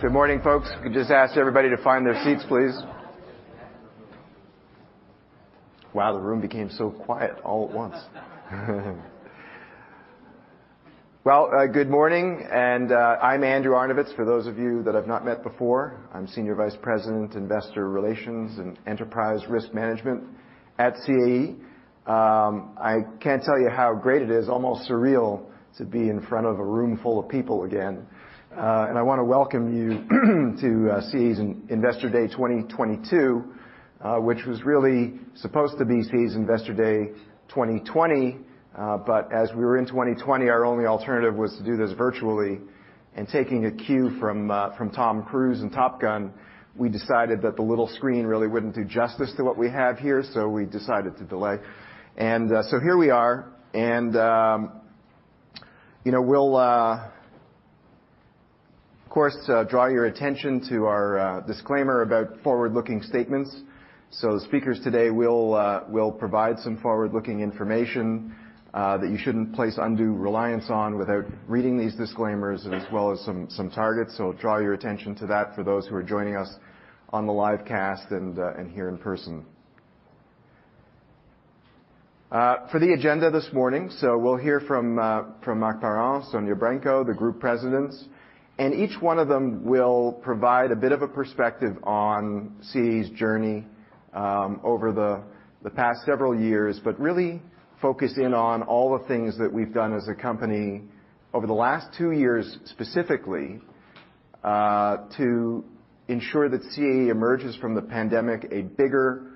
Good morning, folks. Could just ask everybody to find their seats, please. Wow, the room became so quiet all at once. Well, good morning, and I'm Andrew Arnovitz, for those of you that I've not met before. I'm Senior Vice President, Investor Relations and Enterprise Risk Management at CAE. I can't tell you how great it is, almost surreal to be in front of a room full of people again. I wanna welcome you to CAE's Investor Day 2022, which was really supposed to be CAE's Investor Day 2020, but as we were in 2020, our only alternative was to do this virtually. Taking a cue from Tom Cruise in Top Gun, we decided that the little screen really wouldn't do justice to what we have here, so we decided to delay. Here we are. You know, we'll of course draw your attention to our disclaimer about forward-looking statements. The speakers today will provide some forward-looking information that you shouldn't place undue reliance on without reading these disclaimers, as well as some targets. Draw your attention to that for those who are joining us on the live cast and here in person. For the agenda this morning, we'll hear from Marc Parent, Sonya Branco, the group presidents. Each one of them will provide a bit of a perspective on CAE's journey over the past several years, but really focus in on all the things that we've done as a company over the last two years, specifically to ensure that CAE emerges from the pandemic a bigger,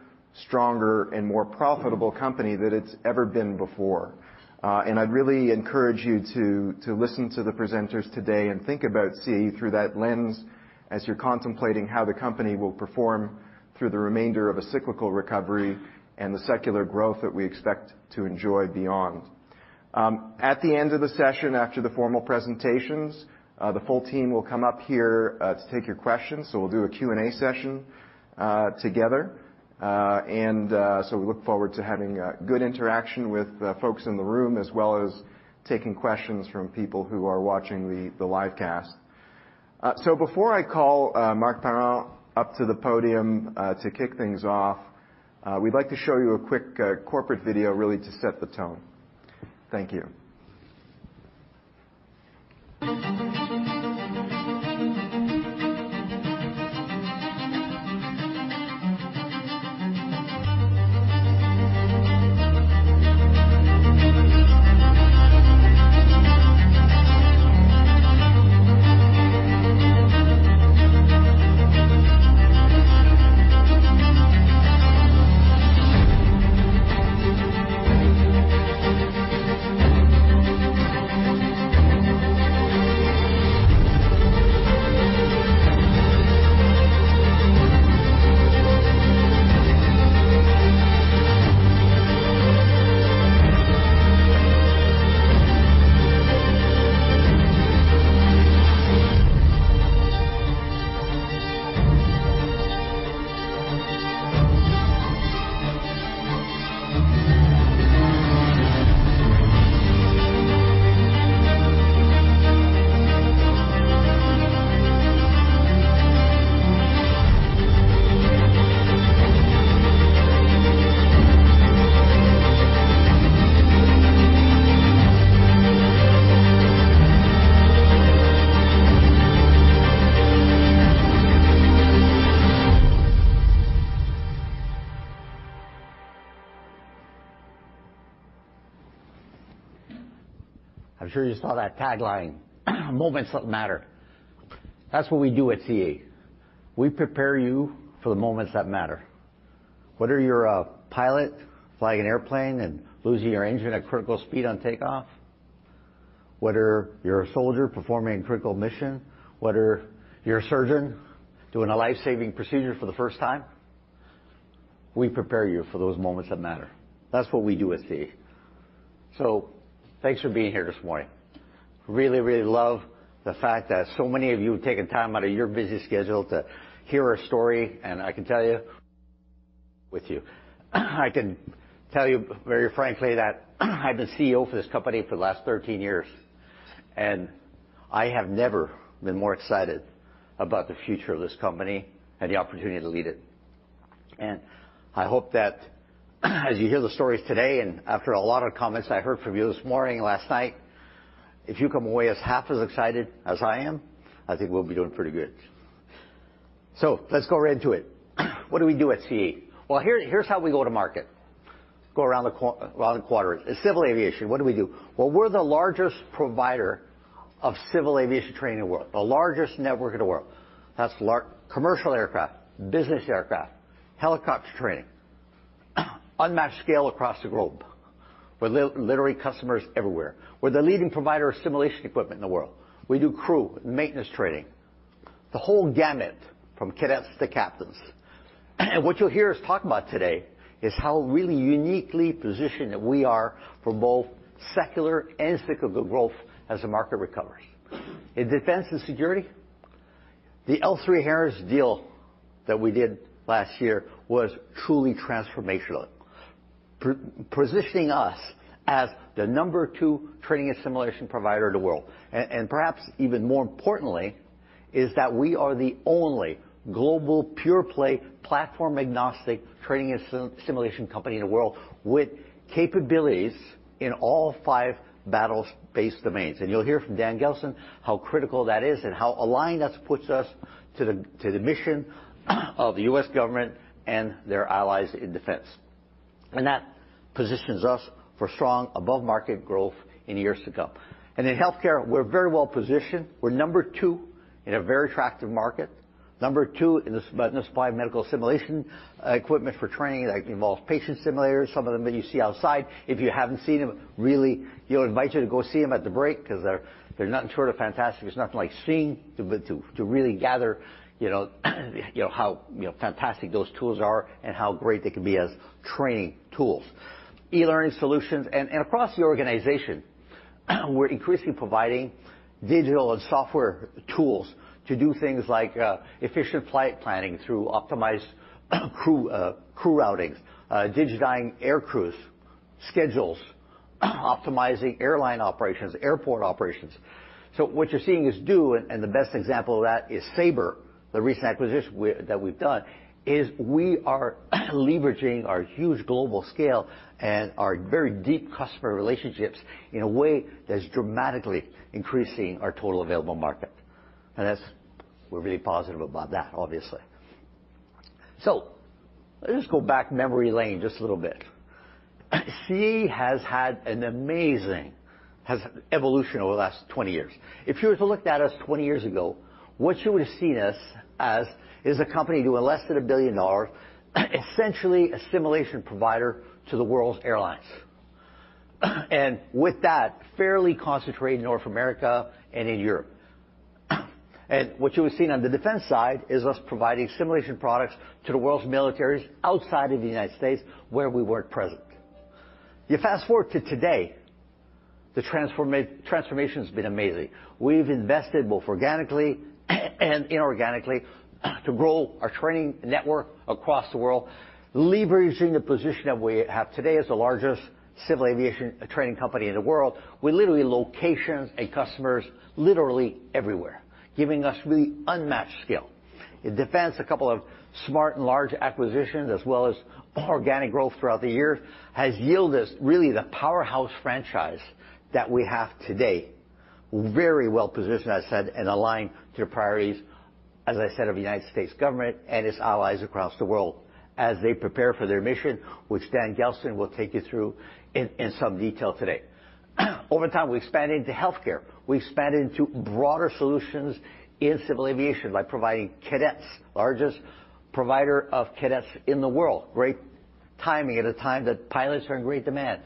stronger, and more profitable company than it's ever been before. I'd really encourage you to listen to the presenters today and think about CAE through that lens as you're contemplating how the company will perform through the remainder of a cyclical recovery and the secular growth that we expect to enjoy beyond. At the end of the session, after the formal presentations, the full team will come up here to take your questions. We'll do a Q&A session together. We look forward to having good interaction with folks in the room, as well as taking questions from people who are watching the live cast. Before I call Marc Parent up to the podium to kick things off, we'd like to show you a quick corporate video really to set the tone. Thank you. I'm sure you saw that tagline, "Moments that matter." That's what we do at CAE. We prepare you for the moments that matter. Whether you're a pilot flying an airplane and losing your engine at critical speed on takeoff, whether you're a soldier performing a critical mission, whether you're a surgeon doing a life-saving procedure for the first time, we prepare you for those moments that matter. That's what we do at CAE. Thanks for being here this morning. Really love the fact that so many of you have taken time out of your busy schedule to hear our story, and I can tell you. I can tell you very frankly that I've been CEO for this company for the last 13 years, and I have never been more excited about the future of this company and the opportunity to lead it. I hope that as you hear the stories today and after a lot of comments I heard from you this morning, last night, if you come away as half as excited as I am, I think we'll be doing pretty good. Let's go right into it. What do we do at CAE? Well, here's how we go to market. Go around the quadrant. In civil aviation, what do we do? Well, we're the largest provider of civil aviation training in the world, the largest network in the world. Commercial aircraft, business aircraft, helicopter training. Unmatched scale across the globe. We're literally customers everywhere. We're the leading provider of simulation equipment in the world. We do crew and maintenance training. The whole gamut from cadets to captains. What you'll hear us talk about today is how really uniquely positioned that we are for both secular and cyclical growth as the market recovers. In defense and security, the L3Harris deal. That we did last year was truly transformational. Positioning us as the number two training and simulation provider in the world. Perhaps even more importantly is that we are the only global pure play platform-agnostic training and simulation company in the world with capabilities in all five battle space domains. You'll hear from Dan Gelston how critical that is and how aligned that puts us to the mission of the U.S. government and their allies in defense. That positions us for strong above-market growth in years to come. In healthcare, we're very well-positioned. We're number two in a very attractive market. Number two in the supply of medical simulation equipment for training that involves patient simulators, some of them that you see outside. If you haven't seen them, really, you know, invite you to go see 'em at the break 'cause they're nothing short of fantastic. There's nothing like seeing to really get a you know how fantastic those tools are and how great they can be as training tools. E-learning solutions. Across the organization, we're increasingly providing digital and software tools to do things like efficient flight planning through optimized crew routings, digitizing air crews' schedules, optimizing airline operations, airport operations. What you're seeing us do, and the best example of that is Sabre, the recent acquisition that we've done, is we are leveraging our huge global scale and our very deep customer relationships in a way that's dramatically increasing our total available market. That's. We're really positive about that, obviously. Let's just go down memory lane just a little bit. CAE has had an amazing evolution over the last 20 years. If you were to look at us 20 years ago, what you would've seen us as is a company doing less than 1 billion dollars, essentially a simulation provider to the world's airlines. With that, fairly concentrated in North America and in Europe. What you would've seen on the defense side is us providing simulation products to the world's militaries outside of the United States where we weren't present. You fast-forward to today, the transformation's been amazing. We've invested both organically and inorganically to grow our training network across the world, leveraging the position that we have today as the largest civil aviation training company in the world. We have locations and customers literally everywhere, giving us really unmatched scale. In defense, a couple of smart and large acquisitions as well as organic growth throughout the years has yielded really the powerhouse franchise that we have today. Very well-positioned, I said, and aligned to the priorities, as I said, of United States government and its allies across the world as they prepare for their mission, which Dan Gelston will take you through in some detail today. Over time, we expanded to healthcare. We expanded into broader solutions in civil aviation by providing cadets, largest provider of cadets in the world. Great timing at a time that pilots are in great demand.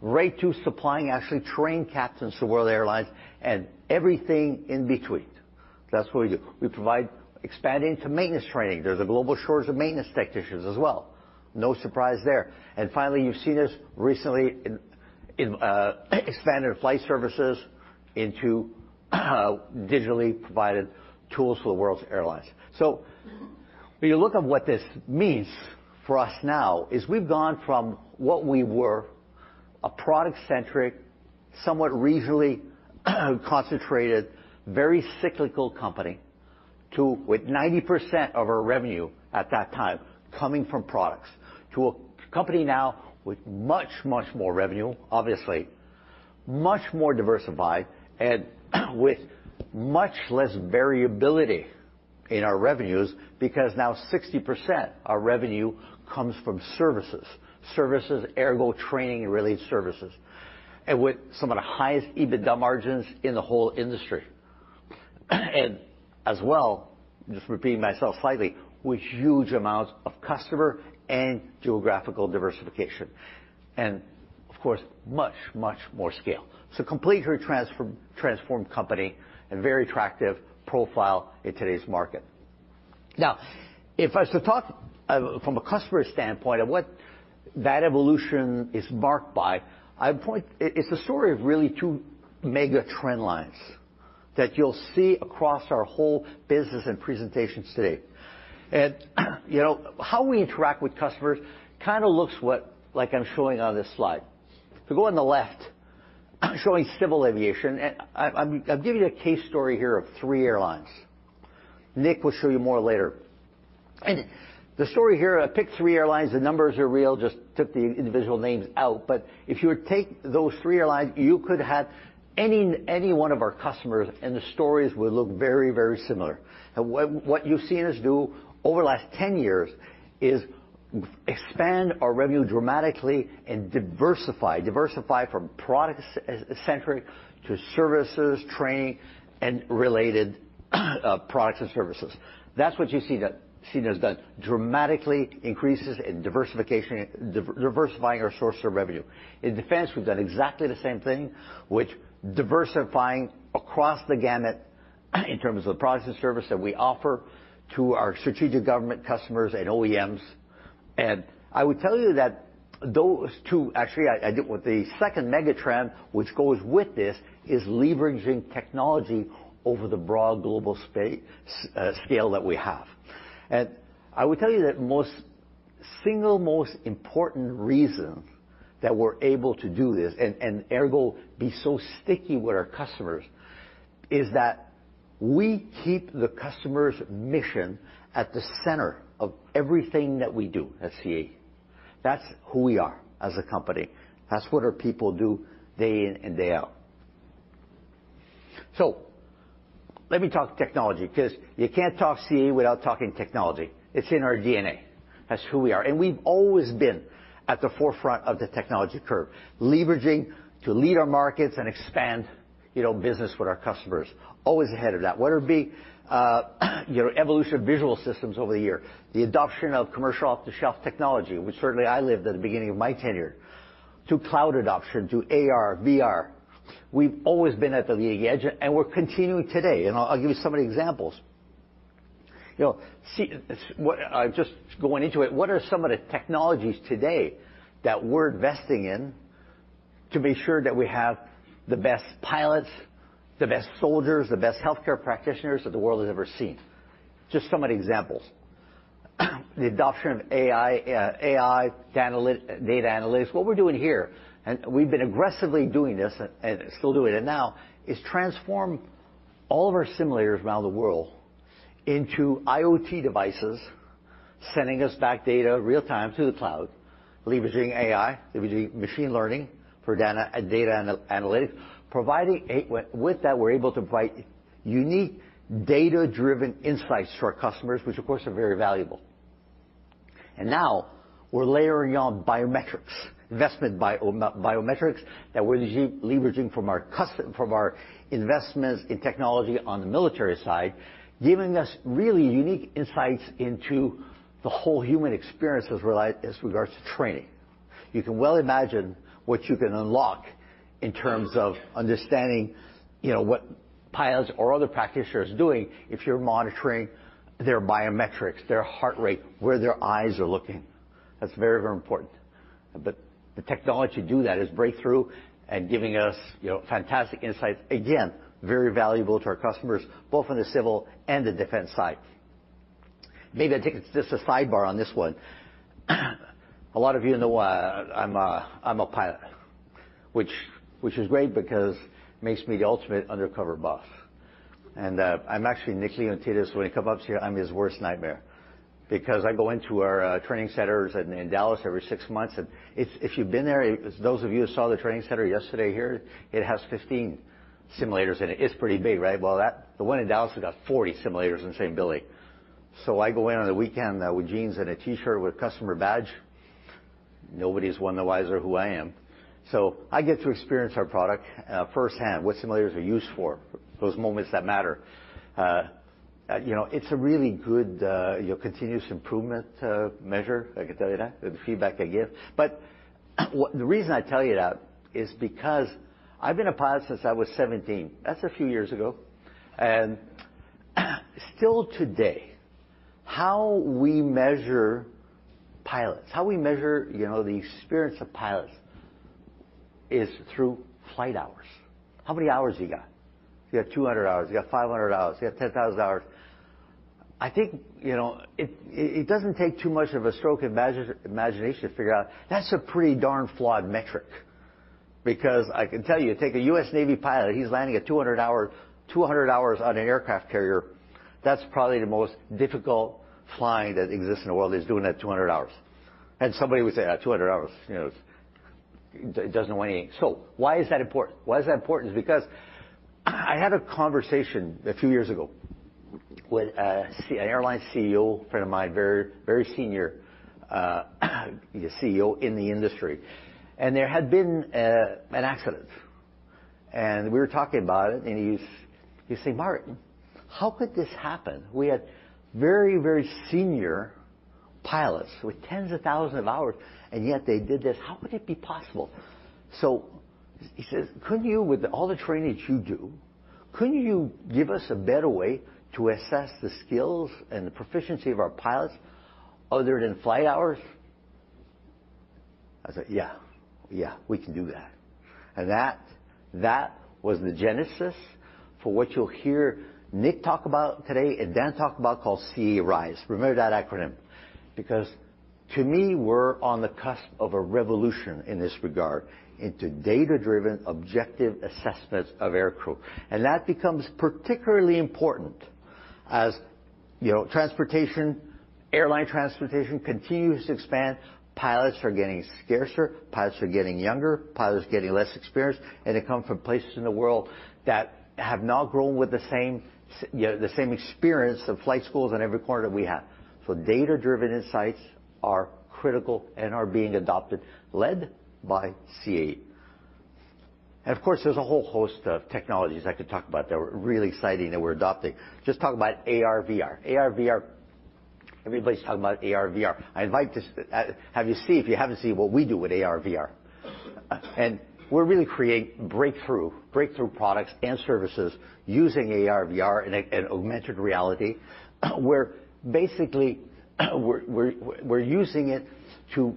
Right to supplying, actually trained captains to world airlines and everything in between. That's what we do. We provide expanding to maintenance training. There's a global shortage of maintenance technicians as well. No surprise there. Finally, you've seen us recently in expanded flight services into digitally provided tools for the world's airlines. When you look at what this means for us now is we've gone from what we were, a product-centric, somewhat regionally concentrated, very cyclical company to, with 90% of our revenue at that time coming from products, to a company now with much, much more revenue, obviously, much more diversified, and with much less variability in our revenues, because now 60% our revenue comes from services. Services, ergo, training-related services. With some of the highest EBITDA margins in the whole industry. As well, just repeating myself slightly, with huge amounts of customer and geographical diversification and of course, much, much more scale. Completely transformed company and very attractive profile in today's market. Now, if I was to talk from a customer standpoint of what that evolution is marked by, I'd point. It's the story of really two mega trend lines that you'll see across our whole business and presentations today. You know, how we interact with customers kind of looks like what I'm showing on this slide. If you go on the left, showing civil aviation, and I'm giving you a case study here of three airlines. Nick will show you more later. The story here, I picked three airlines, the numbers are real, just took the individual names out. But if you would take those three airlines, you could have any one of our customers, and the stories would look very similar. What you've seen us do over the last 10 years is expand our revenue dramatically and diversify. Diversify from product-centric to services, training, and related, products and services. That's what you see that we've done. Dramatically increases in diversification, diversifying our source of revenue. In defense, we've done exactly the same thing, which diversifying across the gamut in terms of the products and service that we offer to our strategic government customers and OEMs. I would tell you that those two. Actually, I did. With the second mega-trend, which goes with this, is leveraging technology over the broad global scale that we have. I would tell you that the single most important reason that we're able to do this, ergo be so sticky with our customers, is that we keep the customer's mission at the center of everything that we do at CAE. That's who we are as a company. That's what our people do day in and day out. Let me talk technology, 'cause you can't talk CAE without talking technology. It's in our DNA. That's who we are. We've always been at the forefront of the technology curve, leveraging to lead our markets and expand, you know, business with our customers. Always ahead of that. Whether it be, you know, evolution of visual systems over the year, the adoption of commercial off-the-shelf technology, which certainly I lived at the beginning of my tenure, to cloud adoption, to AR, VR. We've always been at the leading edge, and we're continuing today, and I'll give you some of the examples. You know, see, just going into it, what are some of the technologies today that we're investing in to be sure that we have the best pilots, the best soldiers, the best healthcare practitioners that the world has ever seen? Just some of the examples. The adoption of AI, data analytics. What we're doing here, and we've been aggressively doing this and still doing it now, is transform all of our simulators around the world into IoT devices, sending us back data real-time to the cloud, leveraging AI, leveraging machine learning for data analytics, providing. With that, we're able to provide unique data-driven insights to our customers, which of course are very valuable. Now we're layering on biometrics, investing biometrics that we're leveraging from our investments in technology on the military side, giving us really unique insights into the whole human experience as regards to training. You can well imagine what you can unlock in terms of understanding, you know, what pilots or other practitioners are doing if you're monitoring their biometrics, their heart rate, where their eyes are looking. That's very, very important. The technology to do that is breakthrough and giving us, you know, fantastic insights. Again, very valuable to our customers, both on the civil and the defense side. Maybe I take just a sidebar on this one. A lot of you know I'm a pilot, which is great because makes me the ultimate undercover boss. I'm actually Nick Leontidis, when he comes up to me, I'm his worst nightmare because I go into our training centers in Dallas every six months. If you've been there, as those of you who saw the training center yesterday here, it has 15 simulators in it. It's pretty big, right? Well, that. The one in Dallas has got 40 simulators in the same building. I go in on the weekend with jeans and a T-shirt with customer badge. Nobody is any the wiser who I am. I get to experience our product firsthand, what simulators are used for, those moments that matter. You know, it's a really good, you know, continuous improvement measure, I can tell you that, with the feedback I give. The reason I tell you that is because I've been a pilot since I was 17. That's a few years ago. Still today, how we measure pilots, how we measure, you know, the experience of pilots is through flight hours. How many hours you got? You got 200 hours, you got 500 hours, you got 10,000 hours. I think, you know, it doesn't take too much of a stroke of imagination to figure out that's a pretty darn flawed metric. Because I can tell you, take a U.S. Navy pilot, he's landing at 200 hours on an aircraft carrier. That's probably the most difficult flying that exists in the world is doing that 200 hours. Somebody would say, "Ah, 200 hours," you know, it doesn't win anything. Why is that important? Why is that important? It's because I had a conversation a few years ago with an airline CEO friend of mine, very, very senior CEO in the industry. There had been an accident, and we were talking about it, and he said, "Marc, how could this happen? We had very, very senior pilots with tens of thousands of hours, and yet they did this. How could it be possible?" He says, "Couldn't you, with all the training that you do, couldn't you give us a better way to assess the skills and the proficiency of our pilots other than flight hours?" I said, "Yeah. Yeah, we can do that." That was the genesis for what you'll hear Nick talk about today and Dan talk about called CAE Rise. Remember that acronym, because to me, we're on the cusp of a revolution in this regard into data-driven objective assessments of aircrew. That becomes particularly important as, you know, transportation, airline transportation continues to expand. Pilots are getting scarcer, pilots are getting younger, pilots are getting less experienced, and they come from places in the world that have not grown with the same experience, the flight schools in every corner that we have. Data-driven insights are critical and are being adopted, led by CAE. Of course, there's a whole host of technologies I could talk about that are really exciting that we're adopting. Just talk about AR, VR. AR, VR, everybody's talking about AR, VR. I invite you to see, if you haven't seen what we do with AR, VR. We're really creating breakthrough products and services using AR, VR, and augmented reality, where basically we're using it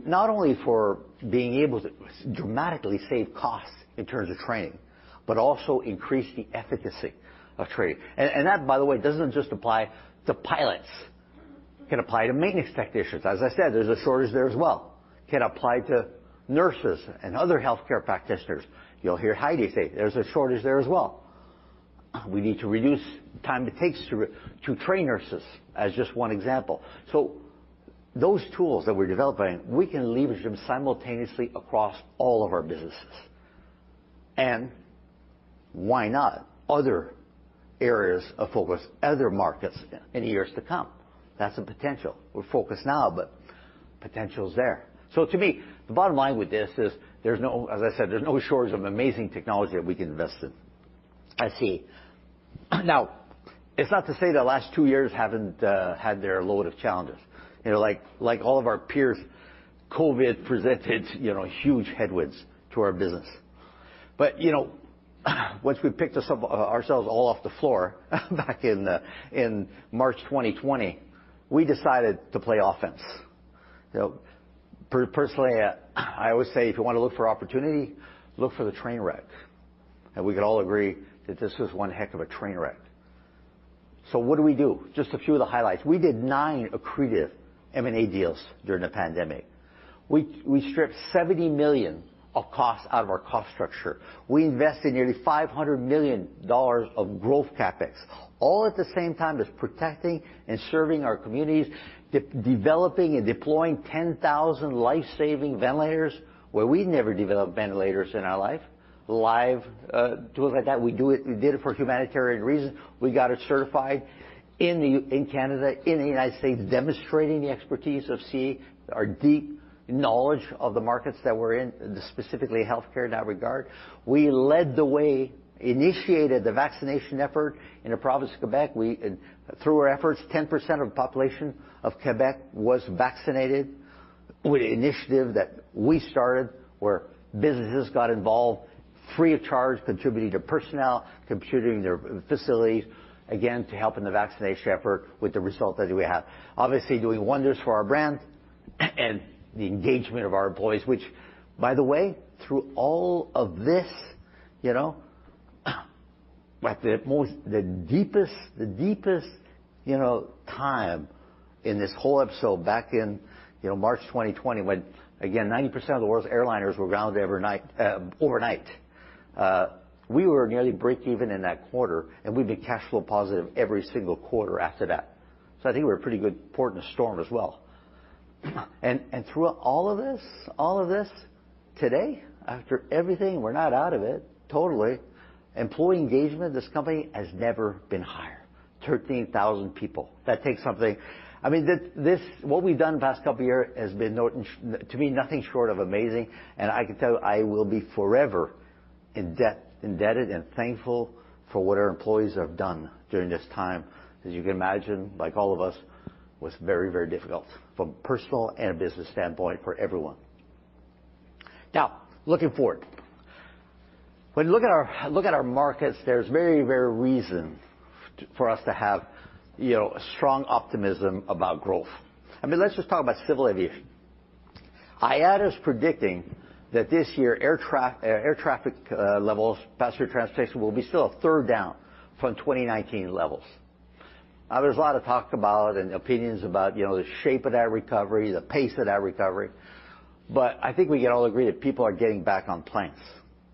not only for being able to dramatically save costs in terms of training, but also increase the efficacy of training. That, by the way, doesn't just apply to pilots. It can apply to maintenance technicians. As I said, there's a shortage there as well. It can apply to nurses and other healthcare practitioners. You'll hear Heidi say there's a shortage there as well. We need to reduce the time it takes to train nurses as just one example. Those tools that we're developing, we can leverage them simultaneously across all of our businesses. Why not other areas of focus, other markets in years to come? That's a potential. We're focused now, but potential is there. To me, the bottom line with this is there's no, as I said, there's no shortage of amazing technology that we can invest in at CAE. Now, it's not to say the last two years haven't had their load of challenges. You know, like all of our peers, COVID presented, you know, huge headwinds to our business. You know, once we picked ourselves all off the floor back in March 2020, we decided to play offense. You know, personally, I always say, "If you want to look for opportunity, look for the train wreck." We could all agree that this was one heck of a train wreck. What do we do? Just a few of the highlights. We did nine accretive M&A deals during the pandemic. We stripped 70 million of costs out of our cost structure. We invested nearly 500 million dollars of growth CapEx, all at the same time as protecting and serving our communities, developing and deploying 10,000 life-saving ventilators, where we never developed ventilators in our life. Like tools like that, we did it for humanitarian reasons. We got it certified in Canada, in the United States, demonstrating the expertise of CAE, our deep knowledge of the markets that we're in, specifically healthcare in that regard. We led the way, initiated the vaccination effort in the province of Quebec. We, through our efforts, 10% of the population of Quebec was vaccinated with the initiative that we started, where businesses got involved free of charge, contributing to personnel, contributing their facilities, again, to help in the vaccination effort with the result that we have. Obviously, doing wonders for our brand and the engagement of our employees, which by the way, through all of this, you know, at the most, the deepest, you know, time in this whole episode back in, you know, March 2020, when again, 90% of the world's airliners were grounded every night, overnight, we were nearly breakeven in that quarter, and we've been cash flow positive every single quarter after that. I think we're a pretty good port in the storm as well. Through all of this today, after everything, we're not out of it totally. Employee engagement, this company has never been higher. 13,000 people. That takes something. I mean, this what we've done the past couple of years has been nothing to me short of amazing. I can tell you, I will be forever indebted and thankful for what our employees have done during this time. As you can imagine, like all of us, was very difficult from personal and a business standpoint for everyone. Now, looking forward. When you look at our markets, there's every reason for us to have, you know, a strong optimism about growth. I mean, let's just talk about civil aviation. IATA is predicting that this year, air traffic levels, passenger transportation will be still a third down from 2019 levels. Now, there's a lot of talk about and opinions about, you know, the shape of that recovery, the pace of that recovery. I think we can all agree that people are getting back on planes.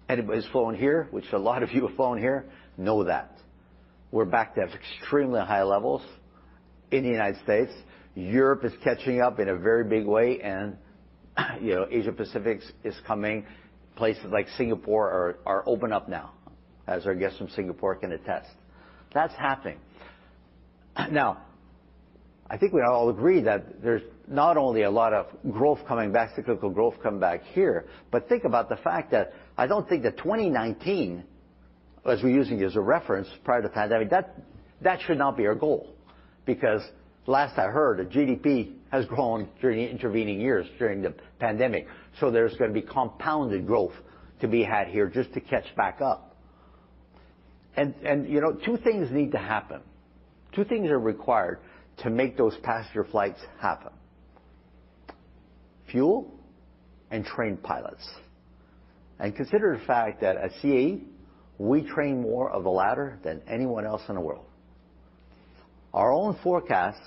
Anybody who's flown here, which a lot of you have flown here, know that. We're back to extremely high levels in the United States. Europe is catching up in a very big way. You know, Asia Pacific is coming. Places like Singapore are open up now, as our guests from Singapore can attest. That's happening. Now, I think we all agree that there's not only a lot of growth coming back, cyclical growth coming back here, but think about the fact that I don't think that 2019, as we're using as a reference prior to the pandemic, that should not be our goal. Because last I heard, the GDP has grown during the intervening years during the pandemic. There's gonna be compounded growth to be had here just to catch back up. You know, two things need to happen. Two things are required to make those passenger flights happen. Fuel and trained pilots. Consider the fact that at CAE, we train more of the latter than anyone else in the world. Our own forecast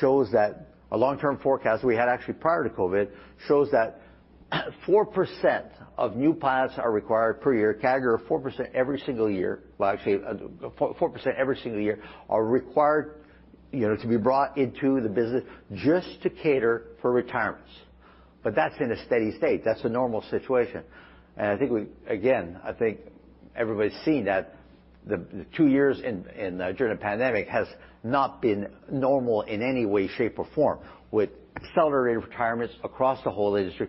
shows that a long-term forecast we had actually prior to COVID shows that 4% of new pilots are required per year, CAGR of 4% every single year. Well, actually, 4% every single year are required, you know, to be brought into the business just to cater for retirements. But that's in a steady state. That's a normal situation. I think we, again, I think everybody's seen that the two years in, during the pandemic has not been normal in any way, shape, or form, with accelerated retirements across the whole industry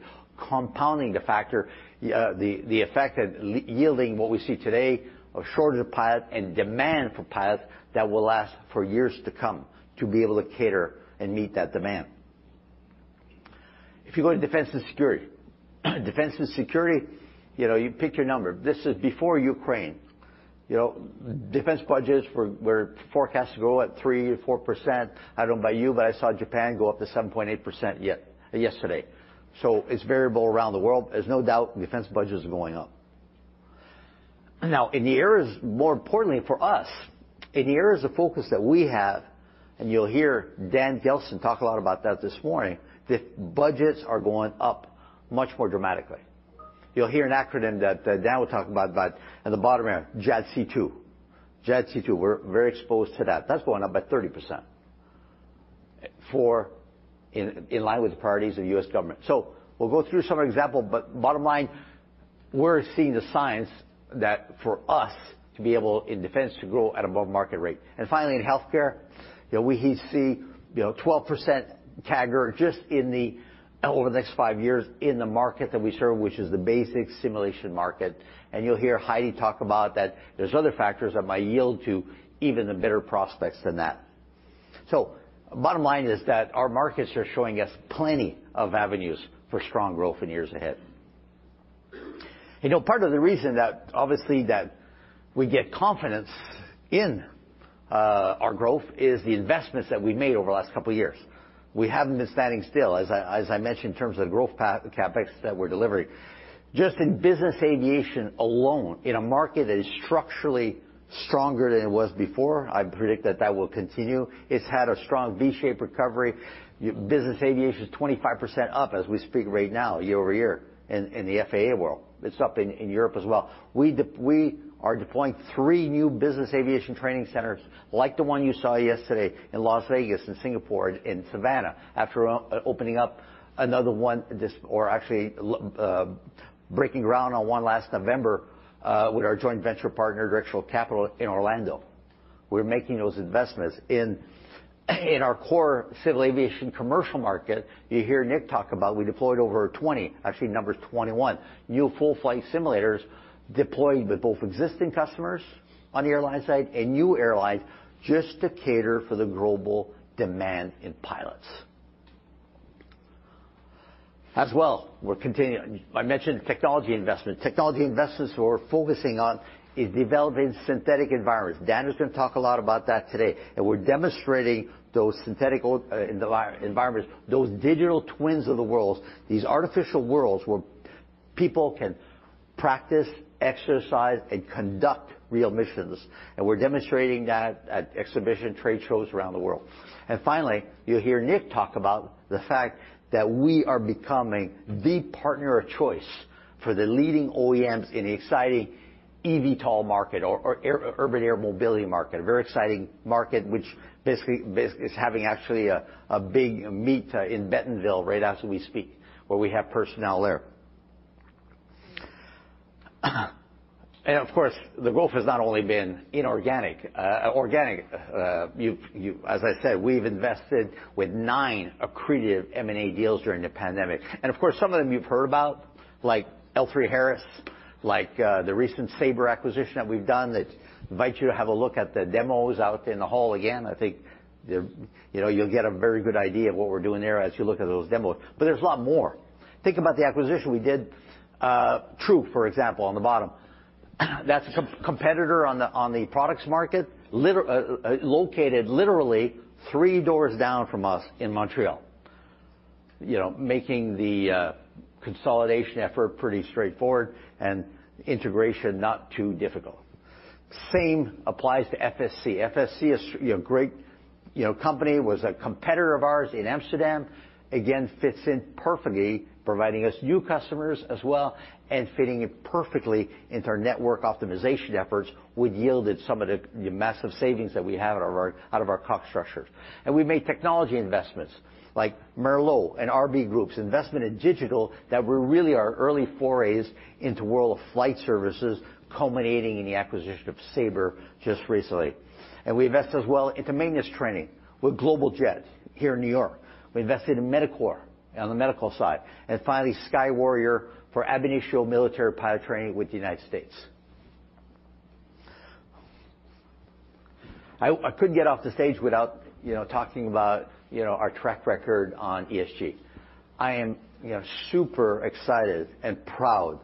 compounding the factor, the effect of yielding what we see today of shortage of pilots and demand for pilots that will last for years to come to be able to cater and meet that demand. If you go to defense and security, you know, you pick your number. This is before Ukraine. You know, defense budgets were forecast to go at 3%-4%. I don't know about you, but I saw Japan go up to 7.8% yet, yesterday. It's variable around the world. There's no doubt defense budgets are going up. Now, in the areas, more importantly for us, in the areas of focus that we have, and you'll hear Dan Gelston talk a lot about that this morning, the budgets are going up much more dramatically. You'll hear an acronym that Dan will talk about in the bottom area, JADC2. JADC2, we're very exposed to that. That's going up by 30% in line with the priorities of the U.S. government. We'll go through some example, but bottom line, we're seeing the signs that for us to be able, in defense, to grow at above market rate. Finally, in healthcare, you know, we see, you know, 12% CAGR just over the next 5 years in the market that we serve, which is the basic simulation market. You'll hear Heidi talk about that there's other factors that might yield even better prospects than that. Bottom line is that our markets are showing us plenty of avenues for strong growth in years ahead. You know, part of the reason that, obviously, we get confidence in our growth is the investments that we've made over the last couple of years. We haven't been standing still, as I mentioned, in terms of growth path CapEx that we're delivering. Just in business aviation alone, in a market that is structurally stronger than it was before, I predict that will continue. It's had a strong V-shaped recovery. Business aviation is 25% up as we speak right now year-over-year in the FAA world. It's up in Europe as well. We are deploying three new business aviation training centers like the one you saw yesterday in Las Vegas and Singapore and Savannah after opening up another one or actually breaking ground on one last November with our joint venture partner, Directional Aviation Capital, in Orlando. We're making those investments. In our core civil aviation commercial market, you hear Nick talk about we deployed over 20, actually number's 21, new full flight simulators deployed with both existing customers on the airline side and new airlines just to cater for the global demand in pilots. As well, we're continuing. I mentioned technology investment. Technology investments we're focusing on is developing synthetic environments. Dan is going to talk a lot about that today, and we're demonstrating those synthetic environments, those digital twins of the world, these artificial worlds where people can practice, exercise, and conduct real missions. We're demonstrating that at exhibition trade shows around the world. Finally, you'll hear Nick talk about the fact that we are becoming the partner of choice for the leading OEMs in the exciting EVTOL market or urban air mobility market. A very exciting market which basically is having a big meeting in Bentonville right as we speak, where we have personnel there. Of course, the growth has not only been inorganic. As I said, we've invested with nine accretive M&A deals during the pandemic. Of course, some of them you've heard about, like L3Harris, like the recent Sabre acquisition that we've done that I invite you to have a look at the demos out in the hall again. I think they're, you know, you'll get a very good idea of what we're doing there as you look at those demos. There's a lot more. Think about the acquisition we did, TRU, for example, in the booth. That's a competitor on the products market, located literally three doors down from us in Montreal, you know, making the consolidation effort pretty straightforward and integration not too difficult. Same applies to FSC. FSC is, you know, great, you know, company. Was a competitor of ours in Amsterdam. Again, fits in perfectly, providing us new customers as well and fitting in perfectly into our network optimization efforts, which yielded some of the massive savings that we have out of our cost structure. We've made technology investments like Merlot and RB Group, investment in digital that were really our early forays into world of flight services, culminating in the acquisition of Sabre just recently. We invest as well into maintenance training with Global Jet Services here in New York. We invested in Medicor on the medical side. Finally, Sky Warrior for ab initio military pilot training with the United States. I couldn't get off the stage without, you know, talking about, you know, our track record on ESG. I am, you know, super excited and proud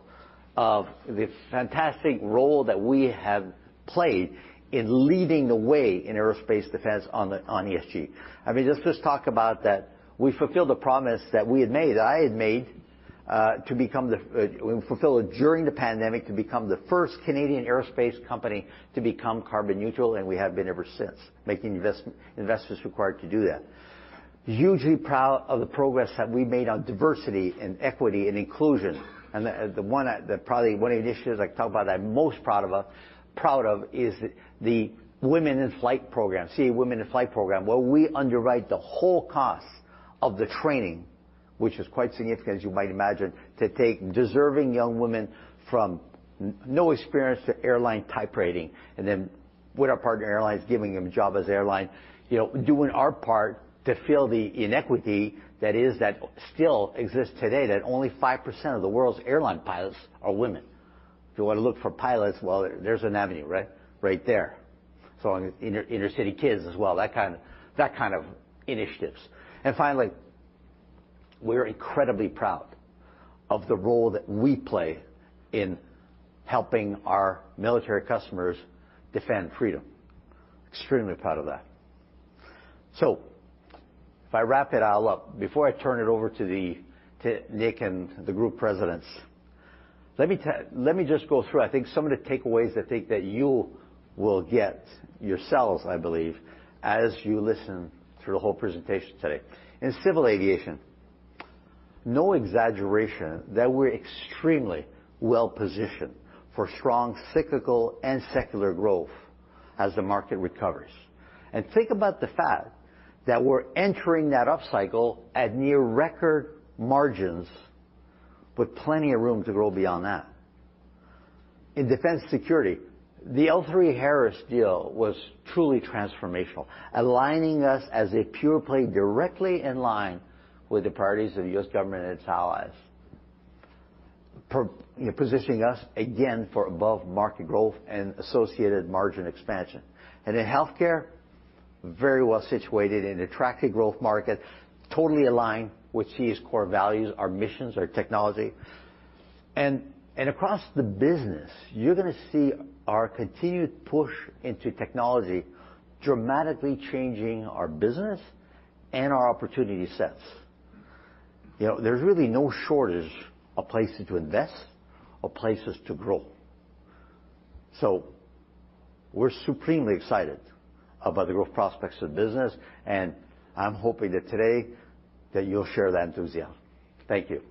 of the fantastic role that we have played in leading the way in aerospace defense on the, on ESG. I mean, let's just talk about that we fulfilled the promise that we had made, I had made, to become the, we fulfilled it during the pandemic to become the first Canadian aerospace company to become carbon neutral, and we have been ever since, making investments required to do that. Hugely proud of the progress that we've made on diversity and equity and inclusion. The probably one of the initiatives I talk about I'm most proud of is the CAE Women in Flight program, where we underwrite the whole cost of the training, which is quite significant, as you might imagine, to take deserving young women from no experience to airline type rating, and then with our partner airlines, giving them job as airline. You know, doing our part to fill the inequity that still exists today, that only 5% of the world's airline pilots are women. If you want to look for pilots, well, there's an avenue right there. On inner city kids as well, that kind of initiatives. Finally, we're incredibly proud of the role that we play in helping our military customers defend freedom. Extremely proud of that. If I wrap it all up, before I turn it over to Nick and the group presidents, let me just go through some of the takeaways I think that you will get yourselves, I believe, as you listen through the whole presentation today. In civil aviation, no exaggeration that we're extremely well-positioned for strong cyclical and secular growth as the market recovers. Think about the fact that we're entering that upcycle at near record margins with plenty of room to grow beyond that. In Defense & Security, the L3Harris deal was truly transformational, aligning us as a pure play directly in line with the priorities of the U.S. government and its allies. Positioning us again for above-market growth and associated margin expansion. In healthcare, very well situated in attractive growth market, totally aligned with CAE's core values, our missions, our technology. Across the business, you're gonna see our continued push into technology dramatically changing our business and our opportunity sets. You know, there's really no shortage of places to invest or places to grow. We're supremely excited about the growth prospects of the business, and I'm hoping that today that you'll share that enthusiasm. Thank you.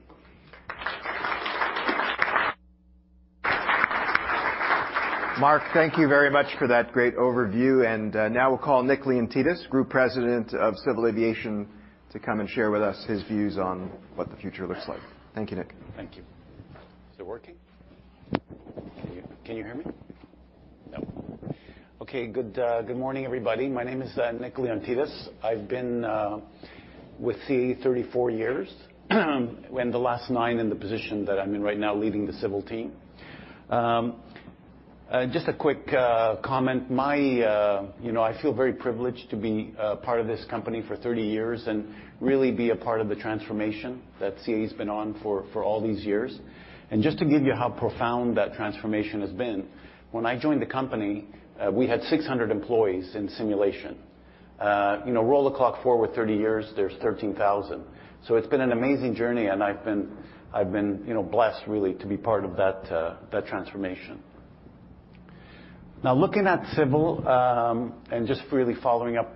Marc, thank you very much for that great overview. Now we'll call Nick Leontidis, Group President of Civil Aviation, to come and share with us his views on what the future looks like. Thank you, Nick. Thank you. Is it working? Can you hear me? No. Okay. Good morning, everybody. My name is Nick Leontidis. I've been with CAE 34 years, when the last nine in the position that I'm in right now leading the civil team. Just a quick comment. You know, I feel very privileged to be part of this company for 30 years and really be a part of the transformation that CAE's been on for all these years. Just to give you how profound that transformation has been, when I joined the company, we had 600 employees in simulation. You know, roll the clock forward 30 years, there's 13,000. It's been an amazing journey, and I've been you know, blessed really to be part of that transformation. Now looking at civil and just really following up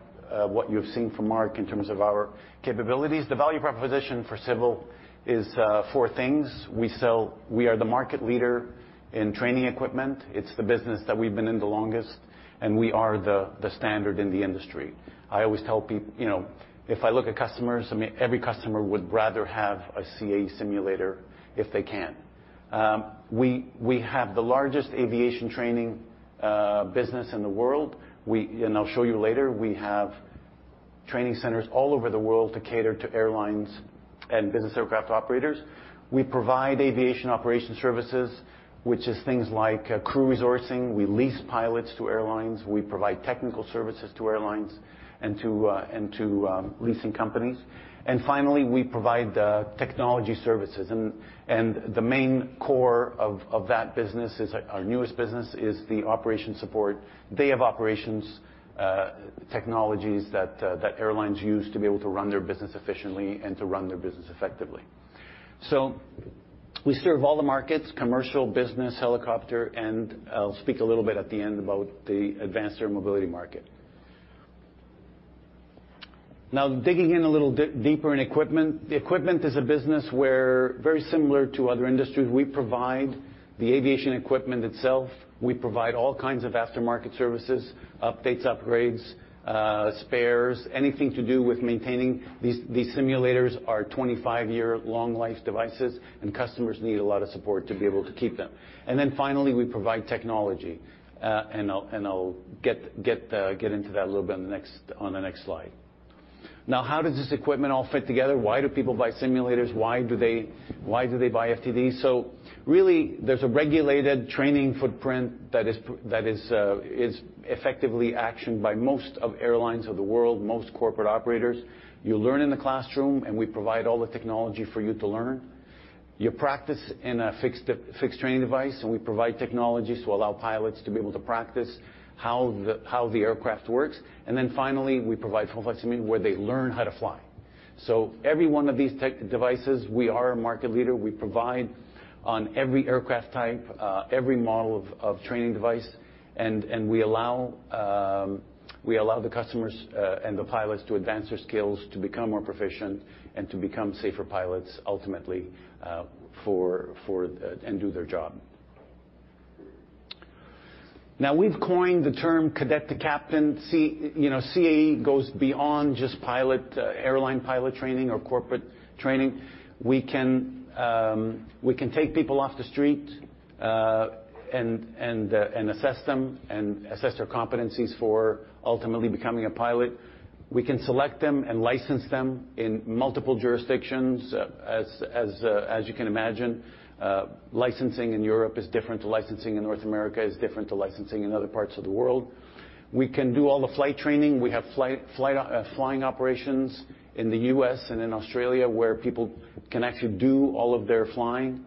what you've seen from Marc in terms of our capabilities, the value proposition for civil is four things. We are the market leader in training equipment. It's the business that we've been in the longest, and we are the standard in the industry. You know, if I look at customers, I mean, every customer would rather have a CAE simulator if they can. We have the largest aviation training business in the world. And I'll show you later, we have training centers all over the world to cater to airlines and business aircraft operators. We provide aviation operation services, which is things like crew resourcing. We lease pilots to airlines. We provide technical services to airlines and to leasing companies. Finally, we provide technology services, and the main core of that business is our newest business is the operations support. They have operations technologies that airlines use to be able to run their business efficiently and to run their business effectively. We serve all the markets, commercial, business, helicopter, and I'll speak a little bit at the end about the advanced air mobility market. Now, digging in a little deeper in equipment. The equipment is a business where very similar to other industries, we provide the aviation equipment itself. We provide all kinds of aftermarket services, updates, upgrades, spares, anything to do with maintaining these simulators are 25-year-long life devices, and customers need a lot of support to be able to keep them. Finally, we provide technology, and I'll get into that a little bit on the next slide. Now, how does this equipment all fit together? Why do people buy simulators? Why do they buy FTD? Really there's a regulated training footprint that is effectively actioned by most of the airlines of the world, most corporate operators. You learn in the classroom, and we provide all the technology for you to learn. You practice in a fixed training device, and we provide technologies to allow pilots to be able to practice how the aircraft works. Finally, we provide full flight simulator where they learn how to fly. Every one of these tech devices, we are a market leader. We provide on every aircraft type, every model of training device, and we allow the customers and the pilots to advance their skills to become more proficient and to become safer pilots ultimately, for and do their job. Now, we've coined the term cadet to captain. You know, CAE goes beyond just pilot, airline pilot training or corporate training. We can take people off the street and assess them, and assess their competencies for ultimately becoming a pilot. We can select them and license them in multiple jurisdictions. As you can imagine, licensing in Europe is different to licensing in North America, is different to licensing in other parts of the world. We can do all the flight training. We have flying operations in the U.S. and in Australia where people can actually do all of their flying.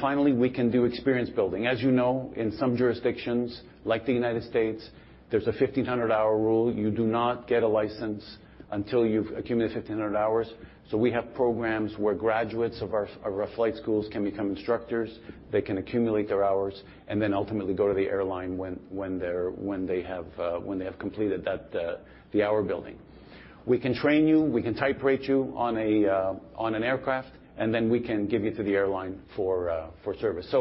Finally we can do experience building. As you know, in some jurisdictions like the United States, there's a 1,500-hour rule. You do not get a license until you've accumulated 1,500 hours. We have programs where graduates of our flight schools can become instructors. They can accumulate their hours and then ultimately go to the airline when they have completed that, the hour building. We can train you, we can type rate you on an aircraft, and then we can give you to the airline for service.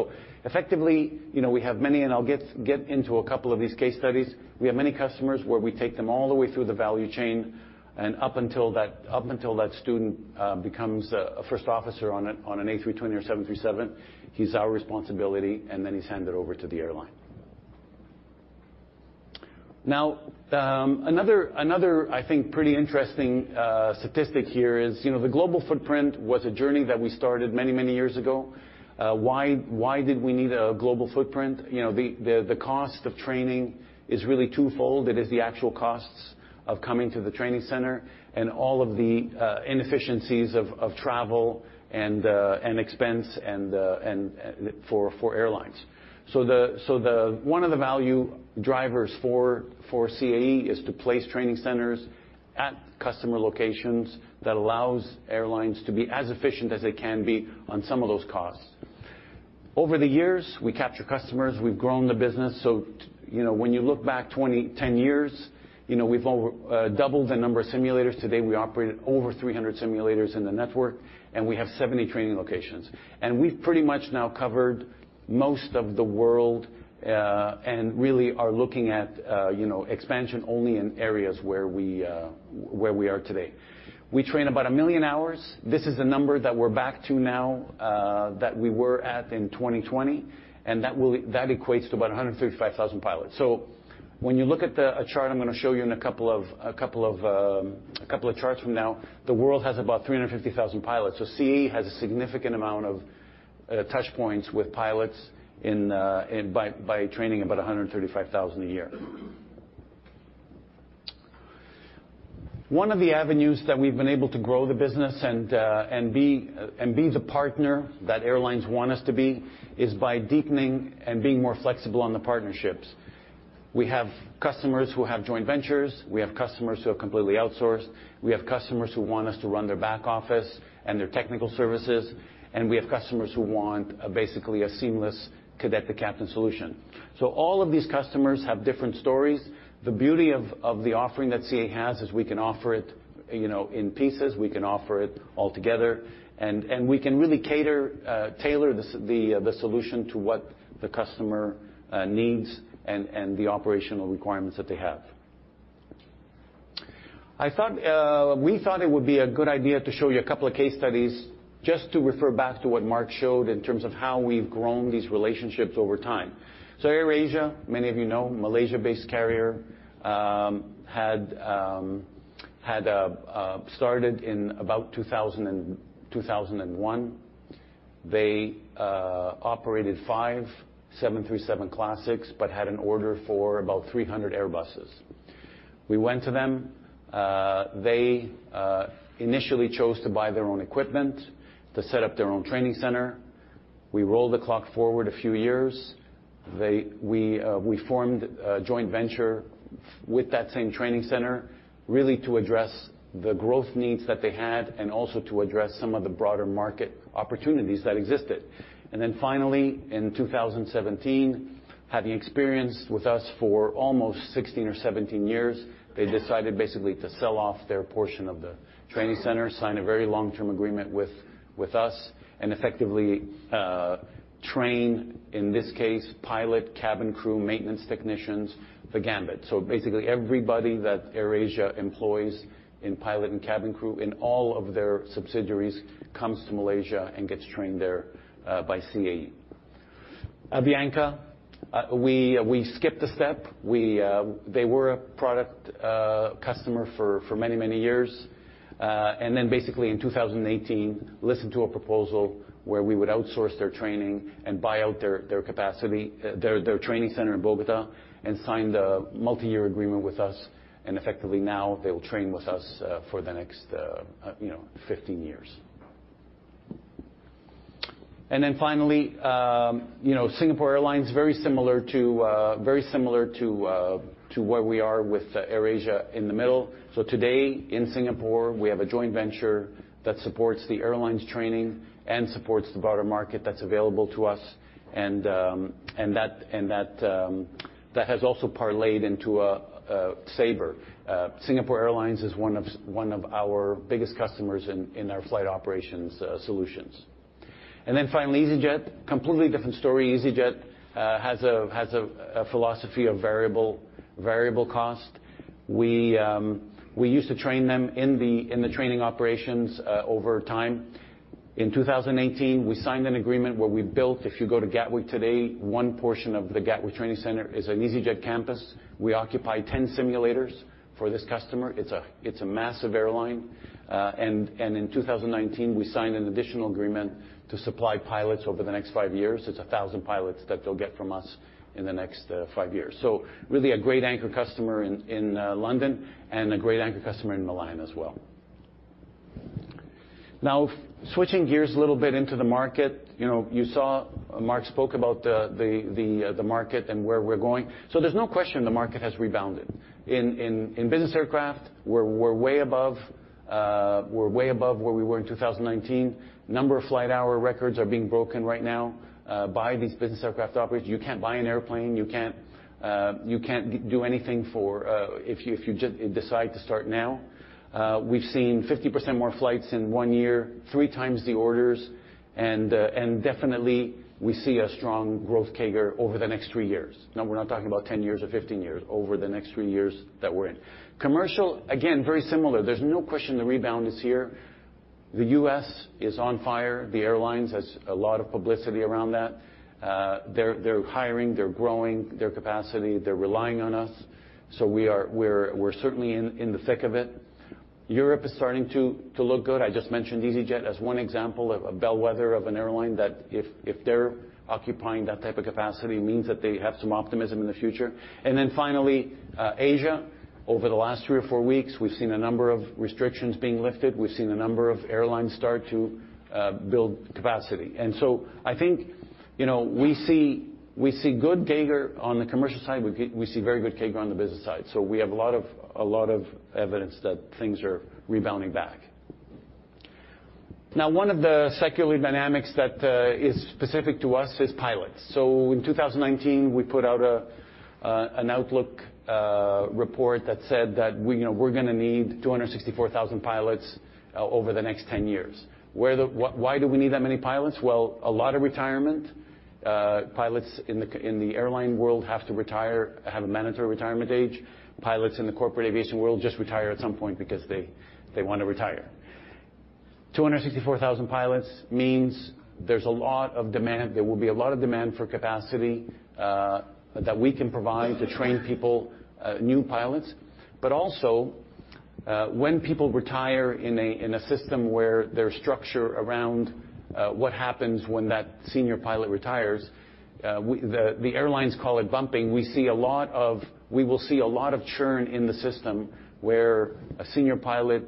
Effectively, you know, we have many, and I'll get into a couple of these case studies. We have many customers where we take them all the way through the value chain and up until that student becomes a first officer on an A320 or 737, he's our responsibility, and then he's handed over to the airline. Now, another I think pretty interesting statistic here is, you know, the global footprint was a journey that we started many years ago. Why did we need a global footprint? You know, the cost of training is really twofold. It is the actual costs of coming to the training center and all of the inefficiencies of travel and expense and for airlines. One of the value drivers for CAE is to place training centers at customer locations that allows airlines to be as efficient as they can be on some of those costs. Over the years, we capture customers, we've grown the business. You know, when you look back 20, 10 years, you know, we've over doubled the number of simulators. Today, we operate over 300 simulators in the network, and we have 70 training locations. We've pretty much now covered most of the world, and really are looking at, you know, expansion only in areas where we are today. We train about 1 million hours. This is a number that we're back to now, that we were at in 2020, and that equates to about 135,000 pilots. When you look at a chart I'm gonna show you in a couple of charts from now, the world has about 350,000 pilots. CAE has a significant amount of touch points with pilots by training about 135,000 a year. One of the avenues that we've been able to grow the business and be the partner that airlines want us to be is by deepening and being more flexible on the partnerships. We have customers who have joint ventures. We have customers who have completely outsourced. We have customers who want us to run their back office and their technical services. We have customers who want basically a seamless cadet-to-captain solution. All of these customers have different stories. The beauty of the offering that CAE has is we can offer it, you know, in pieces, we can offer it all together, and we can really tailor the solution to what the customer needs and the operational requirements that they have. We thought it would be a good idea to show you a couple of case studies just to refer back to what Marc showed in terms of how we've grown these relationships over time. AirAsia, many of you know, Malaysia-based carrier, had started in about 2000 and 2001. They operated 5 737 classics but had an order for about 300 Airbuses. We went to them. They initially chose to buy their own equipment to set up their own training center. We rolled the clock forward a few years. We formed a joint venture with that same training center really to address the growth needs that they had and also to address some of the broader market opportunities that existed. Finally in 2017, having experienced with us for almost 16 or 17 years, they decided basically to sell off their portion of the training center, sign a very long-term agreement with us, and effectively train, in this case, pilot, cabin crew, maintenance technicians, the gamut. Basically everybody that AirAsia employs in pilot and cabin crew in all of their subsidiaries comes to Malaysia and gets trained there by CAE. Avianca, we skipped a step. They were a proud customer for many years, and then basically in 2018, listened to a proposal where we would outsource their training and buy out their capacity, their training center in Bogotá and signed a multi-year agreement with us. Effectively now they will train with us for the next, you know, 15 years. Then finally, you know, Singapore Airlines, very similar to where we are with AirAsia in the middle. So today in Singapore, we have a joint venture that supports the airline's training and supports the broader market that's available to us, and that has also parlayed into Sabre. Singapore Airlines is one of our biggest customers in our flight operations solutions. Finally, easyJet, completely different story. easyJet has a philosophy of variable cost. We used to train them in the training operations over time. In 2018, we signed an agreement where we built, if you go to Gatwick today, one portion of the Gatwick Training Center is an easyJet campus. We occupy 10 simulators for this customer. It's a massive airline. In 2019, we signed an additional agreement to supply pilots over the next five years. It's 1,000 pilots that they'll get from us in the next five years. Really a great anchor customer in London and a great anchor customer in Milan as well. Now, switching gears a little bit into the market, you know, you saw Marc spoke about the market and where we're going. There's no question the market has rebounded. In business aircraft, we're way above where we were in 2019. Number of flight hour records are being broken right now by these business aircraft operators. You can't buy an airplane. You can't do anything if you just decide to start now. We've seen 50% more flights in one year, three times the orders, and definitely we see a strong growth CAGR over the next three years. Now we're not talking about 10 years or 15 years, over the next three years that we're in. Commercial, again, very similar. There's no question the rebound is here. The U.S. is on fire. The airlines has a lot of publicity around that. They're hiring, they're growing their capacity, they're relying on us, so we're certainly in the thick of it. Europe is starting to look good. I just mentioned easyJet as one example of a bellwether of an airline that if they're occupying that type of capacity, means that they have some optimism in the future. Finally, Asia, over the last three or four weeks, we've seen a number of restrictions being lifted. We've seen a number of airlines start to build capacity. I think we see good CAGR on the commercial side, we see very good CAGR on the business side. We have a lot of evidence that things are rebounding back. Now one of the secular dynamics that is specific to us is pilots. In 2019, we put out an outlook report that said that we were gonna need 264,000 pilots over the next 10 years. Why do we need that many pilots? Well, a lot of retirement. Pilots in the airline world have to retire, have a mandatory retirement age. Pilots in the corporate aviation world just retire at some point because they wanna retire. 264,000 pilots means there's a lot of demand, there will be a lot of demand for capacity that we can provide to train people, new pilots. Also, when people retire in a system where there's structure around what happens when that senior pilot retires, the airlines call it bumping. We will see a lot of churn in the system where a senior pilot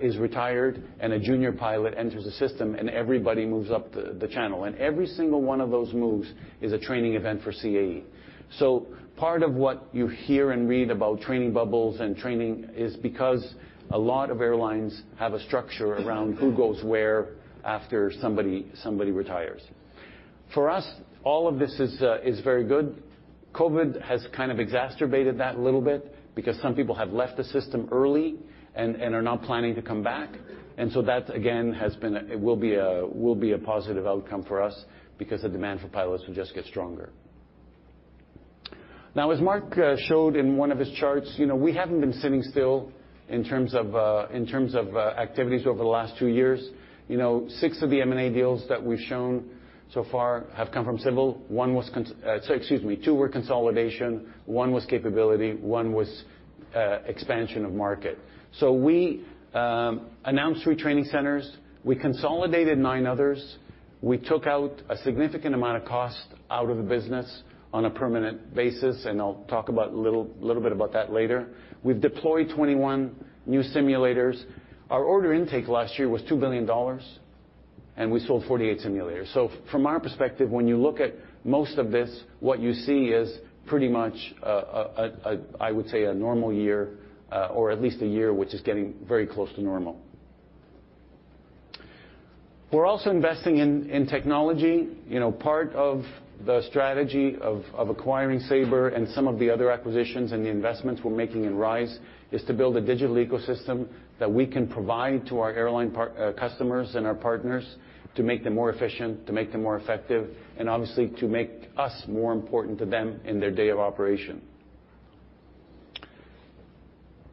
is retired and a junior pilot enters the system, and everybody moves up the channel. Every single one of those moves is a training event for CAE. Part of what you hear and read about training bubbles and training is because a lot of airlines have a structure around who goes where after somebody retires. For us, all of this is very good. COVID has kind of exacerbated that a little bit because some people have left the system early and are not planning to come back. That again has been. It will be a positive outcome for us because the demand for pilots will just get stronger. Now, as Marc showed in one of his charts, you know, we haven't been sitting still in terms of activities over the last two years. You know, six of the M&A deals that we've shown so far have come from civil. One was. Excuse me, two were consolidation, one was capability, one was expansion of market. We announced three training centers. We consolidated nine others. We took out a significant amount of cost out of the business on a permanent basis, and I'll talk about a little bit about that later. We've deployed 21 new simulators. Our order intake last year was 2 billion dollars, and we sold 48 simulators. From our perspective, when you look at most of this, what you see is pretty much I would say a normal year, or at least a year which is getting very close to normal. We're also investing in technology. You know, part of the strategy of acquiring Sabre and some of the other acquisitions and the investments we're making in Rise is to build a digital ecosystem that we can provide to our airline customers and our partners to make them more efficient, to make them more effective, and obviously to make us more important to them in their day of operation.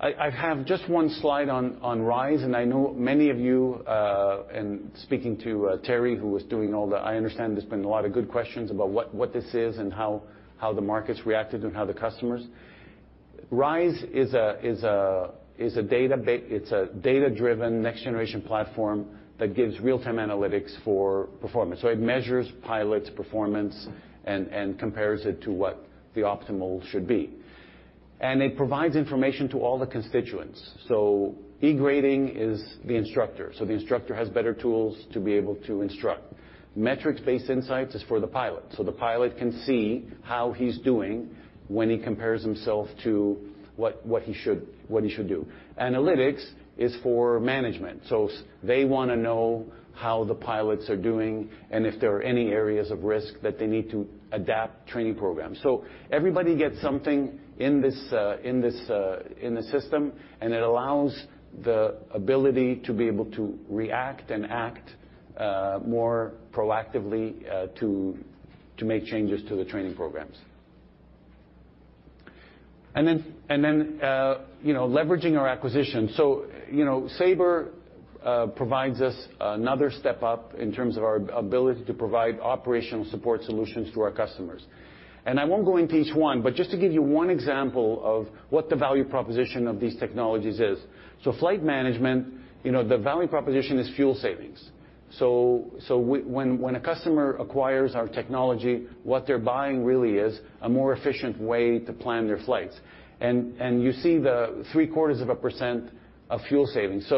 I have just one slide on Rise, and I know many of you in speaking to Terry. I understand there's been a lot of good questions about what this is and how the market's reacted and how the customers. Rise is a data-driven next generation platform that gives real-time analytics for performance. It measures pilots' performance and compares it to what the optimal should be. It provides information to all the constituents. E-grading is the instructor. The instructor has better tools to be able to instruct. Metrics-based insights is for the pilot. The pilot can see how he's doing when he compares himself to what he should do. Analytics is for management. They wanna know how the pilots are doing and if there are any areas of risk that they need to adapt training programs. Everybody gets something in this system, and it allows the ability to be able to react and act more proactively to make changes to the training programs. Then you know, leveraging our acquisition. You know, Sabre provides us another step up in terms of our ability to provide operational support solutions to our customers. I won't go into each one, but just to give you one example of what the value proposition of these technologies is. Flight management, you know, the value proposition is fuel savings. When a customer acquires our technology, what they're buying really is a more efficient way to plan their flights. You see the three-quarters of a % of fuel savings.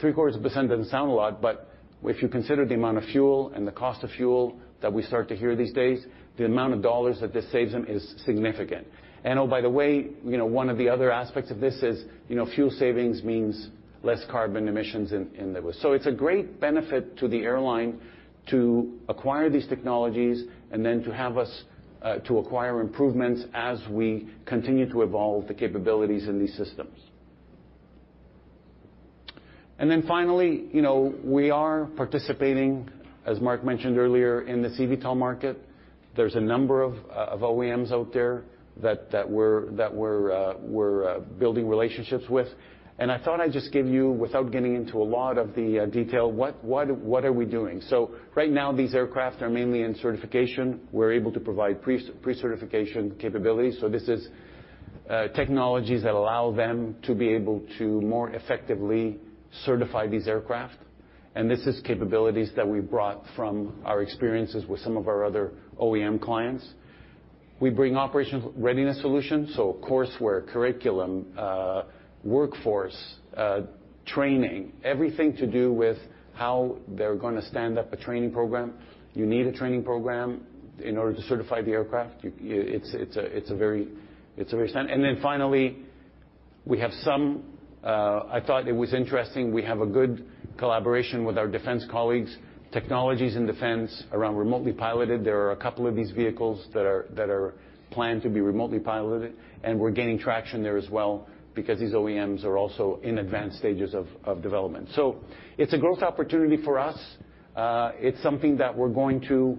Three-quarters a % doesn't sound a lot, but if you consider the amount of fuel and the cost of fuel that we start to hear these days, the amount of dollars that this saves them is significant. Oh, by the way, you know, one of the other aspects of this is, you know, fuel savings means less carbon emissions. It's a great benefit to the airline to acquire these technologies and then to have us acquire improvements as we continue to evolve the capabilities in these systems. Then finally, you know, we are participating, as Marc mentioned earlier, in the eVTOL market. There's a number of OEMs out there that we're building relationships with. I thought I'd just give you, without getting into a lot of the detail, what are we doing. Right now, these aircraft are mainly in certification. We're able to provide pre-certification capabilities. This is technologies that allow them to be able to more effectively certify these aircraft. This is capabilities that we brought from our experiences with some of our other OEM clients. We bring operational readiness solutions, so courseware, curriculum, workforce training, everything to do with how they're gonna stand up a training program. You need a training program in order to certify the aircraft. Then finally, we have some. I thought it was interesting. We have a good collaboration with our defense colleagues, technologies and defense around remotely piloted. There are a couple of these vehicles that are planned to be remotely piloted, and we're gaining traction there as well because these OEMs are also in advanced stages of development. It's a growth opportunity for us. It's something that we're going to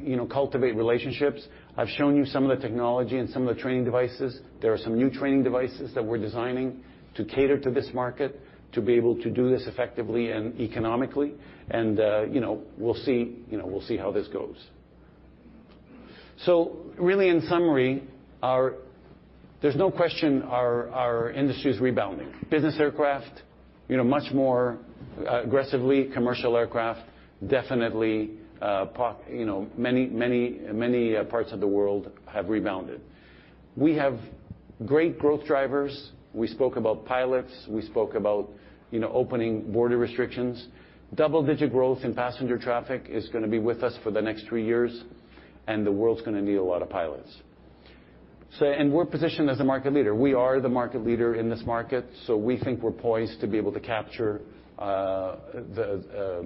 you know, cultivate relationships. I've shown you some of the technology and some of the training devices. There are some new training devices that we're designing to cater to this market, to be able to do this effectively and economically. You know, we'll see how this goes. Really in summary, there's no question our industry is rebounding. Business aircraft, you know, much more aggressively. Commercial aircraft, definitely, you know, many parts of the world have rebounded. We have great growth drivers. We spoke about pilots. We spoke about, you know, opening border restrictions. Double-digit growth in passenger traffic is gonna be with us for the next three years, and the world's gonna need a lot of pilots. We're positioned as a market leader. We are the market leader in this market, so we think we're poised to be able to capture the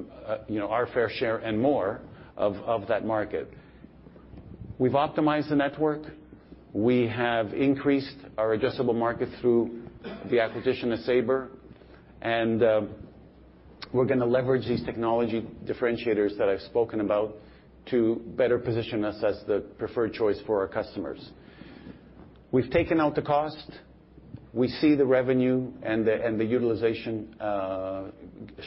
you know, our fair share and more of that market. We've optimized the network. We have increased our addressable market through the acquisition of Sabre. And we're gonna leverage these technology differentiators that I've spoken about to better position us as the preferred choice for our customers. We've taken out the cost. We see the revenue and the utilization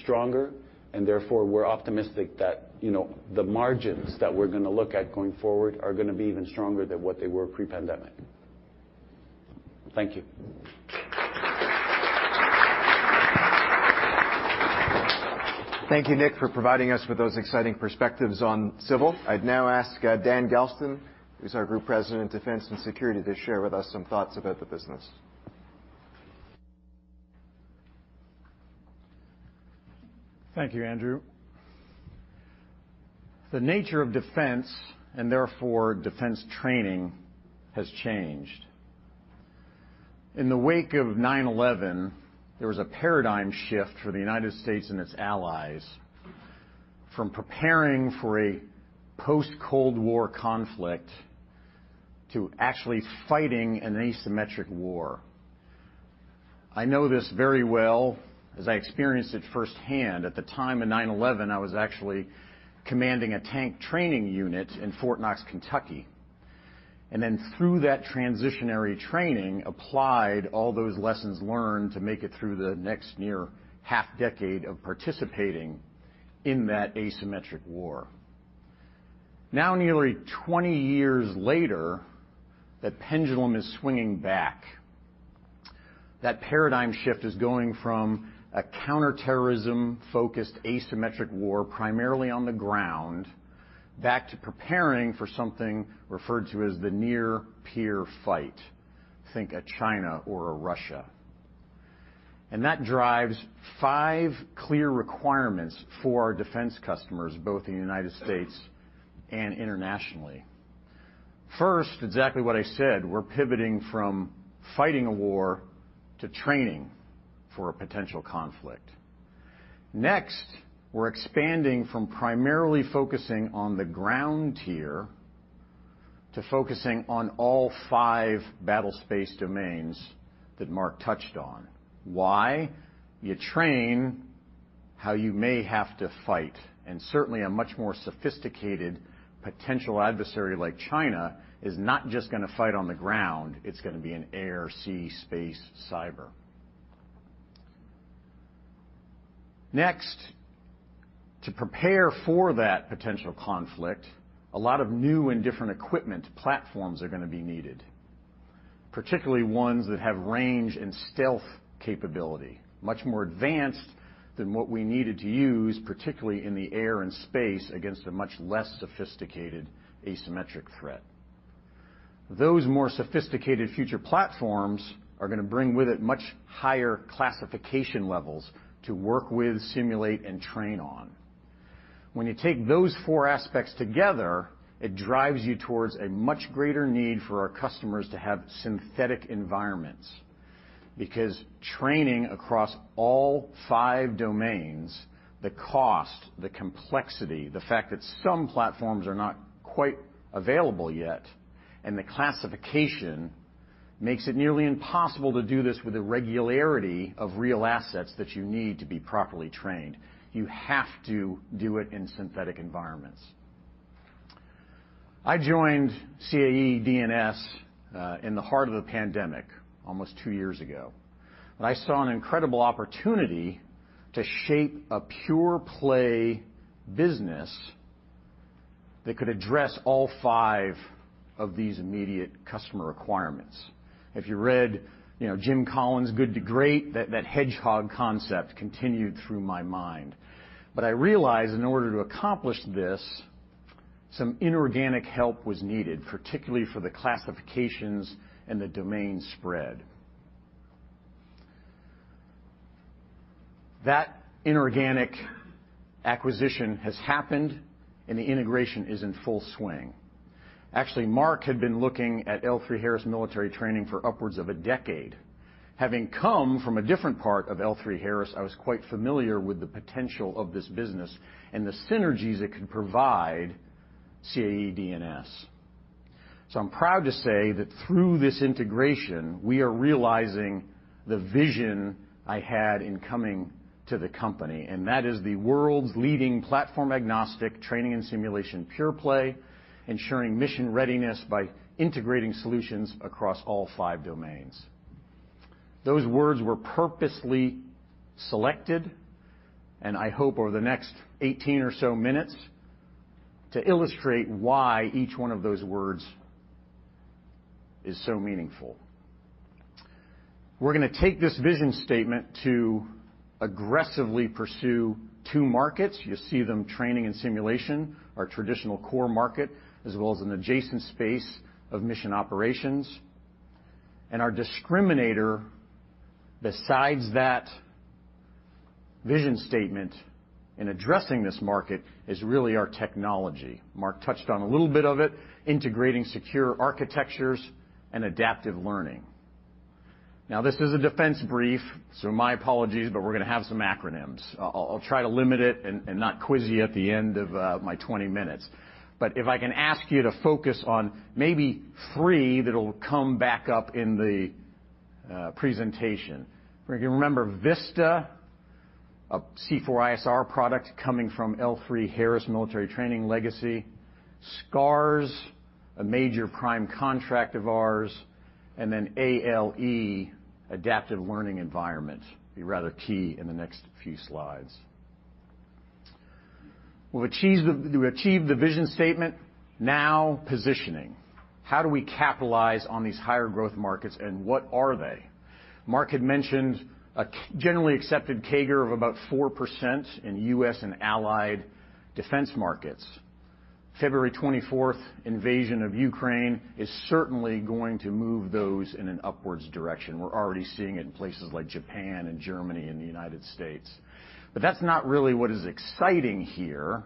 stronger, and therefore, we're optimistic that, you know, the margins that we're gonna look at going forward are gonna be even stronger than what they were pre-pandemic. Thank you. Thank you, Nick, for providing us with those exciting perspectives on civil. I'd now ask, Dan Gelston, who's our Group President, Defense and Security, to share with us some thoughts about the business. Thank you, Andrew. The nature of defense, and therefore defense training, has changed. In the wake of 9/11, there was a paradigm shift for the United States and its allies from preparing for a post-Cold War conflict to actually fighting an asymmetric war. I know this very well as I experienced it firsthand. At the time of 9/11, I was actually commanding a tank training unit in Fort Knox, Kentucky, and then through that transitionary training, applied all those lessons learned to make it through the next near half-decade of participating in that asymmetric war. Now, nearly 20 years later, the pendulum is swinging back. That paradigm shift is going from a counterterrorism-focused asymmetric war, primarily on the ground, back to preparing for something referred to as the near-peer fight. Think China or Russia. That drives five clear requirements for our defense customers, both in the United States and internationally. First, exactly what I said, we're pivoting from fighting a war to training for a potential conflict. Next, we're expanding from primarily focusing on the ground tier to focusing on all five battlespace domains that Marc touched on. Why? You train how you may have to fight, and certainly a much more sophisticated potential adversary like China is not just gonna fight on the ground, it's gonna be an air, sea, space, cyber. Next, to prepare for that potential conflict, a lot of new and different equipment platforms are gonna be needed, particularly ones that have range and stealth capability, much more advanced than what we needed to use, particularly in the air and space, against a much less sophisticated asymmetric threat. Those more sophisticated future platforms are gonna bring with it much higher classification levels to work with, simulate, and train on. When you take those four aspects together, it drives you towards a much greater need for our customers to have synthetic environments. Because training across all five domains, the cost, the complexity, the fact that some platforms are not quite available yet, and the classification makes it nearly impossible to do this with the regularity of real assets that you need to be properly trained. You have to do it in synthetic environments. I joined CAE D&S in the heart of the pandemic almost two years ago, and I saw an incredible opportunity to shape a pure play business that could address all five of these immediate customer requirements. If you read, you know, Jim Collins' Good to Great, that hedgehog concept continued through my mind. I realized in order to accomplish this, some inorganic help was needed, particularly for the classifications and the domain spread. That inorganic acquisition has happened, and the integration is in full swing. Actually, Marc had been looking at L3Harris Military Training for upwards of a decade. Having come from a different part of L3Harris, I was quite familiar with the potential of this business and the synergies it could provide CAE D&S. I'm proud to say that through this integration, we are realizing the vision I had in coming to the company, and that is the world's leading platform-agnostic training and simulation pure play, ensuring mission readiness by integrating solutions across all five domains. Those words were purposely selected, and I hope over the next 18 or so minutes to illustrate why each one of those words is so meaningful. We're gonna take this vision statement to aggressively pursue two markets. You see them, training and simulation, our traditional core market, as well as an adjacent space of mission operations. Our discriminator besides that vision statement in addressing this market is really our technology. Marc touched on a little bit of it, integrating secure architectures and adaptive learning. Now, this is a defense brief, so my apologies, but we're gonna have some acronyms. I'll try to limit it and not quiz you at the end of my 20 minutes. But if I can ask you to focus on maybe three that'll come back up in the presentation. If you can remember VISTA, a C4ISR product coming from L3Harris Military Training legacy, SCARS, a major prime contract of ours, and then ALE, Adaptive Learning Environment, be rather key in the next few slides. We've achieved the vision statement. Now positioning, how do we capitalize on these higher growth markets, and what are they? Marc had mentioned generally accepted CAGR of about 4% in U.S. and allied defense markets. February 24th invasion of Ukraine is certainly going to move those in an upwards direction. We're already seeing it in places like Japan and Germany and the United States. That's not really what is exciting here,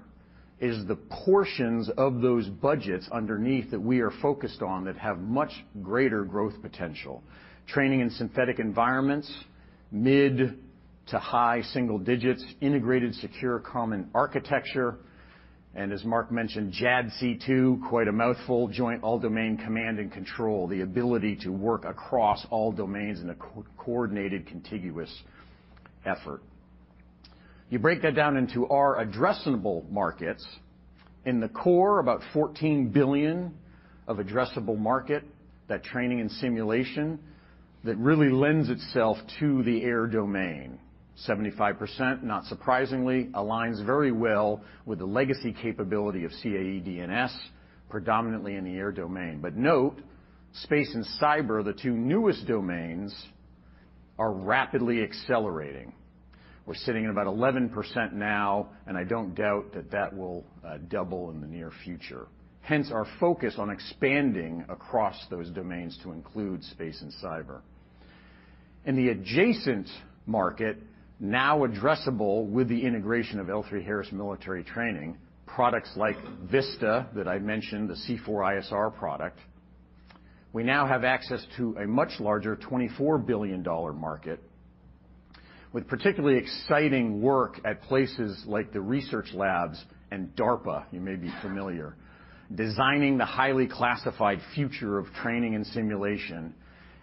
is the portions of those budgets underneath that we are focused on that have much greater growth potential. Training in synthetic environments, mid- to high-single digits%, integrated, secure, common architecture, and as Marc mentioned, JADC2, quite a mouthful, Joint All-Domain Command and Control, the ability to work across all domains in a coordinated, contiguous effort. You break that down into our addressable markets. In the core, 14 billion of addressable market, that training and simulation that really lends itself to the air domain. 75%, not surprisingly, aligns very well with the legacy capability of CAE D&S, predominantly in the air domain. Note, space and cyber, the two newest domains, are rapidly accelerating. We're sitting at about 11% now, and I don't doubt that that will double in the near future. Hence, our focus on expanding across those domains to include space and cyber. In the adjacent market, now addressable with the integration of L3Harris Military Training, products like VISTA that I mentioned, the C4ISR product, we now have access to a much larger $24 billion market. With particularly exciting work at places like the research labs and DARPA, you may be familiar, designing the highly classified future of training and simulation,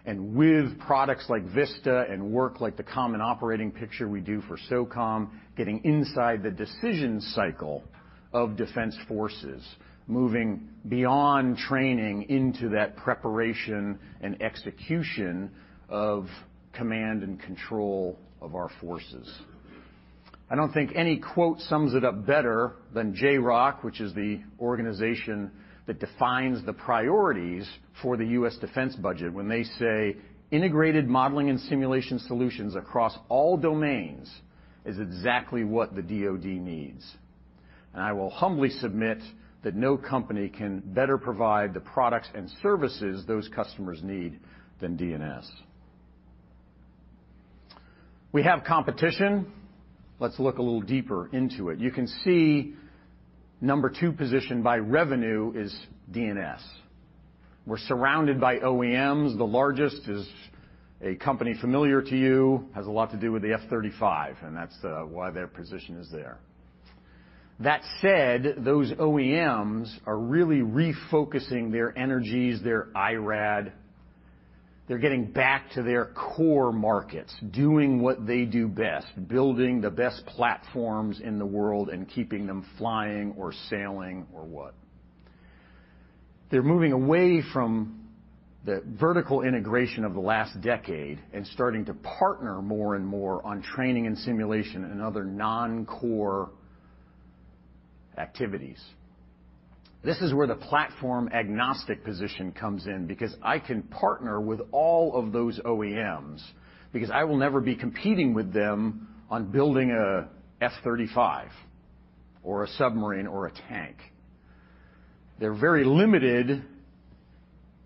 and with products like VISTA and work like the common operating picture we do for SOCOM, getting inside the decision cycle of defense forces, moving beyond training into that preparation and execution of command and control of our forces. I don't think any quote sums it up better than JROC, which is the organization that defines the priorities for the U.S. Defense Budget when they say, "Integrated modeling and simulation solutions across all domains is exactly what the DoD needs." I will humbly submit that no company can better provide the products and services those customers need than CAE. We have competition. Let's look a little deeper into it. You can see number two position by revenue is CAE. We're surrounded by OEMs. The largest is a company familiar to you, has a lot to do with the F-35, and that's why their position is there. That said, those OEMs are really refocusing their energies, their IRAD. They're getting back to their core markets, doing what they do best, building the best platforms in the world and keeping them flying or sailing or what. They're moving away from the vertical integration of the last decade and starting to partner more and more on training and simulation and other non-core activities. This is where the platform-agnostic position comes in because I can partner with all of those OEMs because I will never be competing with them on building a F-35 or a submarine or a tank. They're very limited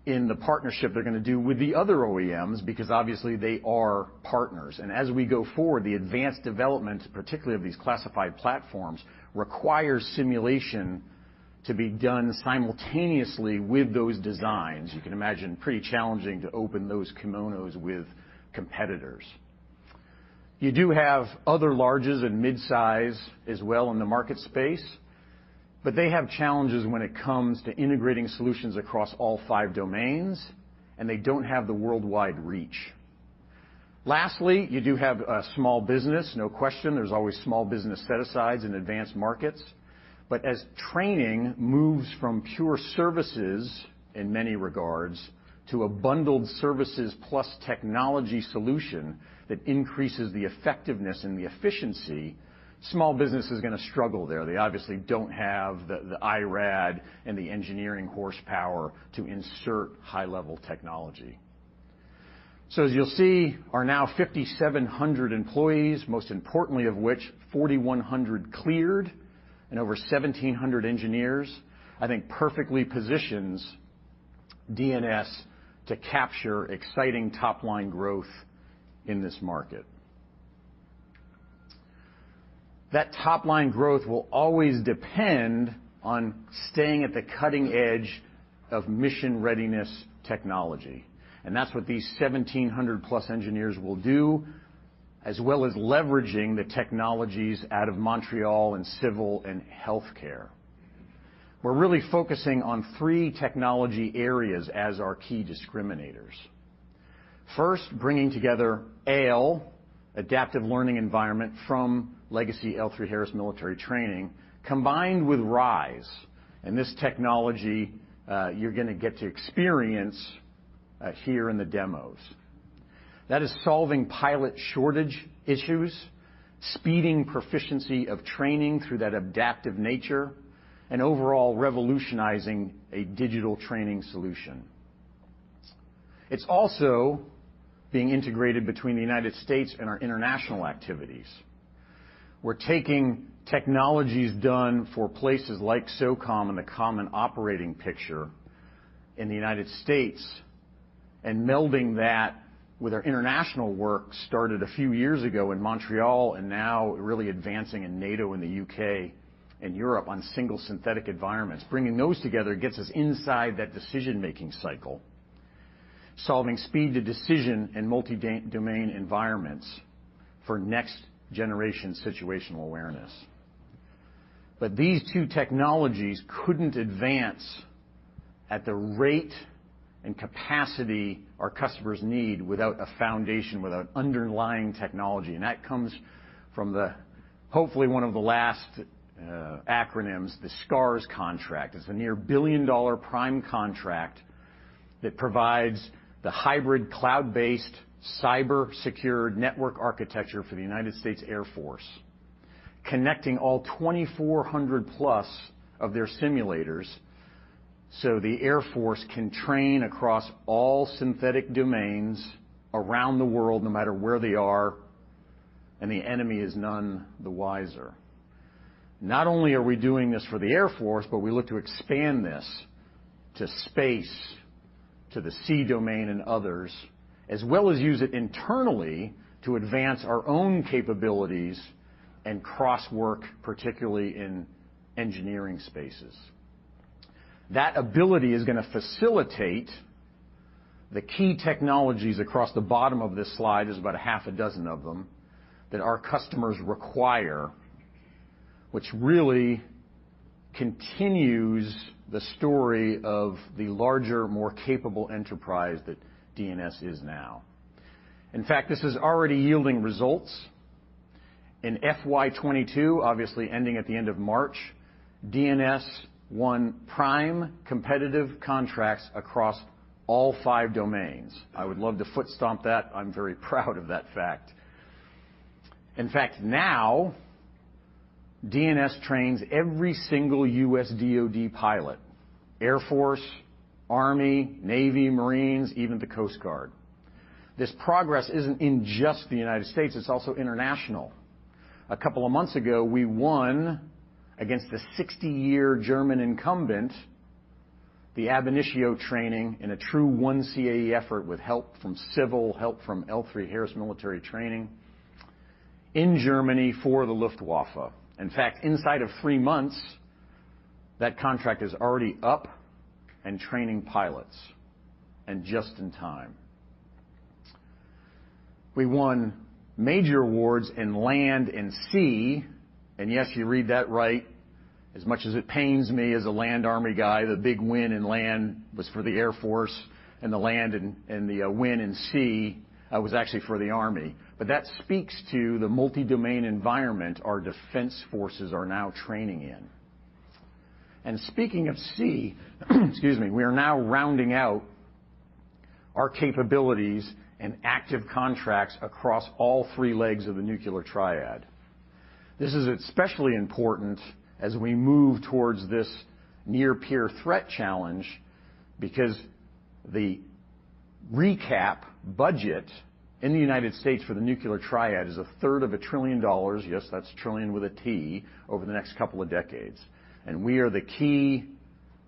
in the partnership they're gonna do with the other OEMs because obviously they are partners. As we go forward, the advanced development, particularly of these classified platforms, requires simulation to be done simultaneously with those designs. You can imagine pretty challenging to open those kimonos with competitors. You do have other large and midsize as well in the market space, but they have challenges when it comes to integrating solutions across all five domains, and they don't have the worldwide reach. Lastly, you do have a small business, no question. There's always small business set-asides in advanced markets. As training moves from pure services, in many regards, to a bundled services plus technology solution that increases the effectiveness and the efficiency, small business is gonna struggle there. They obviously don't have the IRAD and the engineering horsepower to insert high-level technology. As you'll see, our now 5,700 employees, most importantly of which 4,100 cleared and over 1,700 engineers, I think perfectly positions D&S to capture exciting top-line growth in this market. That top-line growth will always depend on staying at the cutting edge of mission readiness technology, and that's what these 1,700+ engineers will do, as well as leveraging the technologies out of Montreal and civil and healthcare. We're really focusing on three technology areas as our key discriminators. First, bringing together ALE, Adaptive Learning Environment, from legacy L3Harris Military Training, combined with RISE, and this technology, you're gonna get to experience here in the demos. That is solving pilot shortage issues, speeding proficiency of training through that adaptive nature, and overall revolutionizing a digital training solution. It's also being integrated between the United States and our international activities. We're taking technologies done for places like SOCOM and the Common Operating Picture in the United States and melding that with our international work started a few years ago in Montreal and now really advancing in NATO, in the UK and Europe on single synthetic environments. Bringing those together gets us inside that decision-making cycle, solving speed to decision in multi-domain environments for next-generation situational awareness. But these two technologies couldn't advance at the rate and capacity our customers need without a foundation, without underlying technology. That comes from the, hopefully one of the last acronyms, the SCARS contract. It's a near $1 billion prime contract that provides the hybrid cloud-based, cyber-secured network architecture for the United States Air Force, connecting all 2,400+ of their simulators so the Air Force can train across all synthetic domains around the world, no matter where they are, and the enemy is none the wiser. Not only are we doing this for the Air Force, but we look to expand this to space, to the sea domain and others, as well as use it internally to advance our own capabilities and cross-work, particularly in engineering spaces. That ability is going to facilitate the key technologies across the bottom of this slide, there's about a half a dozen of them, that our customers require, which really continues the story of the larger, more capable enterprise that D&S is now. In fact, this is already yielding results. In FY 2022, obviously ending at the end of March, DNS won prime competitive contracts across all five domains. I would love to foot stomp that. I'm very proud of that fact. In fact, now DNS trains every single U.S. DoD pilot, Air Force, Army, Navy, Marines, even the Coast Guard. This progress isn't in just the United States, it's also international. A couple of months ago, we won against the 60-year German incumbent, the ab initio training in a true One CAE effort with help from civil, help from L3Harris Military Training in Germany for the Luftwaffe. In fact, inside of 3 months, that contract is already up and training pilots, and just in time. We won major awards in land and sea. Yes, you read that right. As much as it pains me as a land army guy, the big win in land was for the Air Force, and the win in sea was actually for the army. That speaks to the multi-domain environment our defense forces are now training in. Speaking of sea, excuse me, we are now rounding out our capabilities and active contracts across all three legs of the nuclear triad. This is especially important as we move towards this near-peer threat challenge because the recap budget in the United States for the nuclear triad is a third of a trillion dollars, yes, that's trillion with a T, over the next couple of decades. We are the key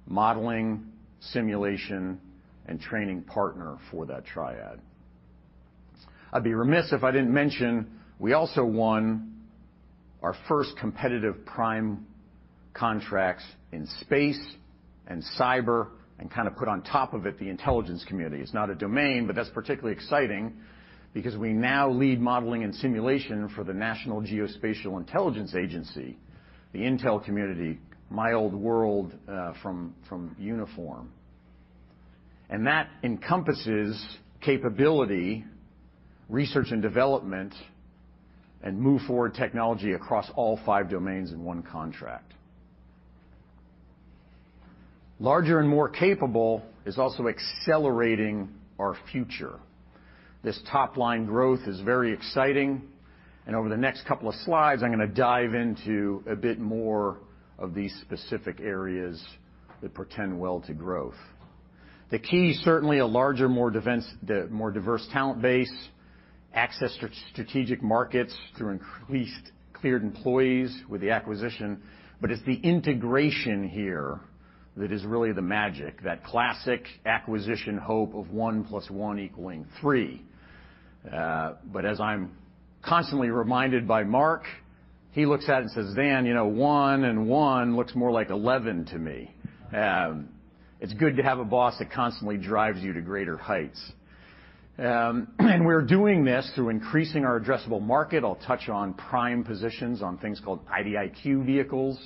modeling, simulation, and training partner for that triad. I'd be remiss if I didn't mention we also won our first competitive prime contracts in space and cyber and kind of put on top of it the intelligence community. It's not a domain, but that's particularly exciting because we now lead modeling and simulation for the National Geospatial-Intelligence Agency, the intel community, my old world, from uniform. That encompasses capability, research and development, and move forward technology across all five domains in one contract. Larger and more capable is also accelerating our future. This top-line growth is very exciting. Over the next couple of slides, I'm gonna dive into a bit more of these specific areas that portend well to growth. The key, certainly a larger, more diverse talent base, access strategic markets through increased cleared employees with the acquisition. It's the integration here that is really the magic, that classic acquisition hope of one plus one equaling three. As I'm constantly reminded by Marc, he looks at it and says, "Daniel, you know, one and one looks more like eleven to me." It's good to have a boss that constantly drives you to greater heights. We're doing this through increasing our addressable market. I'll touch on prime positions on things called IDIQ vehicles,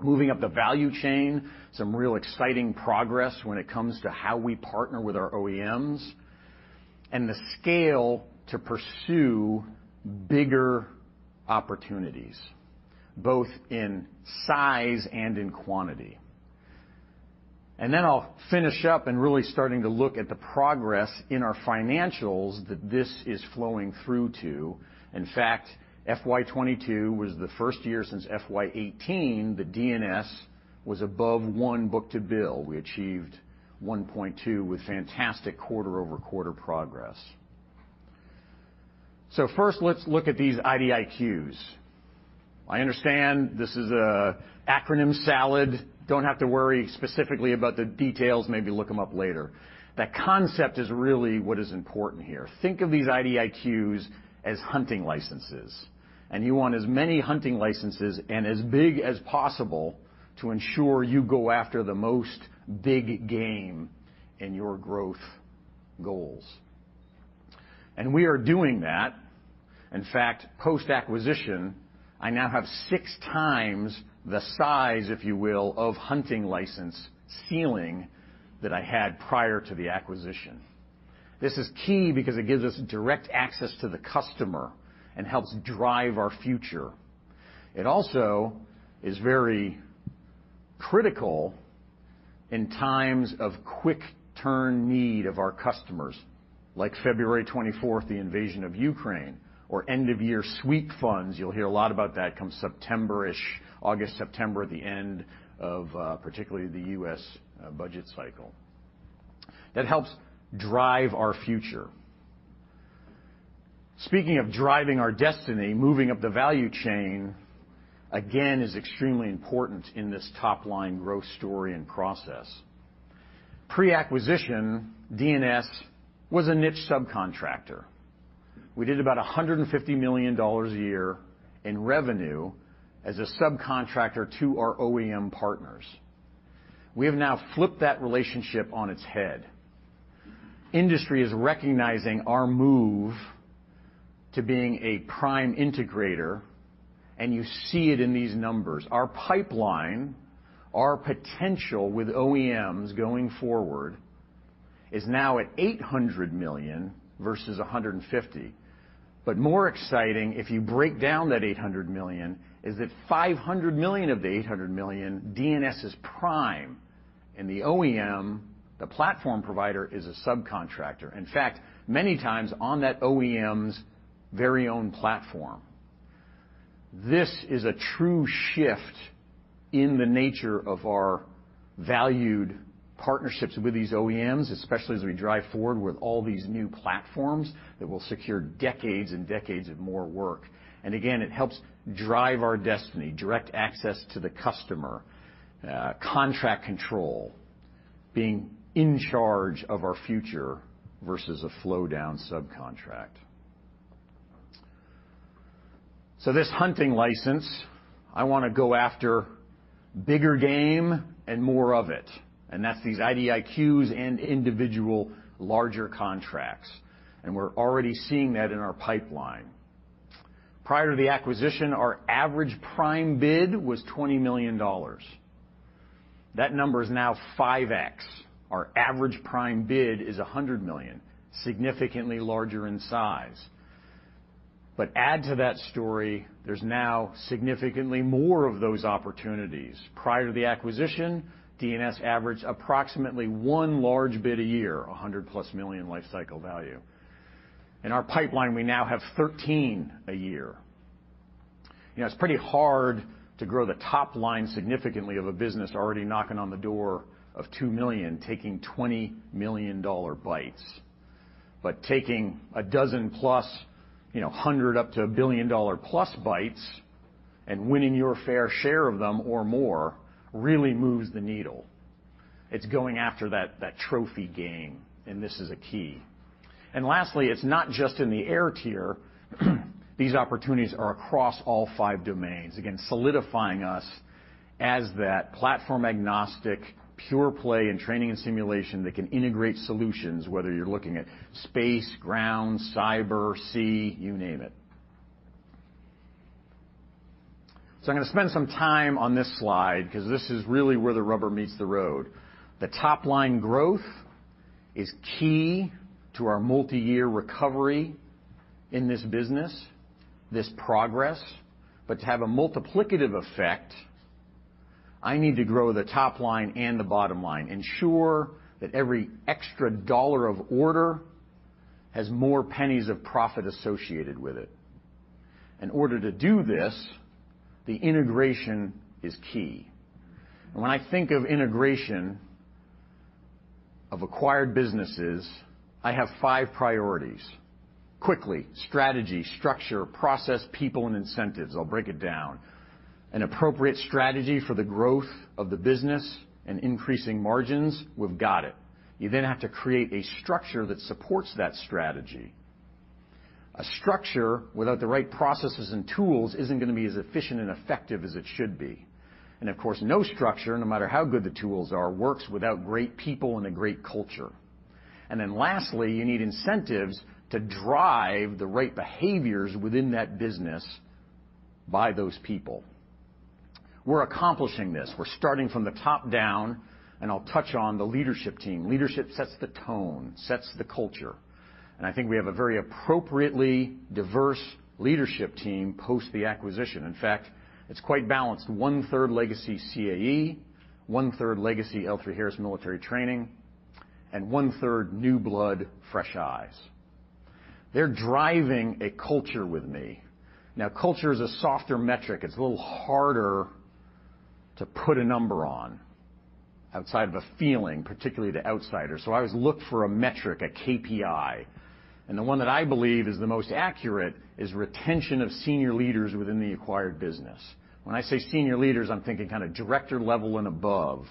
moving up the value chain, some real exciting progress when it comes to how we partner with our OEMs, and the scale to pursue bigger opportunities, both in size and in quantity. I'll finish up and really starting to look at the progress in our financials that this is flowing through to. In fact, FY 2022 was the first year since FY 2018 that DNS was above 1 book-to-bill. We achieved 1.2 with fantastic quarter-over-quarter progress. First, let's look at these IDIQs. I understand this is acronym salad. Don't have to worry specifically about the details. Maybe look them up later. The concept is really what is important here. Think of these IDIQs as hunting licenses, and you want as many hunting licenses and as big as possible to ensure you go after the most big game in your growth goals. We are doing that. In fact, post-acquisition, I now have six times the size, if you will, of hunting license ceiling that I had prior to the acquisition. This is key because it gives us direct access to the customer and helps drive our future. It also is very critical in times of quick turn need of our customers, like February twenty-fourth, the invasion of Ukraine, or end of year sweep funds. You'll hear a lot about that come September-ish, August, September, the end of particularly the U.S. budget cycle. That helps drive our future. Speaking of driving our destiny, moving up the value chain, again, is extremely important in this top-line growth story and process. Pre-acquisition, DNS was a niche subcontractor. We did about $150 million a year in revenue as a subcontractor to our OEM partners. We have now flipped that relationship on its head. Industry is recognizing our move to being a prime integrator, and you see it in these numbers. Our pipeline, our potential with OEMs going forward is now at $800 million versus $150 million. More exciting, if you break down that $800 million, is that $500 million of the $800 million, DNS is prime, and the OEM, the platform provider, is a subcontractor, in fact, many times on that OEM's very own platform. This is a true shift in the nature of our valued partnerships with these OEMs, especially as we drive forward with all these new platforms that will secure decades and decades of more work. Again, it helps drive our destiny, direct access to the customer, contract control, being in charge of our future versus a flow-down subcontract. This hunting license, I wanna go after bigger game and more of it, and that's these IDIQs and individual larger contracts. We're already seeing that in our pipeline. Prior to the acquisition, our average prime bid was $20 million. That number is now 5x. Our average prime bid is $100 million, significantly larger in size. Add to that story, there's now significantly more of those opportunities. Prior to the acquisition, DNS averaged approximately 1 large bid a year, $100+ million lifecycle value. In our pipeline, we now have 13 a year. You know, it's pretty hard to grow the top line significantly of a business already knocking on the door of $2 million, taking $20 million bites. Taking a dozen plus, you know, $100 up to a $1 billion+ bites and winning your fair share of them or more really moves the needle. It's going after that trophy game, and this is a key. Lastly, it's not just in the air tier, these opportunities are across all five domains, again, solidifying us as that platform-agnostic, pure play in training and simulation that can integrate solutions, whether you're looking at space, ground, cyber, sea, you name it. I'm gonna spend some time on this slide 'cause this is really where the rubber meets the road. The top-line growth is key to our multiyear recovery in this business, this progress. To have a multiplicative effect, I need to grow the top line and the bottom line, ensure that every extra dollar of order has more pennies of profit associated with it. In order to do this, the integration is key. When I think of integration of acquired businesses, I have five priorities. Quickly, strategy, structure, process, people, and incentives. I'll break it down. An appropriate strategy for the growth of the business and increasing margins, we've got it. You then have to create a structure that supports that strategy. A structure without the right processes and tools isn't gonna be as efficient and effective as it should be. Of course, no structure, no matter how good the tools are, works without great people and a great culture. Lastly, you need incentives to drive the right behaviors within that business by those people. We're accomplishing this. We're starting from the top down, and I'll touch on the leadership team. Leadership sets the tone, sets the culture, and I think we have a very appropriately diverse leadership team post the acquisition. In fact, it's quite balanced. One-third legacy CAE, one-third legacy L3Harris Military Training, and one-third new blood, fresh eyes. They're driving a culture with me. Now, culture is a softer metric. It's a little harder to put a number on outside of a feeling, particularly to outsiders. I always look for a metric, a KPI. The one that I believe is the most accurate is retention of senior leaders within the acquired business. When I say senior leaders, I'm thinking kinda director level and above.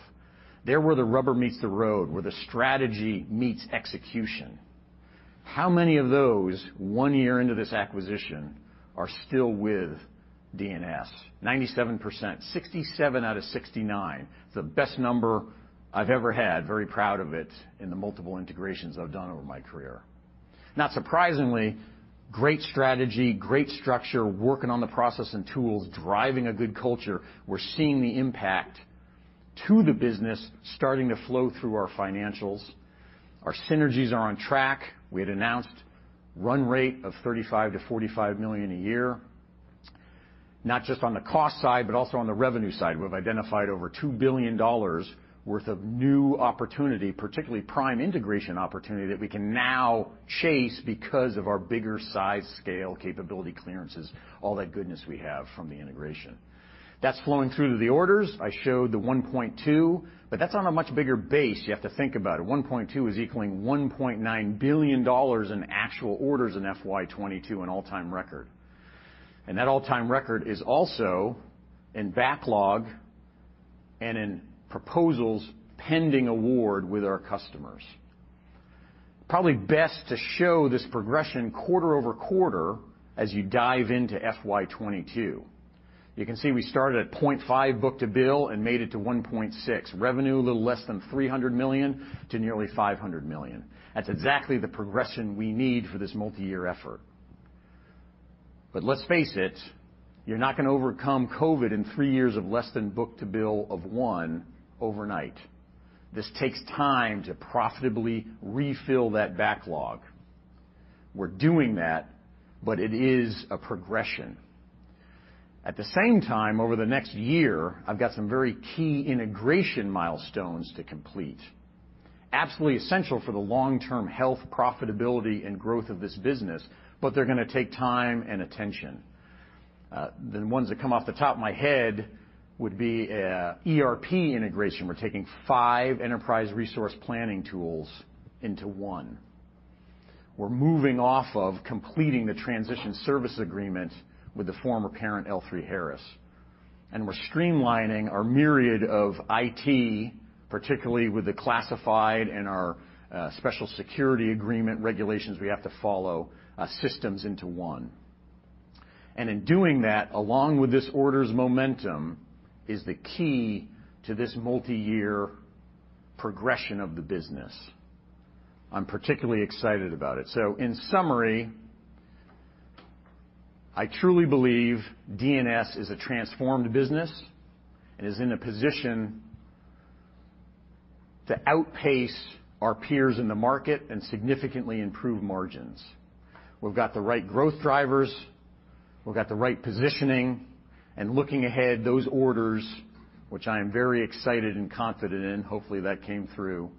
They're where the rubber meets the road, where the strategy meets execution. How many of those, one year into this acquisition, are still with DNS? 97%. 67 out of 69. It's the best number I've ever had, very proud of it, in the multiple integrations I've done over my career. Not surprisingly, great strategy, great structure, working on the process and tools, driving a good culture. We're seeing the impact to the business starting to flow through our financials. Our synergies are on track. We had announced run rate of 35-45 million a year, not just on the cost side, but also on the revenue side. We've identified over $2 billion worth of new opportunity, particularly prime integration opportunity, that we can now chase because of our bigger size, scale, capability, clearances, all that goodness we have from the integration. That's flowing through to the orders. I showed the 1.2, but that's on a much bigger base. You have to think about it. One point two is equaling $1.9 billion in actual orders in FY 2022, an all-time record. That all-time record is also in backlog and in proposals pending award with our customers. Probably best to show this progression quarter-over-quarter as you dive into FY 2022. You can see we started at 0.5 book-to-bill and made it to 1.6. Revenue, a little less than 300 million to nearly 500 million. That's exactly the progression we need for this multi-year effort. Let's face it, you're not gonna overcome COVID in 3 years of less than book-to-bill of 1 overnight. This takes time to profitably refill that backlog. We're doing that, but it is a progression. At the same time, over the next year, I've got some very key integration milestones to complete, absolutely essential for the long-term health, profitability, and growth of this business, but they're gonna take time and attention. The ones that come off the top of my head would be ERP integration. We're taking 5 enterprise resource planning tools into one. We're completing the transition service agreement with the former parent, L3Harris. We're streamlining our myriad of IT, particularly with the classified and our, special security agreement regulations we have to follow, systems into one. In doing that, along with this orders momentum, is the key to this multi-year progression of the business. I'm particularly excited about it. In summary, I truly believe DNS is a transformed business and is in a position to outpace our peers in the market and significantly improve margins. We've got the right growth drivers. We've got the right positioning. Looking ahead, those orders, which I am very excited and confident in, hopefully that came through,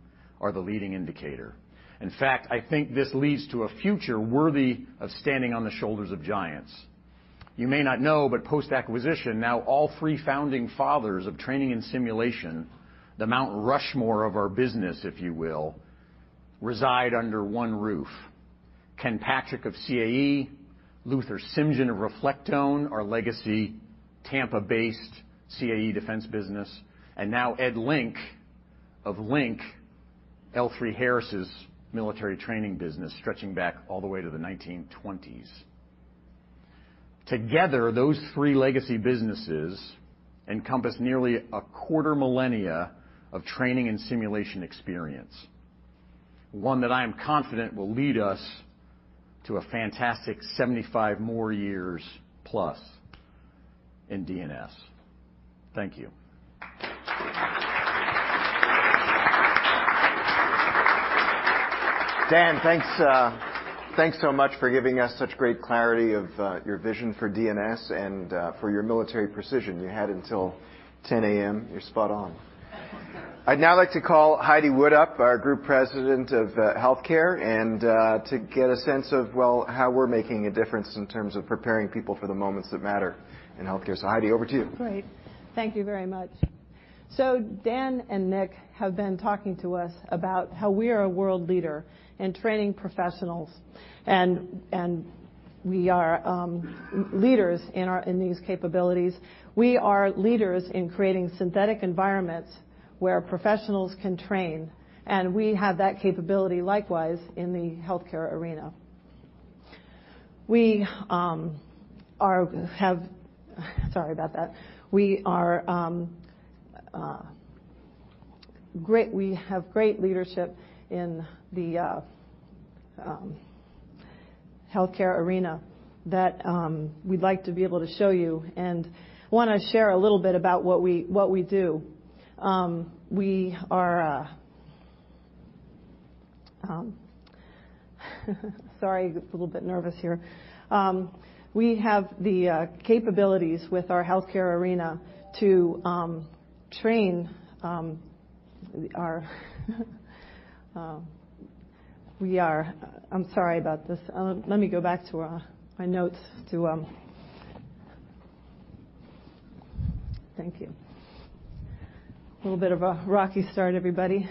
are the leading indicator. In fact, I think this leads to a future worthy of standing on the shoulders of giants. You may not know, but post-acquisition, now all three founding fathers of training and simulation, the Mount Rushmore of our business, if you will, reside under one roof. Ken Patrick of CAE, Luther Simjian of Reflectone, our legacy Tampa-based CAE defense business, and now Ed Link of Link, L3Harris' military training business stretching back all the way to the 1920s. Together, those three legacy businesses encompass nearly a quarter millennia of training and simulation experience, one that I am confident will lead us to a fantastic 75 more years plus in DNS. Thank you. Dan, thanks so much for giving us such great clarity of your vision for D&S and for your military precision. You had until 10 A.M. You're spot on. I'd now like to call Heidi Wood up, our Group President of Healthcare, and to get a sense of, well, how we're making a difference in terms of preparing people for the moments that matter in healthcare. Heidi, over to you. Great. Thank you very much. Dan and Nick have been talking to us about how we are a world leader in training professionals, and we are leaders in these capabilities. We are leaders in creating synthetic environments where professionals can train, and we have that capability likewise in the healthcare arena. Sorry about that. We have great leadership in the healthcare arena that we'd like to be able to show you and wanna share a little bit about what we do. Sorry, a little bit nervous here. We have the capabilities with our healthcare arena to train our. I'm sorry about this. Let me go back to my notes. Thank you. A little bit of a rocky start, everybody.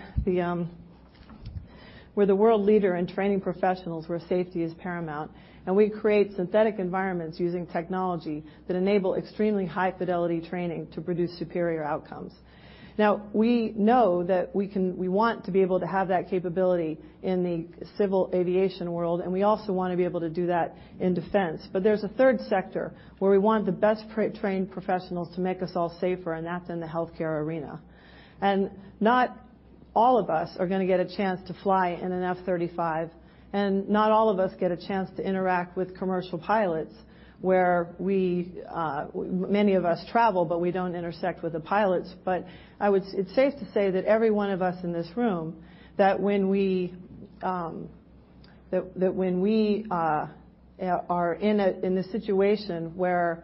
We're the world leader in training professionals where safety is paramount, and we create synthetic environments using technology that enable extremely high-fidelity training to produce superior outcomes. Now, we know that we want to be able to have that capability in the civil aviation world, and we also wanna be able to do that in defense. But there's a third sector where we want the best trained professionals to make us all safer, and that's in the healthcare arena. Not all of us are gonna get a chance to fly in an F-35, and not all of us get a chance to interact with commercial pilots, where we, many of us travel, but we don't intersect with the pilots. It's safe to say that every one of us in this room, that when we are in a situation where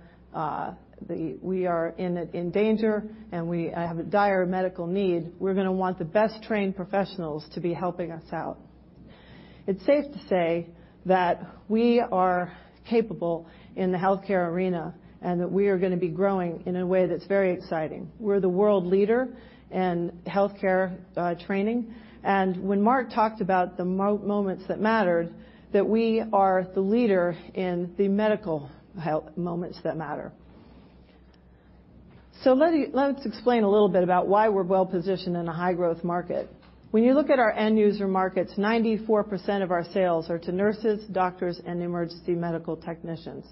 we are in danger and we have a dire medical need, we're gonna want the best-trained professionals to be helping us out. It's safe to say that we are capable in the healthcare arena and that we are gonna be growing in a way that's very exciting. We're the world leader in healthcare training. When Marc talked about the moments that mattered, that we are the leader in the medical health moments that matter. Let me explain a little bit about why we're well-positioned in a high growth market. When you look at our end user markets, 94% of our sales are to nurses, doctors, and emergency medical technicians.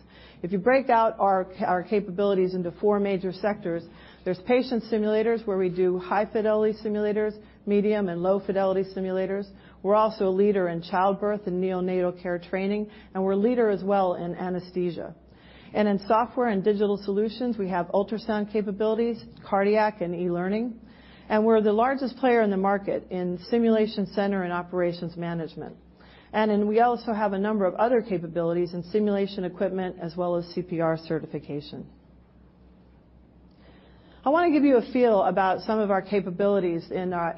If you break out our capabilities into four major sectors, there's patient simulators, where we do high fidelity simulators, medium and low fidelity simulators. We're also a leader in childbirth and neonatal care training, and we're a leader as well in anesthesia. In software and digital solutions, we have ultrasound capabilities, cardiac and e-learning. We're the largest player in the market in simulation center and operations management. Then we also have a number of other capabilities in simulation equipment as well as CPR certification. I wanna give you a feel about some of our capabilities in that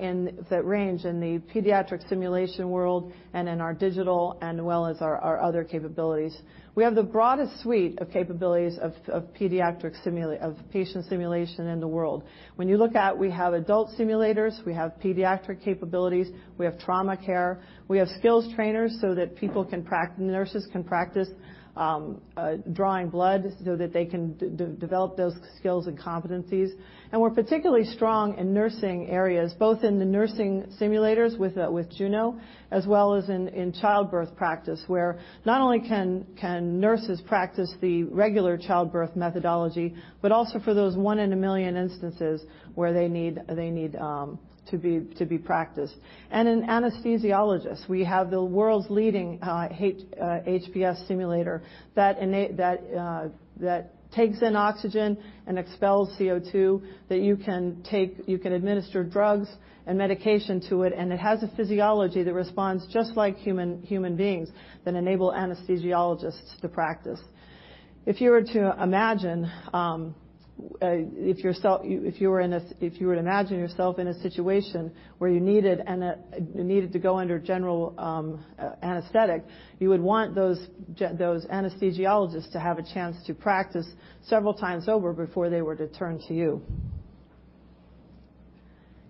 range in the pediatric simulation world and in our digital as well as our other capabilities. We have the broadest suite of capabilities of pediatric patient simulation in the world. When you look at, we have adult simulators, we have pediatric capabilities, we have trauma care, we have skills trainers so that nurses can practice drawing blood so that they can develop those skills and competencies. We're particularly strong in nursing areas, both in the nursing simulators with Juno, as well as in childbirth practice, where not only can nurses practice the regular childbirth methodology, but also for those one in a million instances where they need to be practiced. In anesthesiology, we have the world's leading HPS simulator that takes in oxygen and expels CO2, that you can administer drugs and medication to it, and it has a physiology that responds just like human beings that enable anesthesiologists to practice. If you were to imagine yourself in a situation where you needed to go under general anesthetic, you would want those anesthesiologists to have a chance to practice several times over before they were to turn to you.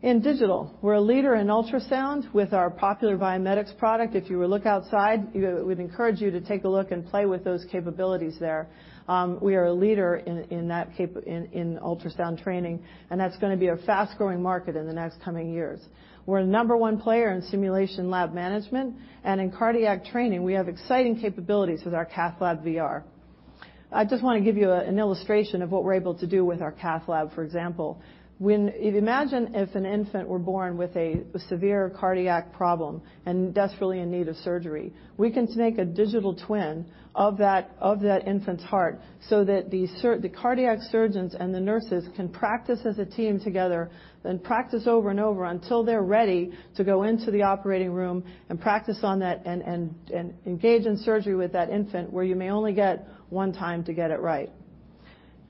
In digital, we're a leader in ultrasound with our popular Vimedix product. If you were to look outside, you know, we'd encourage you to take a look and play with those capabilities there. We are a leader in ultrasound training, and that's gonna be a fast-growing market in the next coming years. We're a number one player in simulation lab management. In cardiac training, we have exciting capabilities with our CathLabVR. I just wanna give you an illustration of what we're able to do with our CathLabVR, for example. Imagine if an infant were born with a severe cardiac problem and desperately in need of surgery. We can make a digital twin of that infant's heart so that the cardiac surgeons and the nurses can practice as a team together and practice over and over until they're ready to go into the operating room and practice on that and engage in surgery with that infant where you may only get one time to get it right.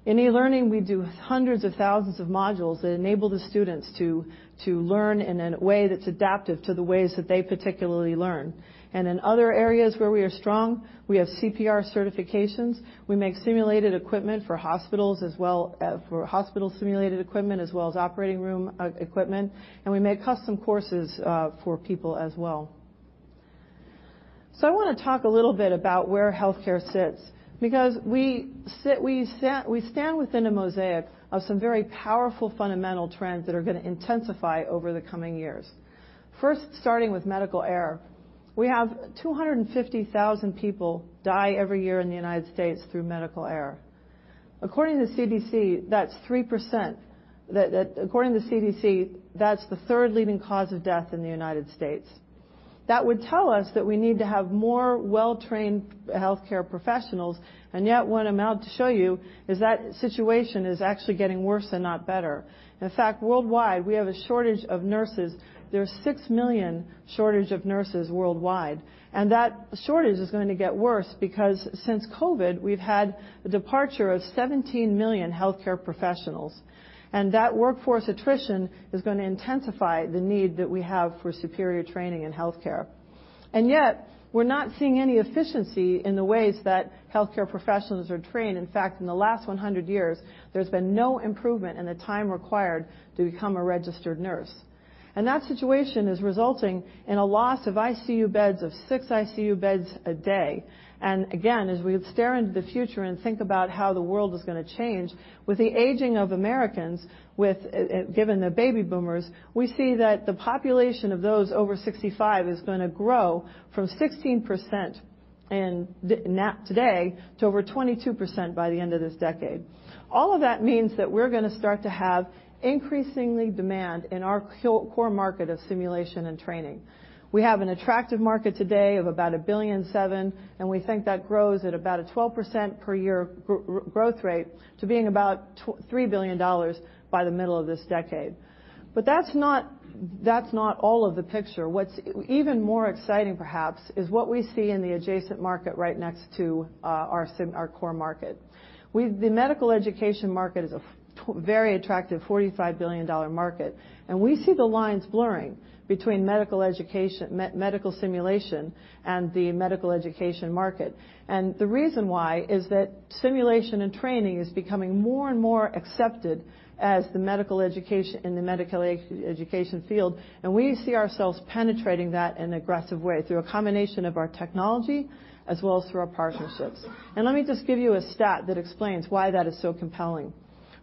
In e-learning, we do hundreds of thousands of modules that enable the students to learn in a way that's adaptive to the ways that they particularly learn. In other areas where we are strong, we have CPR certifications. We make simulated equipment for hospitals as well, for hospital simulated equipment as well as operating room equipment, and we make custom courses for people as well. I wanna talk a little bit about where healthcare sits because we stand within a mosaic of some very powerful fundamental trends that are gonna intensify over the coming years. First, starting with medical error. We have 250,000 people die every year in the United States through medical error. According to CDC, that's 3%. According to CDC, that's the third leading cause of death in the United States. That would tell us that we need to have more well-trained healthcare professionals, and yet what I'm out to show you is that situation is actually getting worse and not better. In fact, worldwide, we have a shortage of nurses. There's 6 million shortage of nurses worldwide, and that shortage is going to get worse because since COVID, we've had a departure of 17 million healthcare professionals, and that workforce attrition is gonna intensify the need that we have for superior training in healthcare. Yet we're not seeing any efficiency in the ways that healthcare professionals are trained. In fact, in the last 100 years, there's been no improvement in the time required to become a registered nurse. That situation is resulting in a loss of ICU beds, of 6 ICU beds a day. Again, as we stare into the future and think about how the world is gonna change, with the aging of Americans, with given the baby boomers, we see that the population of those over 65 is gonna grow from 16% now today to over 22% by the end of this decade. All of that means that we're gonna start to have increasing demand in our core market of simulation and training. We have an attractive market today of about $1.7 billion, and we think that grows at about a 12% per year growth rate to being about $3 billion by the middle of this decade. That's not all of the picture. What's even more exciting perhaps is what we see in the adjacent market right next to our core market. We've... The medical education market is a very attractive $45 billion market, and we see the lines blurring between medical education, medical simulation, and the medical education market. The reason why is that simulation and training is becoming more and more accepted in the medical education field, and we see ourselves penetrating that in an aggressive way through a combination of our technology as well as through our partnerships. Let me just give you a stat that explains why that is so compelling.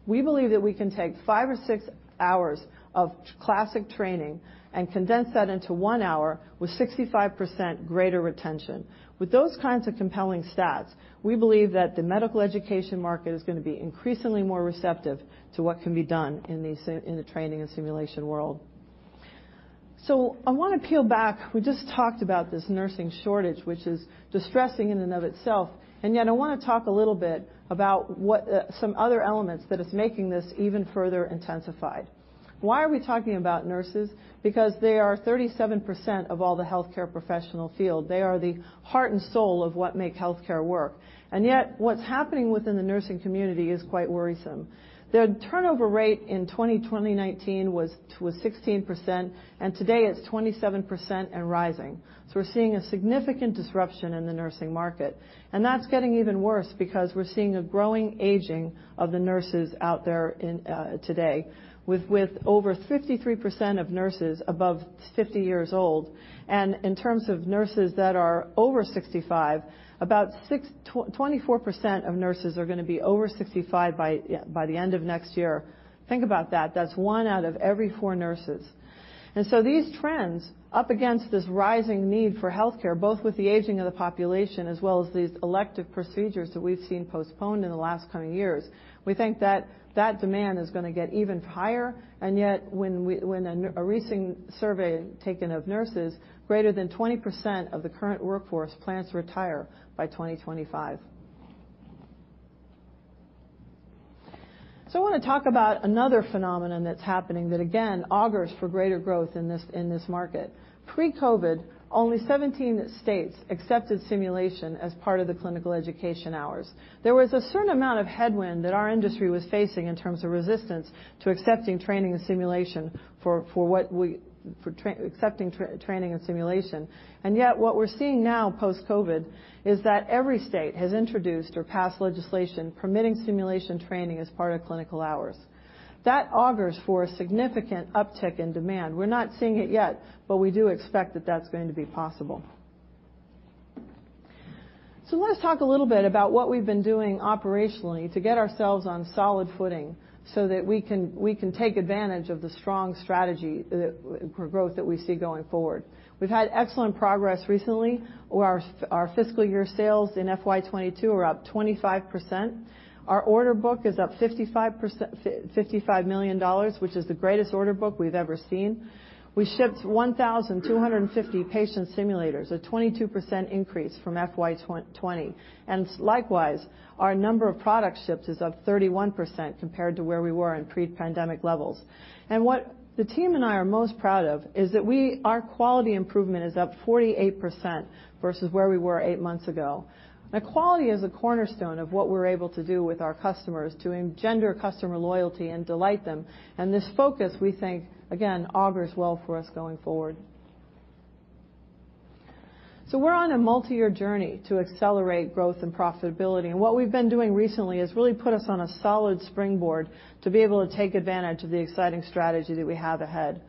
We believe that we can take 5 or 6 hours of classic training and condense that into 1 hour with 65% greater retention. With those kinds of compelling stats, we believe that the medical education market is gonna be increasingly more receptive to what can be done in the training and simulation world. I want to peel back. We just talked about this nursing shortage, which is distressing in and of itself. Yet I want to talk a little bit about what, some other elements that is making this even further intensified. Why are we talking about nurses? Because they are 37% of all the healthcare professional field. They are the heart and soul of what make healthcare work. Yet what's happening within the nursing community is quite worrisome. The turnover rate in 2019 was 16%, and today it's 27% and rising. We're seeing a significant disruption in the nursing market, and that's getting even worse because we're seeing a growing aging of the nurses out there in today with over 53% of nurses above 50 years old. In terms of nurses that are over 65, about 24% of nurses are going to be over 65 by the end of next year. Think about that. That's one out of every four nurses. These trends up against this rising need for healthcare, both with the aging of the population as well as these elective procedures that we've seen postponed in the last coming years, we think that that demand is going to get even higher. Yet when a recent survey taken of nurses, greater than 20% of the current workforce plans to retire by 2025. I want to talk about another phenomenon that's happening that again augurs for greater growth in this market. Pre-COVID, only 17 states accepted simulation as part of the clinical education hours. There was a certain amount of headwind that our industry was facing in terms of resistance to accepting training and simulation. Yet, what we're seeing now post-COVID is that every state has introduced or passed legislation permitting simulation training as part of clinical hours. That augurs for a significant uptick in demand. We're not seeing it yet, but we do expect that that's going to be possible. Let us talk a little bit about what we've been doing operationally to get ourselves on solid footing so that we can take advantage of the strong strategy for growth that we see going forward. We've had excellent progress recently, where our fiscal year sales in FY 2022 are up 25%. Our order book is up 55 million dollars, which is the greatest order book we've ever seen. We shipped 1,250 patient simulators, a 22% increase from FY 2020. Likewise, our number of product ships is up 31% compared to where we were in pre-pandemic levels. What the team and I are most proud of is that our quality improvement is up 48% versus where we were eight months ago. Quality is a cornerstone of what we're able to do with our customers to engender customer loyalty and delight them. This focus, we think, again, augurs well for us going forward. We're on a multiyear journey to accelerate growth and profitability, and what we've been doing recently has really put us on a solid springboard to be able to take advantage of the exciting strategy that we have ahead.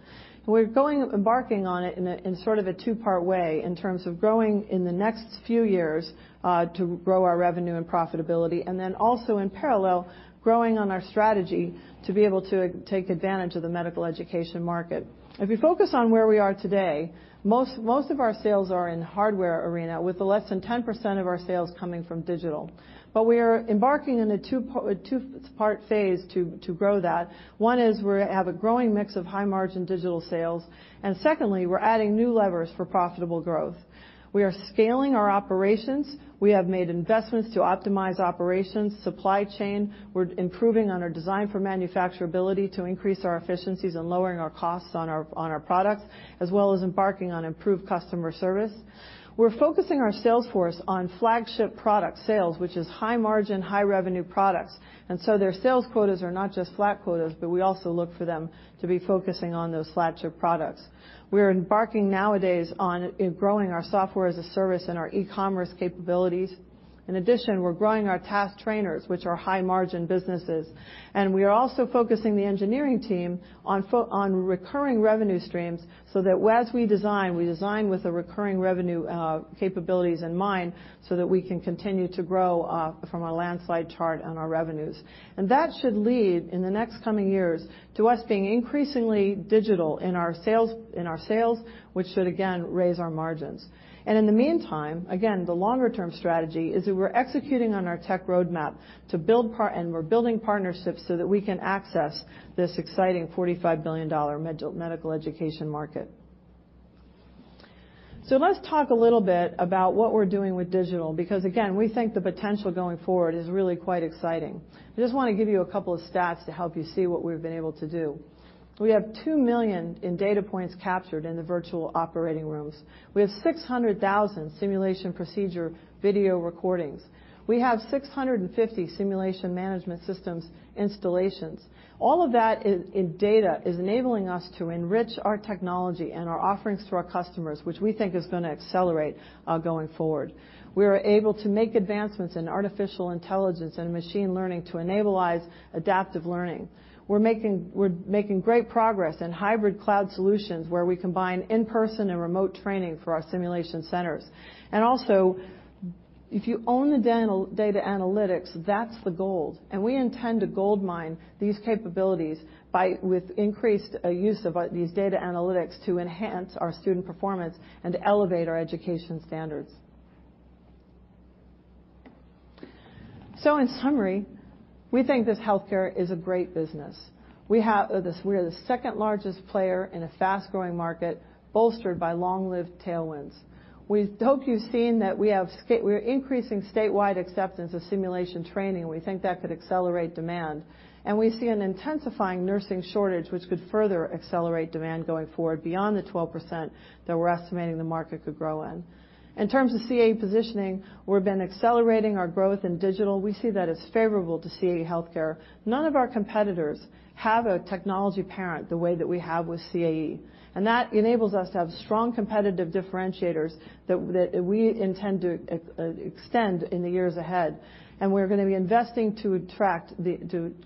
We're embarking on it in sort of a two-part way in terms of growing in the next few years to grow our revenue and profitability, and then also in parallel, growing on our strategy to be able to take advantage of the medical education market. If we focus on where we are today, most of our sales are in the hardware arena, with less than 10% of our sales coming from digital. We are embarking in a two-part phase to grow that. One is we have a growing mix of high-margin digital sales. Secondly, we're adding new levers for profitable growth. We are scaling our operations. We have made investments to optimize operations, supply chain. We're improving on our design for manufacturability to increase our efficiencies and lowering our costs on our products, as well as embarking on improved customer service. We're focusing our sales force on flagship product sales, which is high margin, high revenue products. Their sales quotas are not just flat quotas, but we also look for them to be focusing on those flagship products. We're embarking nowadays on growing our software as a service and our e-commerce capabilities. In addition, we're growing our task trainers, which are high-margin businesses. We are also focusing the engineering team on recurring revenue streams so that as we design, we design with the recurring revenue capabilities in mind so that we can continue to grow from a landslide chart on our revenues. That should lead in the next coming years to us being increasingly digital in our sales, which should again raise our margins. In the meantime, again, the longer-term strategy is that we're executing on our tech roadmap to build partnerships so that we can access this exciting $45 billion medical education market. Let's talk a little bit about what we're doing with digital, because again, we think the potential going forward is really quite exciting. I just want to give you a couple of stats to help you see what we've been able to do. We have 2 million in data points captured in the virtual operating rooms. We have 600,000 simulation procedure video recordings. We have 650 simulation management systems installations. All of that in data is enabling us to enrich our technology and our offerings to our customers, which we think is going to accelerate going forward. We are able to make advancements in artificial intelligence and machine learning to enable adaptive learning. We're making great progress in hybrid cloud solutions, where we combine in-person and remote training for our simulation centers. Also, if you own the data analytics, that's the gold. We intend to goldmine these capabilities by with increased use of these data analytics to enhance our student performance and elevate our education standards. In summary, we think this healthcare is a great business. We are the second-largest player in a fast-growing market bolstered by long-lived tailwinds. We hope you've seen that we're increasing statewide acceptance of simulation training. We think that could accelerate demand. We see an intensifying nursing shortage which could further accelerate demand going forward beyond the 12% that we're estimating the market could grow in. In terms of CAE positioning, we've been accelerating our growth in digital. We see that as favorable to CAE Healthcare. None of our competitors have a technology parent the way that we have with CAE, and that enables us to have strong competitive differentiators that we intend to extend in the years ahead. We're gonna be investing to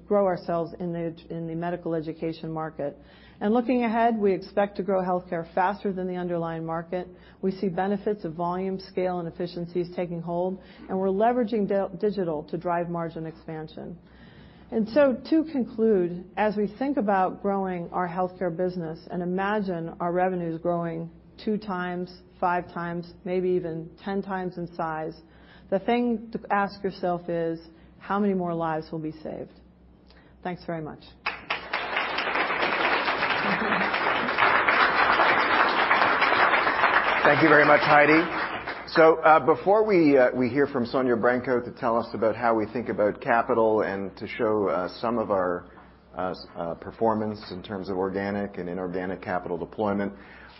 grow ourselves in the medical education market. Looking ahead, we expect to grow healthcare faster than the underlying market. We see benefits of volume, scale, and efficiencies taking hold, and we're leveraging the digital to drive margin expansion. To conclude, as we think about growing our healthcare business and imagine our revenues growing 2x, 5x, maybe even 10x in size, the thing to ask yourself is, how many more lives will be saved? Thanks very much. Thank you very much, Heidi. Before we hear from Sonya Branco to tell us about how we think about capital and to show some of our performance in terms of organic and inorganic capital deployment,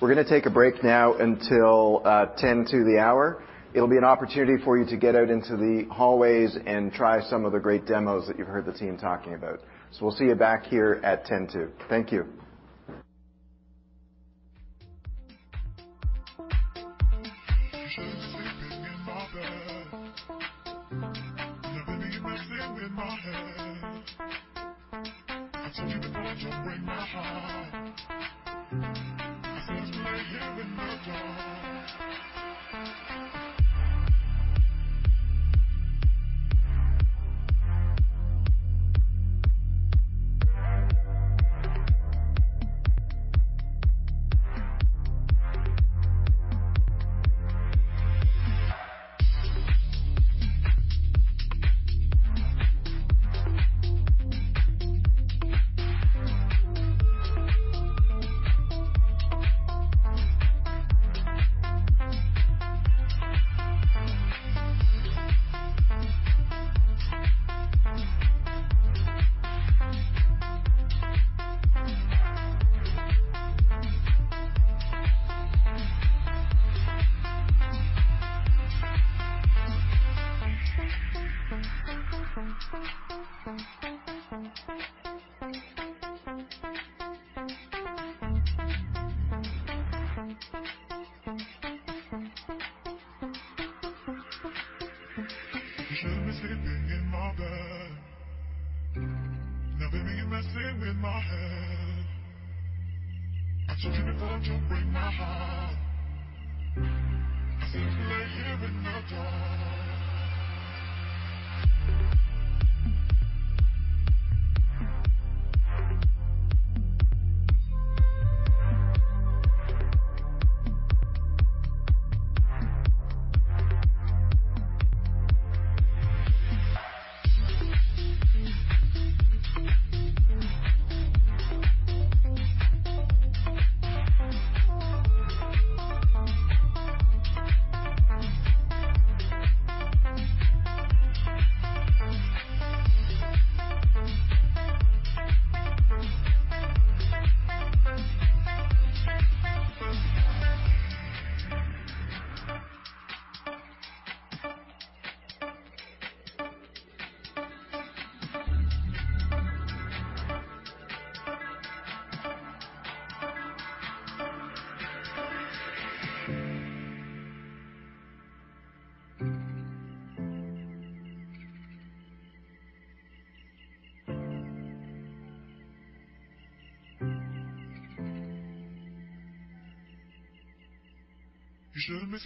we're gonna take a break now until ten to the hour. It'll be an opportunity for you to get out into the hallways and try some of the great demos that you've heard the team talking about. We'll see you back here at ten to. Thank you.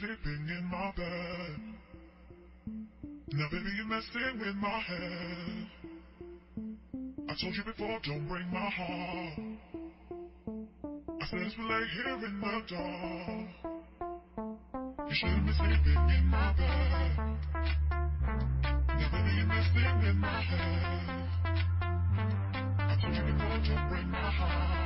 You should've been sleeping in my bed. Now, baby, you're messing with my head. I told you before, don't break my heart. I said let's lay here in the dark. You should've been sleeping in my bed. Now, baby, you're messing with my head. I told you before, don't break my heart.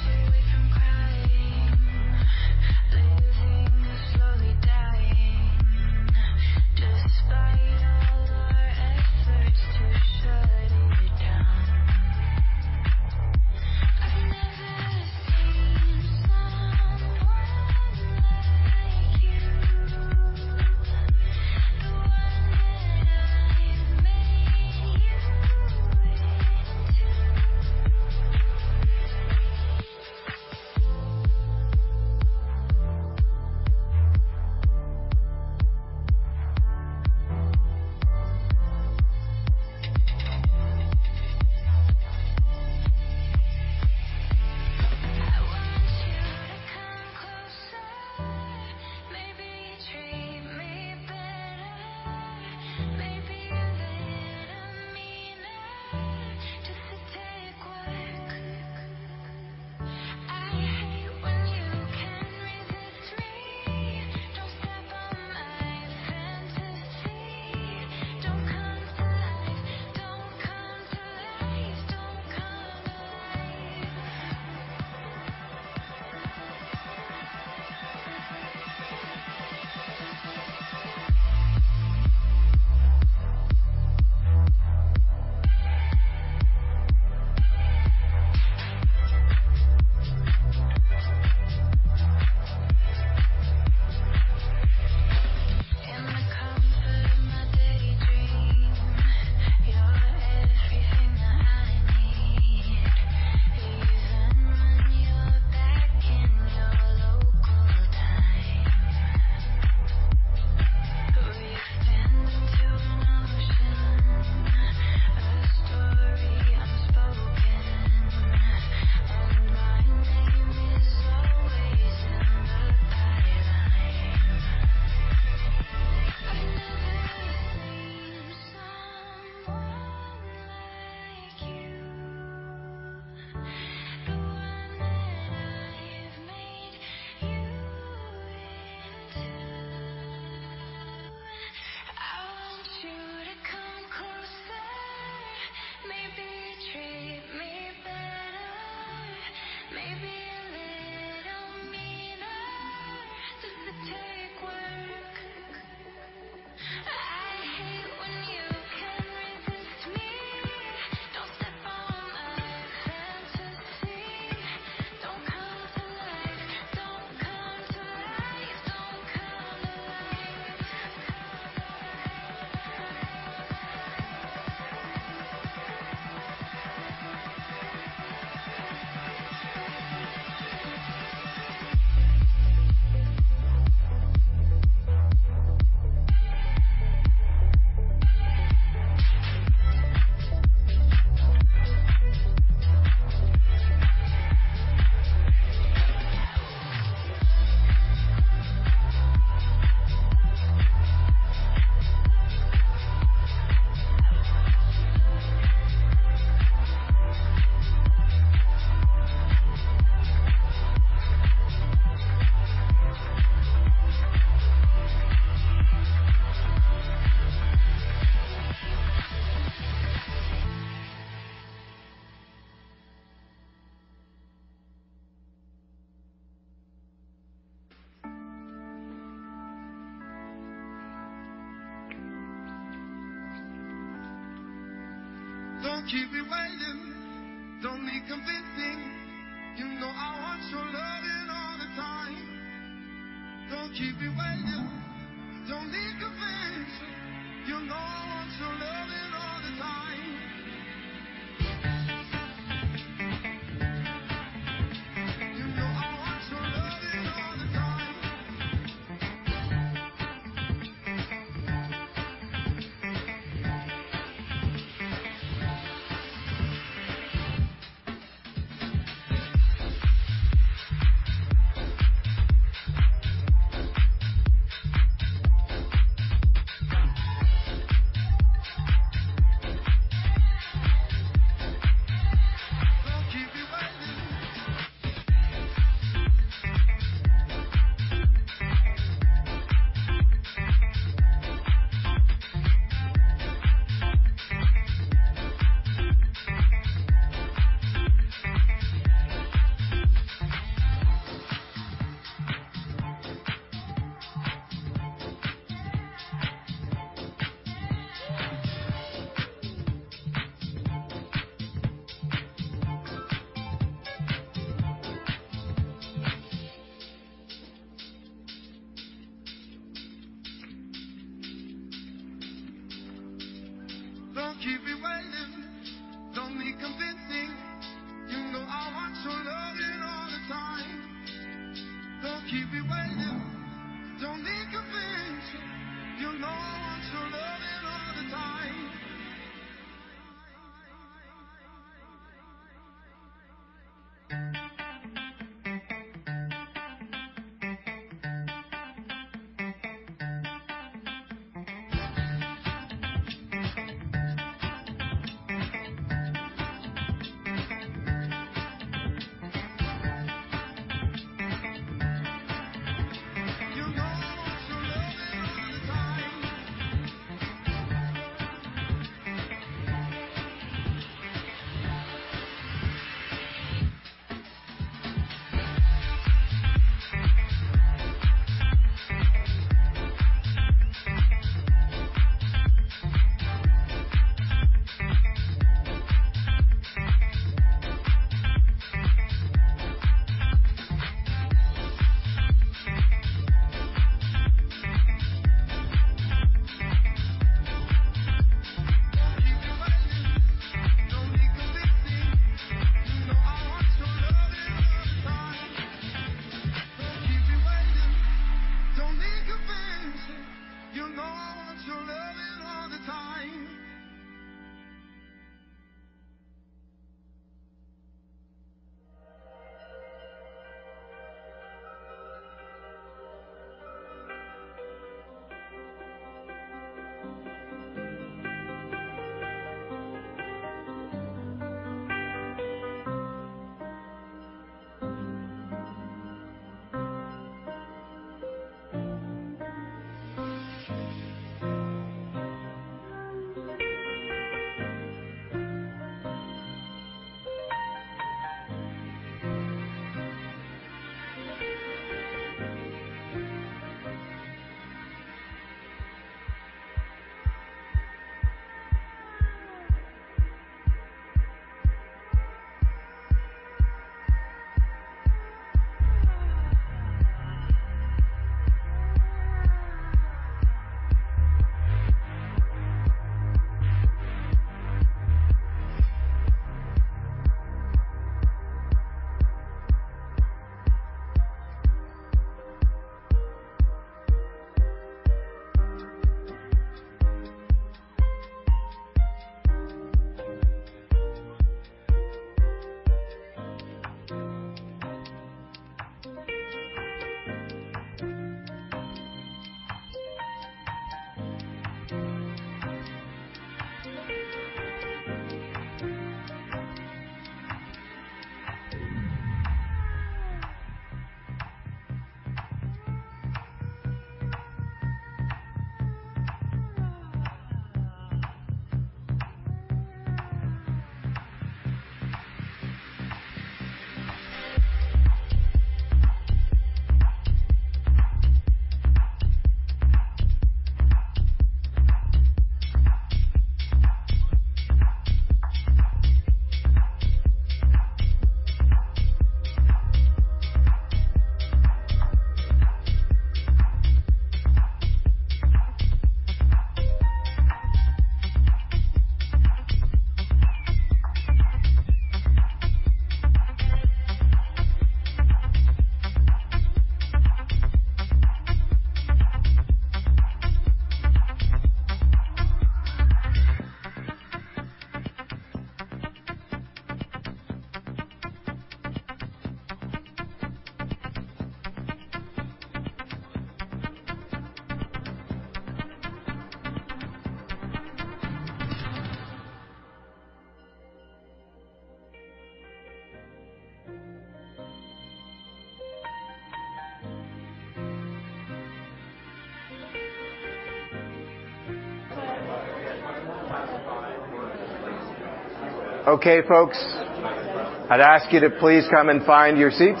Okay, folks. I'd ask you to please come and find your seats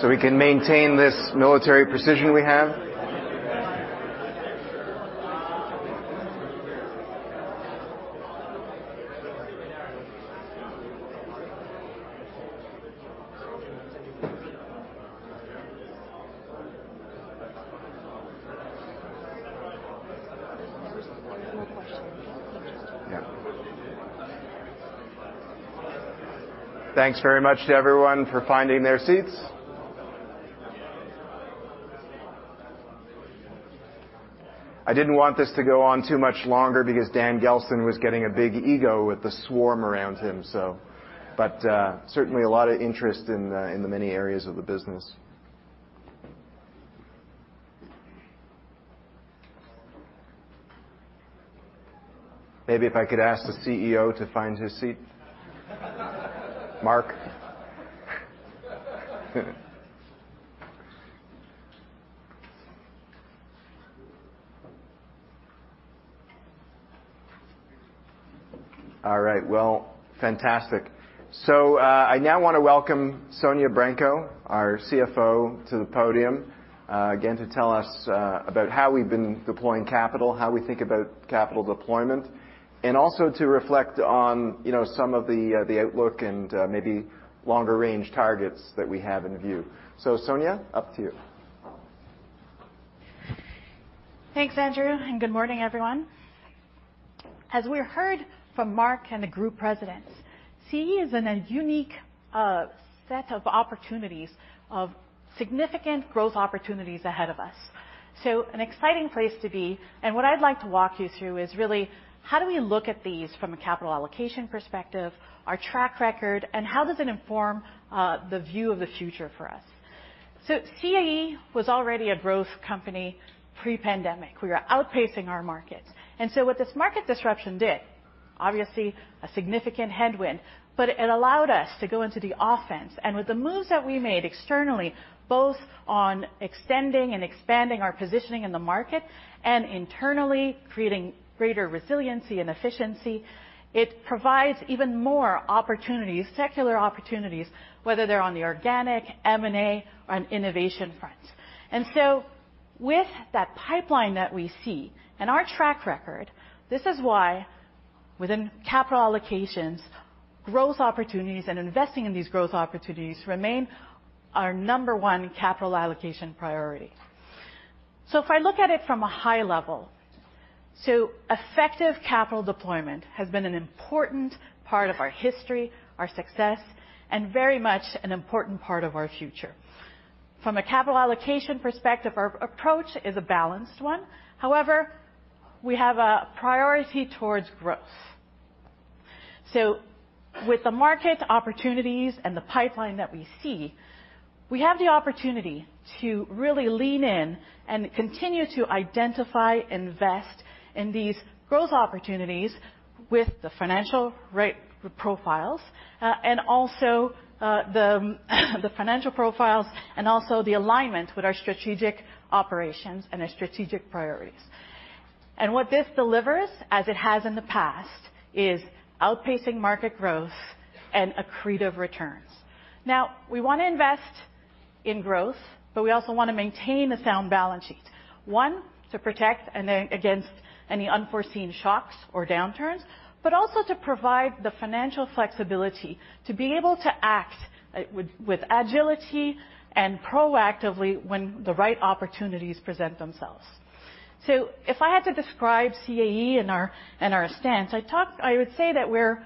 so we can maintain this military precision we have. Thanks very much to everyone for finding their seats. I didn't want this to go on too much longer because Dan Gelston was getting a big ego with the swarm around him. Certainly a lot of interest in the many areas of the business. Maybe if I could ask the CEO to find his seat. Marc. All right. Well, fantastic. I now wanna welcome Sonya Branco, our CFO, to the podium again to tell us about how we've been deploying capital, how we think about capital deployment, and also to reflect on, you know, some of the outlook and maybe longer range targets that we have in view. Sonya, up to you. Thanks, Andrew, and good morning, everyone. As we heard from Marc and the group presidents, CAE is in a unique set of opportunities of significant growth opportunities ahead of us. An exciting place to be, and what I'd like to walk you through is really how do we look at these from a capital allocation perspective, our track record, and how does it inform the view of the future for us. CAE was already a growth company pre-pandemic. We were outpacing our market. What this market disruption did, obviously a significant headwind, but it allowed us to go into the offense. With the moves that we made externally, both on extending and expanding our positioning in the market and internally creating greater resiliency and efficiency, it provides even more opportunities, secular opportunities, whether they're on the organic, M&A, or on innovation front. With that pipeline that we see and our track record, this is why within capital allocations, growth opportunities and investing in these growth opportunities remain our number one capital allocation priority. If I look at it from a high level, effective capital deployment has been an important part of our history, our success, and very much an important part of our future. From a capital allocation perspective, our approach is a balanced one. However, we have a priority towards growth. With the market opportunities and the pipeline that we see, we have the opportunity to really lean in and continue to identify, invest in these growth opportunities with the right financial profiles and also the alignment with our strategic operations and our strategic priorities. What this delivers, as it has in the past, is outpacing market growth and accretive returns. Now, we wanna invest in growth, but we also wanna maintain a sound balance sheet. One, to protect against any unforeseen shocks or downturns, but also to provide the financial flexibility to be able to act with agility and proactively when the right opportunities present themselves. If I had to describe CAE and our stance, I would say that we're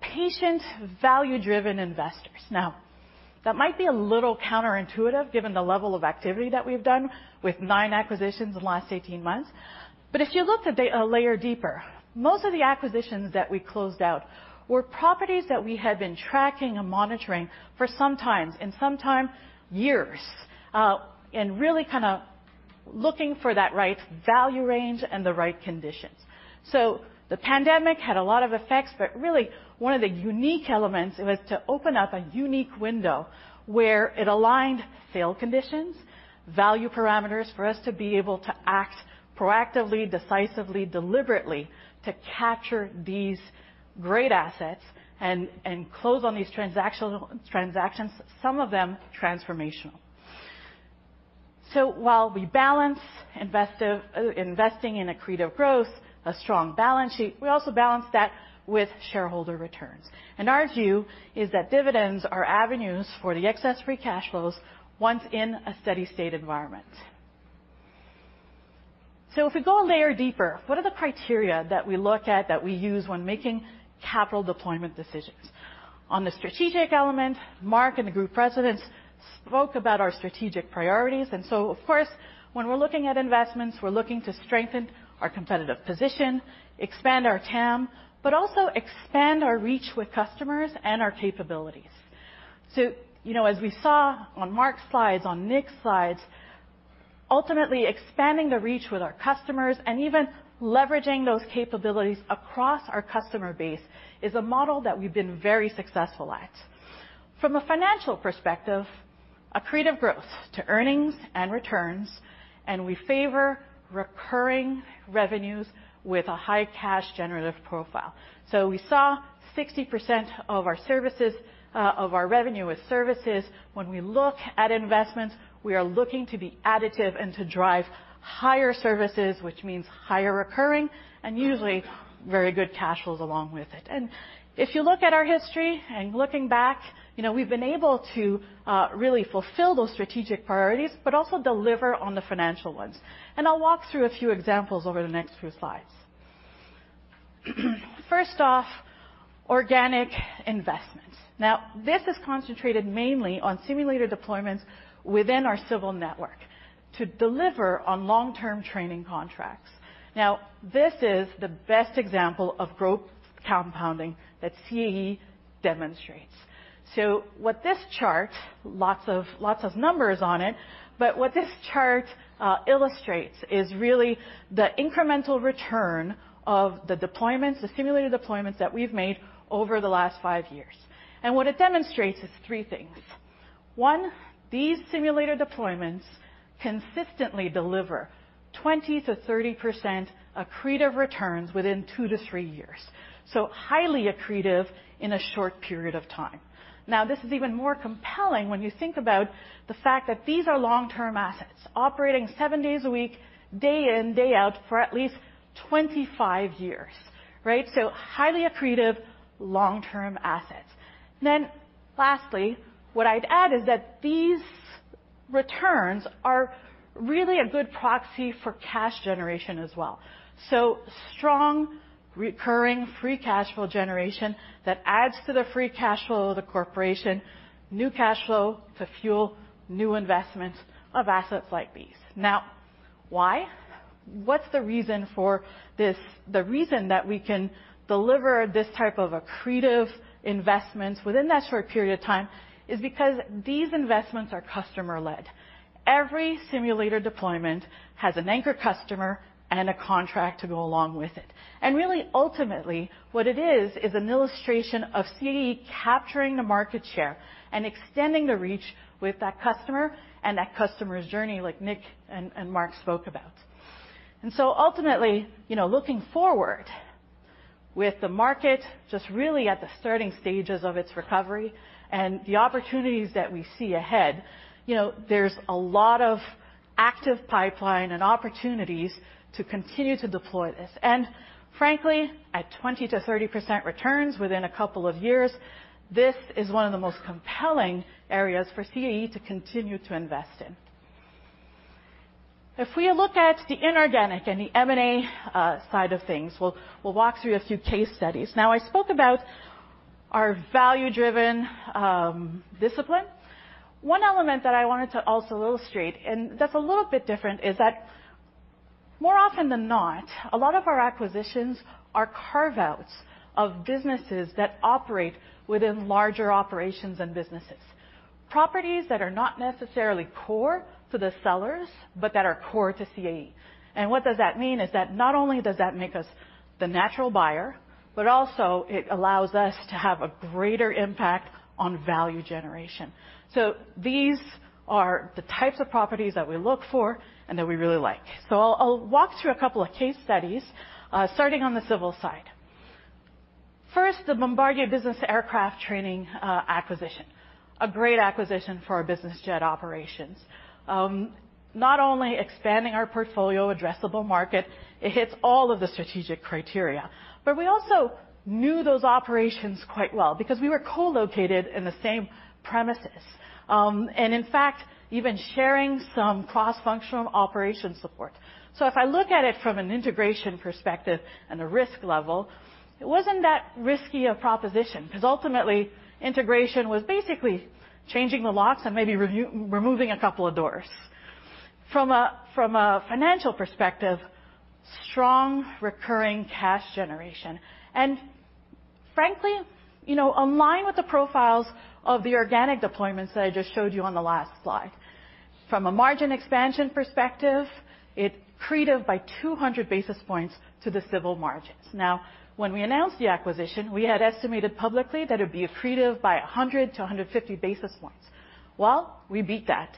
patient, value-driven investors. Now, that might be a little counterintuitive given the level of activity that we've done with nine acquisitions in the last 18 months. If you look today a layer deeper, most of the acquisitions that we closed out were properties that we had been tracking and monitoring for some time, years. Really kinda looking for that right value range and the right conditions. The pandemic had a lot of effects, but really one of the unique elements was to open up a unique window where it aligned sale conditions, value parameters for us to be able to act proactively, decisively, deliberately to capture these great assets and close on these transactions, some of them transformational. While we balance investing in accretive growth, a strong balance sheet, we also balance that with shareholder returns. Our view is that dividends are avenues for the excess free cash flows once in a steady state environment. If we go a layer deeper, what are the criteria that we look at that we use when making capital deployment decisions? On the strategic element, Marc and the group presidents spoke about our strategic priorities. Of course, when we're looking at investments, we're looking to strengthen our competitive position, expand our TAM, but also expand our reach with customers and our capabilities. You know, as we saw on Marc's slides, on Nick's slides, ultimately expanding the reach with our customers and even leveraging those capabilities across our customer base is a model that we've been very successful at. From a financial perspective, accretive growth to earnings and returns, and we favor recurring revenues with a high cash generative profile. We saw 60% of our services, of our revenue with services. When we look at investments, we are looking to be additive and to drive higher services, which means higher recurring and usually very good cash flows along with it. If you look at our history and looking back, you know, we've been able to really fulfill those strategic priorities, but also deliver on the financial ones. I'll walk through a few examples over the next few slides. First off, organic investments. Now, this is concentrated mainly on simulator deployments within our civil network to deliver on long-term training contracts. Now, this is the best example of growth compounding that CAE demonstrates. What this chart, lots of numbers on it, but what this chart illustrates is really the incremental return of the deployments, the simulator deployments that we've made over the last 5 years. What it demonstrates is 3 things. One, these simulator deployments consistently deliver 20%-30% accretive returns within 2-3 years. Highly accretive in a short period of time. This is even more compelling when you think about the fact that these are long-term assets operating seven days a week, day in, day out for at least 25 years, right? Highly accretive long-term assets. Lastly, what I'd add is that these returns are really a good proxy for cash generation as well. Strong recurring free cash flow generation that adds to the free cash flow of the corporation, new cash flow to fuel new investments of assets like these. Why? What's the reason for this? The reason that we can deliver this type of accretive investments within that short period of time is because these investments are customer-led. Every simulator deployment has an anchor customer and a contract to go along with it. Really ultimately, what it is an illustration of CAE capturing the market share and extending the reach with that customer and that customer's journey, like Nick and Marc spoke about. Ultimately, you know, looking forward with the market just really at the starting stages of its recovery and the opportunities that we see ahead, you know, there's a lot of active pipeline and opportunities to continue to deploy this. Frankly, at 20%-30% returns within a couple of years, this is one of the most compelling areas for CAE to continue to invest in. If we look at the inorganic and the M&A side of things, we'll walk through a few case studies. Now, I spoke about our value-driven discipline. One element that I wanted to also illustrate, and that's a little bit different, is that more often than not, a lot of our acquisitions are carve-outs of businesses that operate within larger operations and businesses. Properties that are not necessarily core to the sellers, but that are core to CAE. What does that mean is that not only does that make us the natural buyer, but also it allows us to have a greater impact on value generation. These are the types of properties that we look for and that we really like. I'll walk through a couple of case studies, starting on the civil side. First, the Bombardier Business Aircraft Training acquisition. A great acquisition for our business jet operations. Not only expanding our portfolio addressable market, it hits all of the strategic criteria. We also knew those operations quite well because we were co-located in the same premises. And in fact, even sharing some cross-functional operations support. If I look at it from an integration perspective and a risk level, it wasn't that risky a proposition, 'cause ultimately, integration was basically changing the locks and maybe removing a couple of doors. From a financial perspective, strong recurring cash generation. And frankly, you know, in line with the profiles of the organic deployments that I just showed you on the last slide. From a margin expansion perspective, it accretive by 200 basis points to the civil margins. Now, when we announced the acquisition, we had estimated publicly that it'd be accretive by 100 to 150 basis points. Well, we beat that.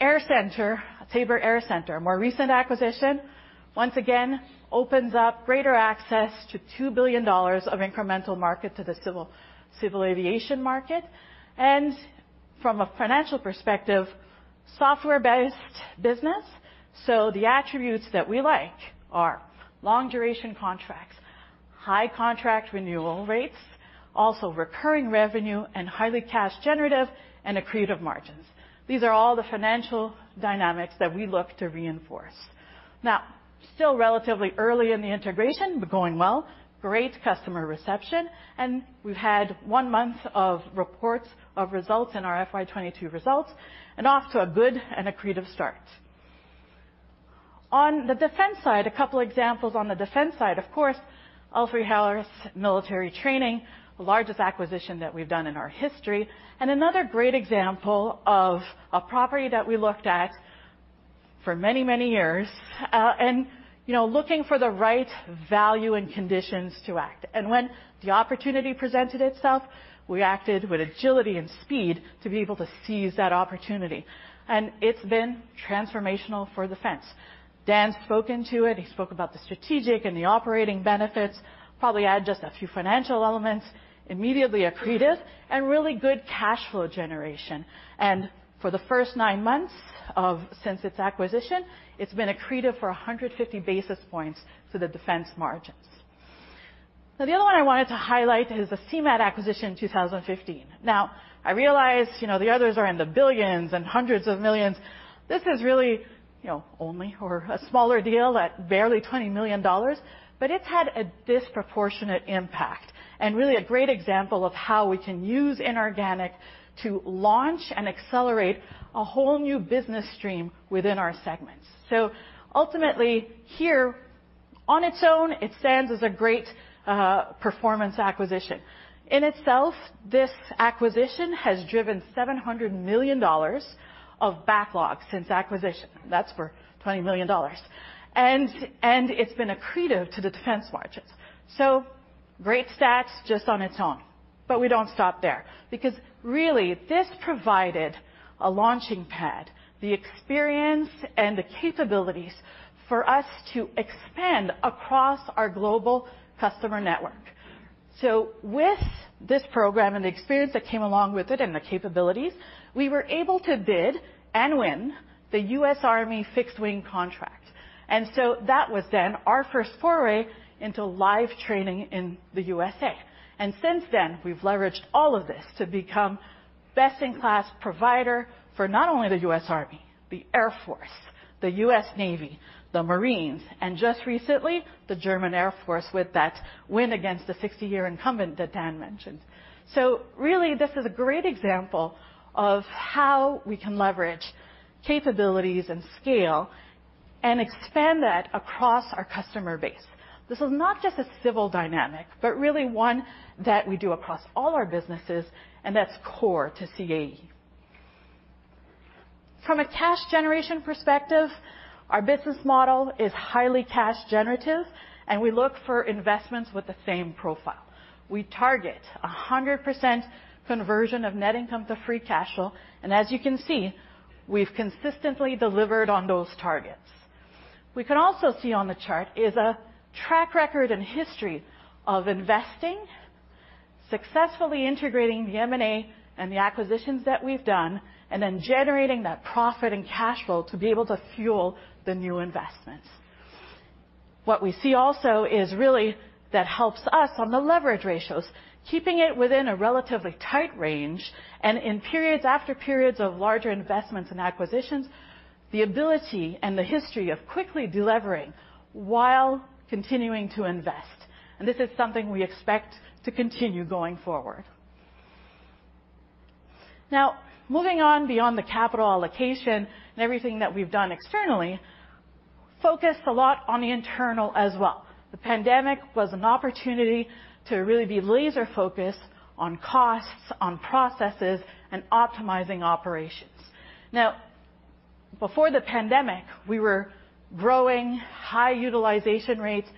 Sabre AirCentre, more recent acquisition, once again, opens up greater access to $2 billion of incremental market to the civil aviation market. From a financial perspective, software-based business. The attributes that we like are long-duration contracts, high contract renewal rates, also recurring revenue, and highly cash generative and accretive margins. These are all the financial dynamics that we look to reinforce. Now, still relatively early in the integration, but going well, great customer reception, and we've had one month of reports of results in our FY 2022 results, and off to a good and accretive start. On the defense side, a couple examples, of course, L3Harris Military Training, the largest acquisition that we've done in our history, and another great example of a property that we looked at for many, many years, and looking for the right value and conditions to act. When the opportunity presented itself, we acted with agility and speed to be able to seize that opportunity. It's been transformational for defense. Dan spoke to it. He spoke about the strategic and the operating benefits. Probably add just a few financial elements. Immediately accretive and really good cash flow generation. For the first nine months since its acquisition, it's been accretive for 150 basis points to the defense margins. Now, the other one I wanted to highlight is the Seamath acquisition in 2015. Now, I realize, you know, the others are in the billions and hundreds of millions. This is really, you know, only a smaller deal at barely $20 million, but it's had a disproportionate impact and really a great example of how we can use inorganic to launch and accelerate a whole new business stream within our segments. Ultimately, here, on its own, it stands as a great performance acquisition. In itself, this acquisition has driven $700 million of backlog since acquisition. That's for $20 million. And it's been accretive to the defense margins. Great stats just on its own. We don't stop there because really this provided a launching pad, the experience and the capabilities for us to expand across our global customer network. With this program and the experience that came along with it and the capabilities, we were able to bid and win the U.S. Army fixed-wing contract. That was then our first foray into live training in the USA. Since then, we've leveraged all of this to become best-in-class provider for not only the U.S. Army, the Air Force, the U.S. Navy, the Marines, and just recently, the German Air Force with that win against the 60-year incumbent that Dan mentioned. Really, this is a great example of how we can leverage capabilities and scale and expand that across our customer base. This is not just a civil dynamic, but really one that we do across all our businesses, and that's core to CAE. From a cash generation perspective, our business model is highly cash generative, and we look for investments with the same profile. We target 100% conversion of net income to free cash flow. As you can see, we've consistently delivered on those targets. We can also see on the chart is a track record and history of investing, successfully integrating the M&A and the acquisitions that we've done, and then generating that profit and cash flow to be able to fuel the new investments. What we see also is really that helps us on the leverage ratios, keeping it within a relatively tight range and in periods after periods of larger investments and acquisitions, the ability and the history of quickly delevering while continuing to invest This is something we expect to continue going forward. Now, moving on beyond the capital allocation and everything that we've done externally, focused a lot on the internal as well. The pandemic was an opportunity to really be laser-focused on costs, on processes, and optimizing operations. Now, before the pandemic, we were growing high utilization rates.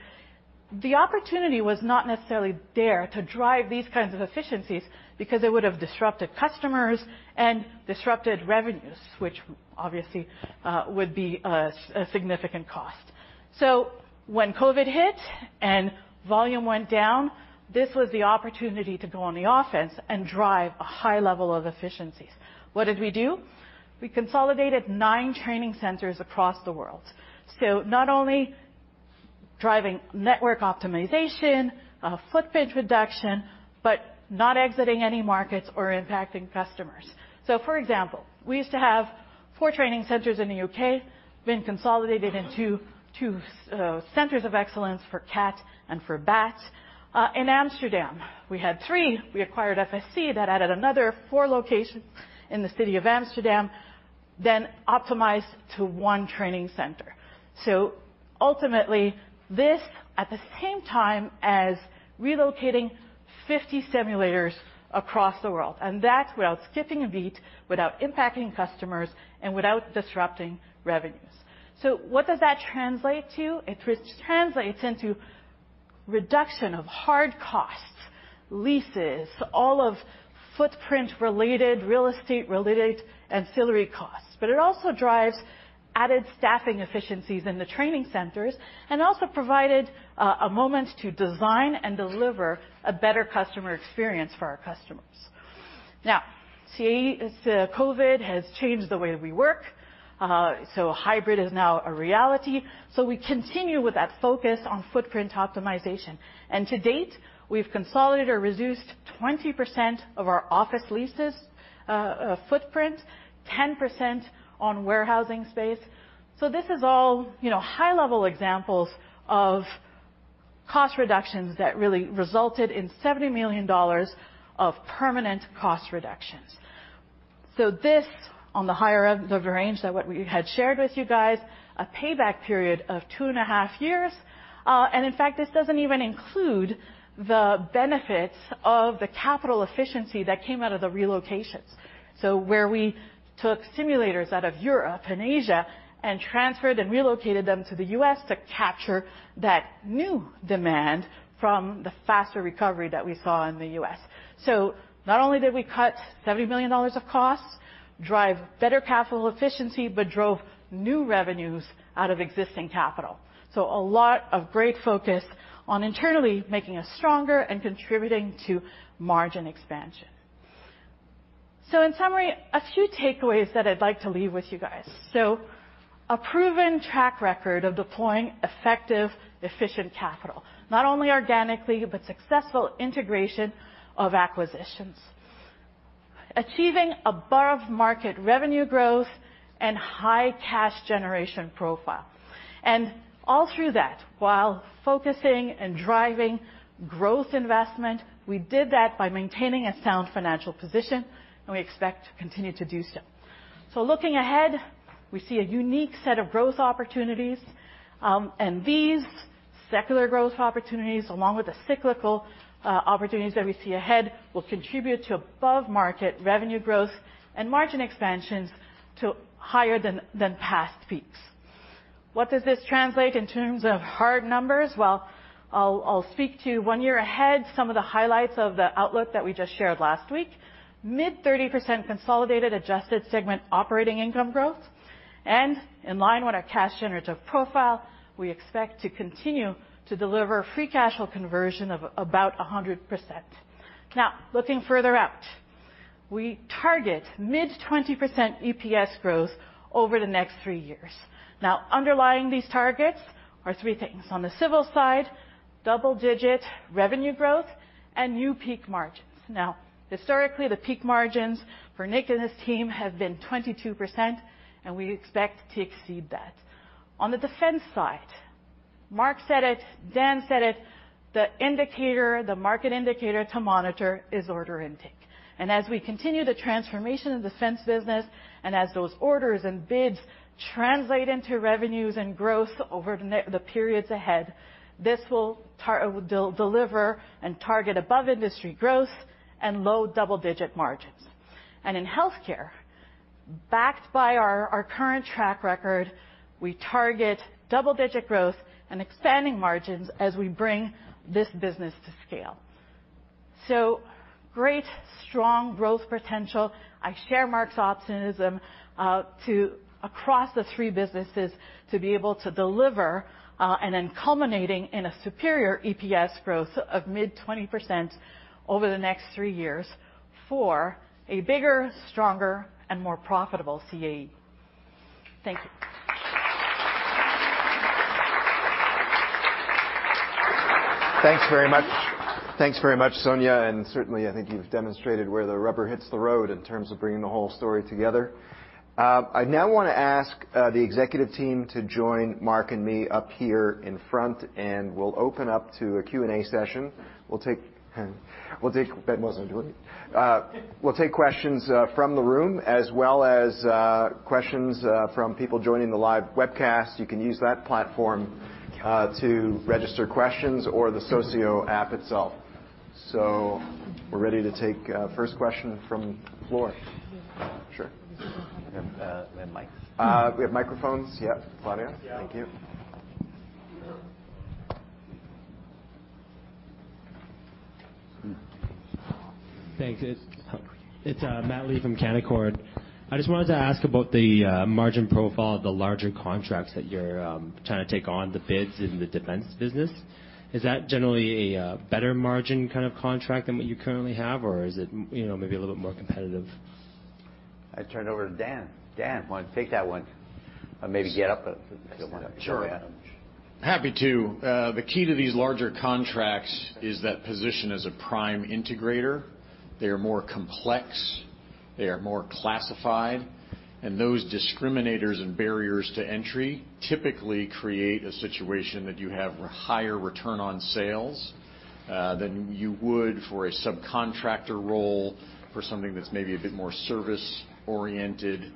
The opportunity was not necessarily there to drive these kinds of efficiencies because it would have disrupted customers and disrupted revenues, which obviously would be a significant cost. When COVID hit and volume went down, this was the opportunity to go on the offense and drive a high level of efficiencies. What did we do? We consolidated nine training centers across the world. Not only driving network optimization, footprint reduction, but not exiting any markets or impacting customers. For example, we used to have four training centers in the UK, been consolidated into two, centers of excellence for CAT and for BAT. In Amsterdam, we had three. We acquired FSC. That added another four locations in the city of Amsterdam, then optimized to one training center. Ultimately, this at the same time as relocating 50 simulators across the world, and that without skipping a beat, without impacting customers, and without disrupting revenues. What does that translate to? It translates into reduction of hard costs, leases, all of footprint-related, real estate-related ancillary costs. But it also drives added staffing efficiencies in the training centers and also provided a moment to design and deliver a better customer experience for our customers. Now, CAE, as COVID has changed the way we work, so hybrid is now a reality. We continue with that focus on footprint optimization. To date, we've consolidated or reduced 20% of our office leases, footprint, 10% on warehousing space. This is all, you know, high-level examples of cost reductions that really resulted in 70 million dollars of permanent cost reductions. This, on the higher end of the range than what we had shared with you guys, a payback period of two and a half years, and in fact, this doesn't even include the benefits of the capital efficiency that came out of the relocations. Where we took simulators out of Europe and Asia and transferred and relocated them to the U.S. to capture that new demand from the faster recovery that we saw in the U.S. Not only did we cut 70 million dollars of costs, drive better capital efficiency, but drove new revenues out of existing capital. A lot of great focus on internally making us stronger and contributing to margin expansion. In summary, a few takeaways that I'd like to leave with you guys. A proven track record of deploying effective, efficient capital, not only organically, but successful integration of acquisitions. Achieving above market revenue growth and high cash generation profile, and all through that, while focusing and driving growth investment, we did that by maintaining a sound financial position, and we expect to continue to do so. Looking ahead, we see a unique set of growth opportunities, and these secular growth opportunities, along with the cyclical opportunities that we see ahead, will contribute to above-market revenue growth and margin expansions to higher than past peaks. What does this translate in terms of hard numbers? Well, I'll speak to one year ahead some of the highlights of the outlook that we just shared last week. Mid-30% consolidated adjusted segment operating income growth and in line with our cash generative profile, we expect to continue to deliver free cash flow conversion of about 100%. Now, looking further out, we target mid-20% EPS growth over the next three years. Now, underlying these targets are three things. On the civil side, double-digit revenue growth and new peak margins. Now, historically, the peak margins for Nick and his team have been 22%, and we expect to exceed that. On the defense side, Marc said it, Dan said it, the indicator, the market indicator to monitor is order intake. As we continue the transformation of the defense business, and as those orders and bids translate into revenues and growth over the periods ahead, this will deliver and target above-industry growth and low double-digit margins. In healthcare, backed by our current track record, we target double-digit growth and expanding margins as we bring this business to scale. Great, strong growth potential. I share Marc's optimism too across the three businesses to be able to deliver, and then culminating in a superior EPS growth of mid-20% over the next three years for a bigger, stronger, and more profitable CAE. Thank you. Thanks very much. Thanks very much, Sonya, and certainly, I think you've demonstrated where the rubber hits the road in terms of bringing the whole story together. I now wanna ask the executive team to join Marc and me up here in front, and we'll open up to a Q&A session. We'll take questions from the room, as well as questions from people joining the live webcast. You can use that platform to register questions or the Socio app itself. We're ready to take first question from the floor. Sure. We have mics. We have microphones? Yeah. Claudia, thank you. Thanks. It's Matt Lee from Canaccord Genuity. I just wanted to ask about the margin profile of the larger contracts that you're trying to take on the bids in the defense business. Is that generally a better margin kind of contract than what you currently have, or is it, you know, maybe a little bit more competitive? I turn it over to Dan. Dan, wanna take that one? Maybe get up if you wanna. Sure. Happy to. The key to these larger contracts is that position as a prime integrator. They are more complex, they are more classified, and those discriminators and barriers to entry typically create a situation that you have higher return on sales, than you would for a subcontractor role for something that's maybe a bit more service-oriented,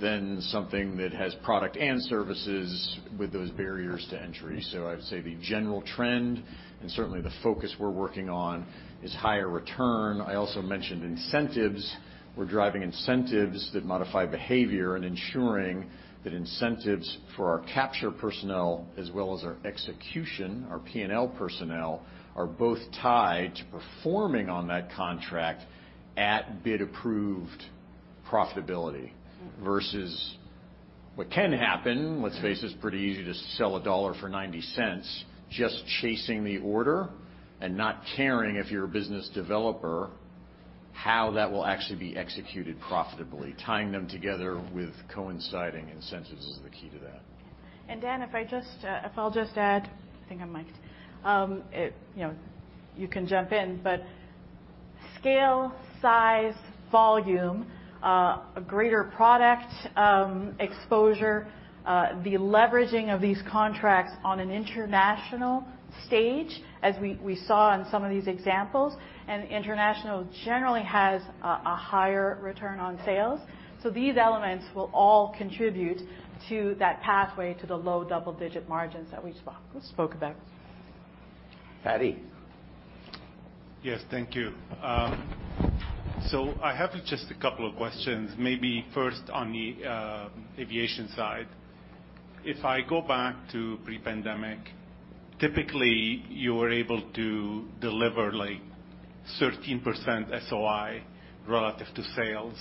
than something that has product and services with those barriers to entry. I'd say the general trend, and certainly the focus we're working on, is higher return. I also mentioned incentives. We're driving incentives that modify behavior and ensuring that incentives for our capture personnel as well as our execution, our P&L personnel, are both tied to performing on that contract at bid-approved profitability versus what can happen. Let's face it's pretty easy to sell a dollar for ninety cents, just chasing the order and not caring if you're a business developer, how that will actually be executed profitably. Tying them together with coinciding incentives is the key to that. Dan, if I'll just add. I think I'm mic'd. You know, you can jump in, but scale, size, volume, a greater product exposure, the leveraging of these contracts on an international stage as we saw in some of these examples, and international generally has a higher return on sales. These elements will all contribute to that pathway to the low double-digit margins that we spoke about. Fadi. Yes. Thank you. So I have just a couple of questions, maybe first on the aviation side. If I go back to pre-pandemic, typically, you were able to deliver like 13% SOI relative to sales.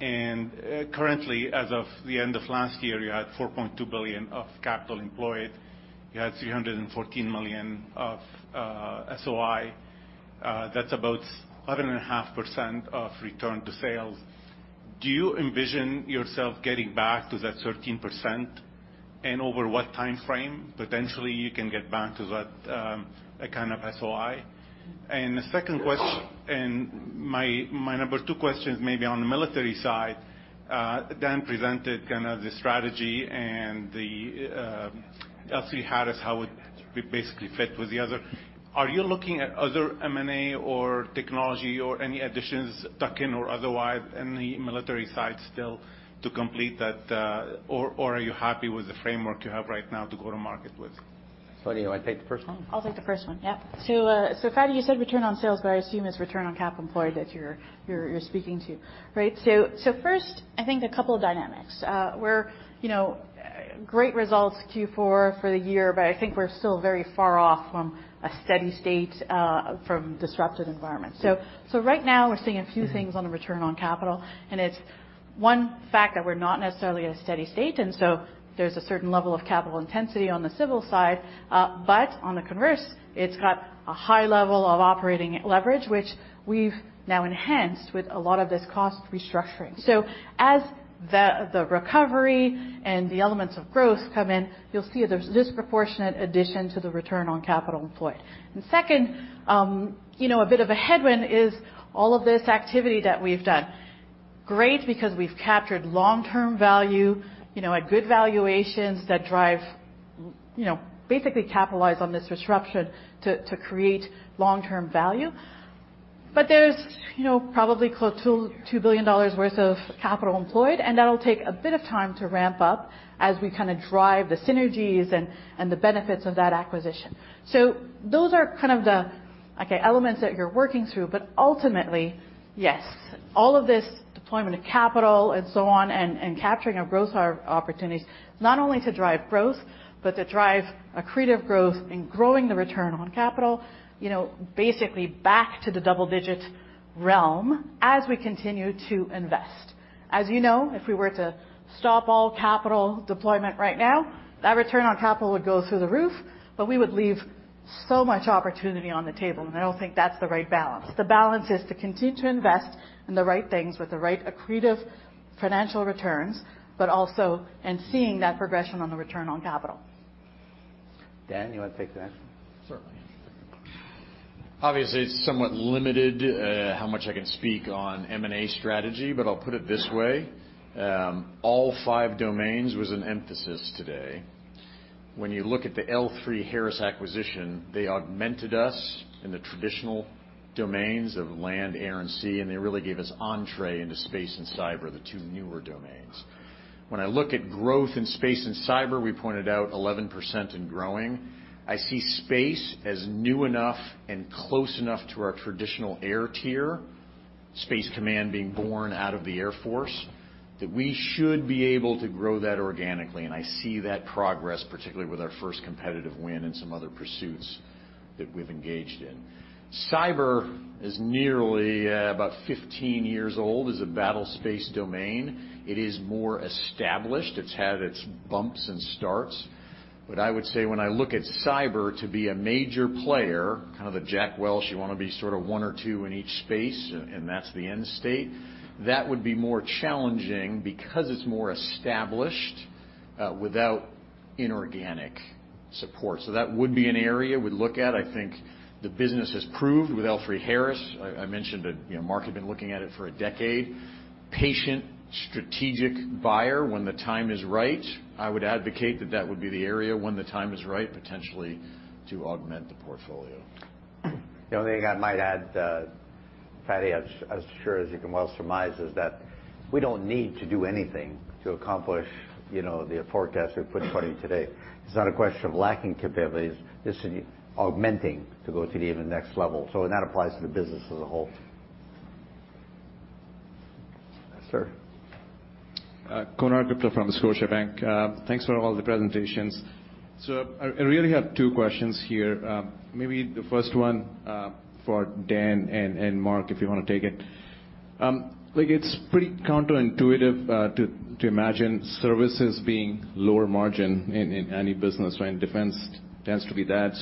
Currently, as of the end of last year, you had 4.2 billion of capital employed. You had 314 million of SOI. That's about 7.5% of return to sales. Do you envision yourself getting back to that 13%, and over what timeframe potentially you can get back to that kind of SOI? My number two question is maybe on the military side. Dan presented kind of the strategy and the L3Harris, how it basically fit with the other Are you looking at other M&A or technology or any additions, tuck-in or otherwise, in the military side still to complete that, or are you happy with the framework you have right now to go to market with? Sonya, you wanna take the first one? I'll take the first one. Yep. Fadi, you said return on sales, but I assume it's return on capital employed that you're speaking to, right? First, I think a couple of dynamics. We're, you know, great results, Q4 for the year, but I think we're still very far off from a steady state, from disruptive environments. Right now we're seeing a few things. Mm-hmm. On the return on capital, it's one fact that we're not necessarily at a steady state, and so there's a certain level of capital intensity on the civil side. But on the converse, it's got a high level of operating leverage, which we've now enhanced with a lot of this cost restructuring. As the recovery and the elements of growth come in, you'll see there's disproportionate addition to the return on capital employed. Second, you know, a bit of a headwind is all of this activity that we've done. Great because we've captured long-term value, you know, at good valuations that drive, you know, basically capitalize on this disruption to create long-term value. There's, you know, probably close to 2 billion dollars worth of capital employed, and that'll take a bit of time to ramp up as we kinda drive the synergies and the benefits of that acquisition. Those are kind of the, okay, elements that you're working through. Ultimately, yes, all of this deployment of capital and so on and capturing of growth opportunities, not only to drive growth, but to drive accretive growth and growing the return on capital, you know, basically back to the double digits realm as we continue to invest. As you know, if we were to stop all capital deployment right now, that return on capital would go through the roof, but we would leave so much opportunity on the table, and I don't think that's the right balance. The balance is to continue to invest in the right things with the right accretive financial returns, but also and seeing that progression on the return on capital. Dan, you wanna take the next one? Certainly. Obviously, it's somewhat limited how much I can speak on M&A strategy, but I'll put it this way. All five domains was an emphasis today. When you look at the L3Harris acquisition, they augmented us in the traditional domains of land, air, and sea, and they really gave us entree into space and cyber, the two newer domains. When I look at growth in space and cyber, we pointed out 11% and growing. I see space as new enough and close enough to our traditional air there, Space Command being born out of the Air Force, that we should be able to grow that organically, and I see that progress, particularly with our first competitive win and some other pursuits that we've engaged in. Cyber is nearly about 15 years old as a battlespace domain. It is more established. It's had its bumps and starts. I would say when I look at cyber to be a major player, kind of the Jack Welch, you wanna be sort of one or two in each space and that's the end state, that would be more challenging because it's more established without inorganic support. That would be an area we'd look at. I think the business has proved with L3Harris. I mentioned that, you know, Marc had been looking at it for a decade. Patient, strategic buyer when the time is right, I would advocate that that would be the area when the time is right, potentially to augment the portfolio. The only thing I might add, Fadi, as sure as you can well surmise, is that we don't need to do anything to accomplish, you know, the forecast we've put in front of you today. It's not a question of lacking capabilities. It's in augmenting to go to the even next level. That applies to the business as a whole. Yes, sir. Konark Gupta from Scotiabank. Thanks for all the presentations. I really have two questions here. Maybe the first one, for Dan and Marc, if you wanna take it. Like it's pretty counterintuitive, to imagine services being lower margin in any business, right? Defense tends to be that.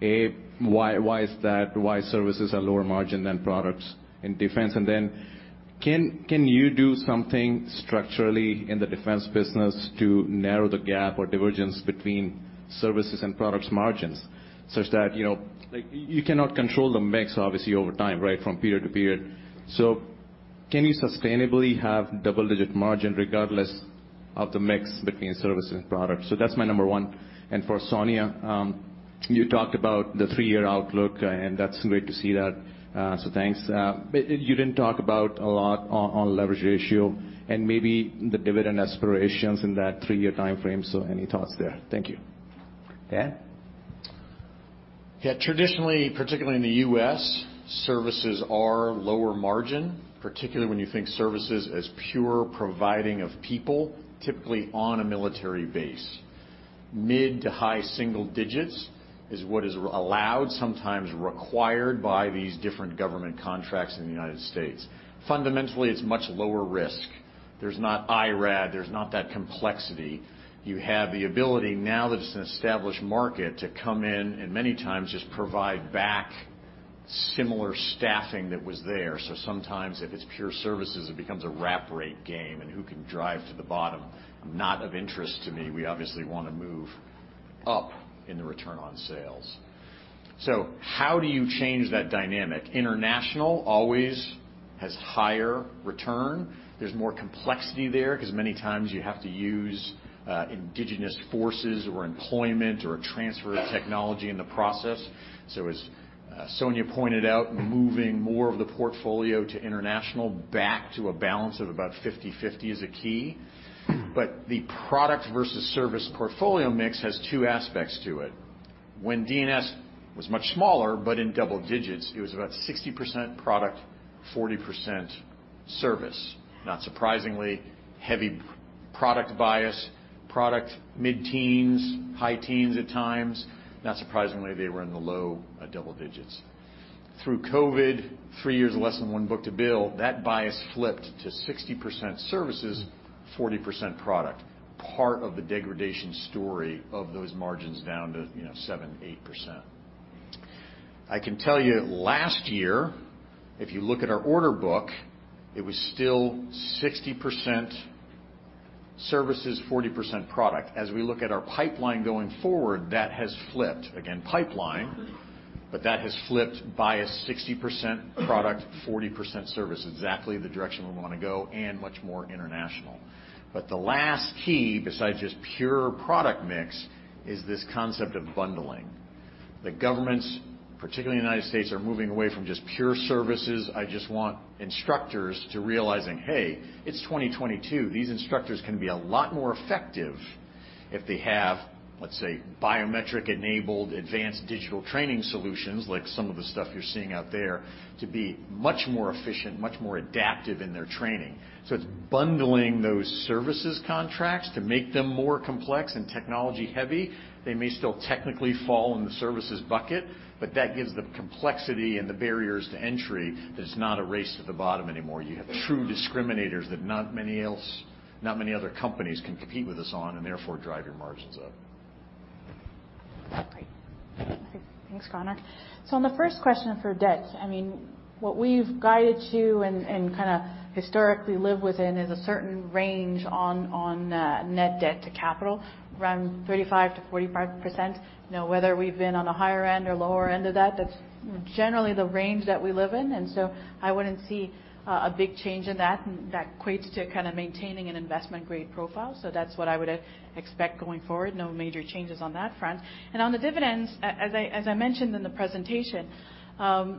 A, why is that? Why services are lower margin than products in defense? And then- Can you do something structurally in the defense business to narrow the gap or divergence between services and products margins such that, you know, like, you cannot control the mix obviously over time, right, from period to period. Can you sustainably have double-digit margin regardless of the mix between services and products? That's my number one. For Sonya, you talked about the three-year outlook, and that's great to see that, thanks. You didn't talk about a lot on leverage ratio and maybe the dividend aspirations in that three-year timeframe. Any thoughts there? Thank you. Dan? Yeah. Traditionally, particularly in the U.S., services are lower margin, particularly when you think services as pure providing of people, typically on a military base. Mid- to high single digits% is what is allowed, sometimes required by these different government contracts in the United States. Fundamentally, it's much lower risk. There's not IRAD, there's not that complexity. You have the ability now that it's an established market to come in and many times just provide back similar staffing that was there. Sometimes if it's pure services, it becomes a wrap rate game and who can drive to the bottom. Not of interest to me. We obviously wanna move up in the return on sales. How do you change that dynamic? International always has higher return. There's more complexity there 'cause many times you have to use indigenous forces or employment or a transfer of technology in the process. As Sonya pointed out, moving more of the portfolio to international back to a balance of about 50/50 is a key. The product versus service portfolio mix has two aspects to it. When DNS was much smaller, but in double digits, it was about 60% product, 40% service. Not surprisingly, heavy product bias, product mid-teens, high teens at times. Not surprisingly, they were in the low double digits. Through COVID, three years of less than one book-to-bill, that bias flipped to 60% services, 40% product, part of the degradation story of those margins down to, you know, 7-8%. I can tell you last year, if you look at our order book, it was still 60% services, 40% product. As we look at our pipeline going forward, that has flipped. Again, pipeline, but that has flipped to 60% product, 40% service, exactly the direction we wanna go and much more international. The last key, besides just pure product mix, is this concept of bundling. The governments, particularly United States, are moving away from just pure services. I just want instructors to realize, hey, it's 2022. These instructors can be a lot more effective if they have, let's say, biometric-enabled advanced digital training solutions, like some of the stuff you're seeing out there, to be much more efficient, much more adaptive in their training. It's bundling those services contracts to make them more complex and technology-heavy. They may still technically fall in the services bucket, but that gives the complexity and the barriers to entry that it's not a race to the bottom anymore. You have true discriminators that not many other companies can compete with us on and therefore drive your margins up. Great. Thanks, Konark. On the first question for debt, I mean, what we've guided to and kinda historically live within is a certain range on net debt to capital, around 35%-45%. You know, whether we've been on a higher end or lower end of that's generally the range that we live in. I wouldn't see a big change in that, and that equates to kind of maintaining an investment grade profile. That's what I would expect going forward. No major changes on that front. On the dividends, as I mentioned in the presentation,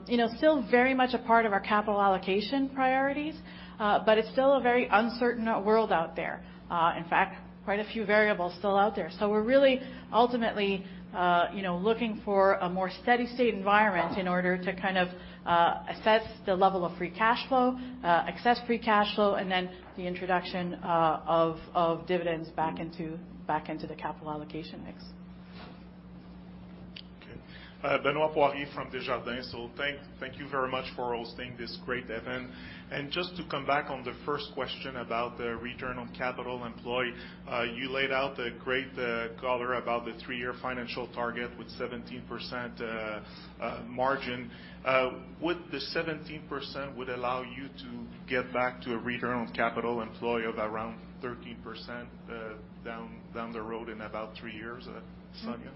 you know, still very much a part of our capital allocation priorities, but it's still a very uncertain world out there. In fact, quite a few variables still out there. We're really ultimately, you know, looking for a more steady state environment in order to kind of assess the level of free cash flow, excess free cash flow, and then the introduction of dividends back into the capital allocation mix. Okay. Benoit Poirier from Desjardins. Thank you very much for hosting this great event. Just to come back on the first question about the return on capital employed, you laid out a great color about the three-year financial target with 17% margin. Would the 17% would allow you to get back to a return on capital employed of around 13%, down the road in about three years? Sonya?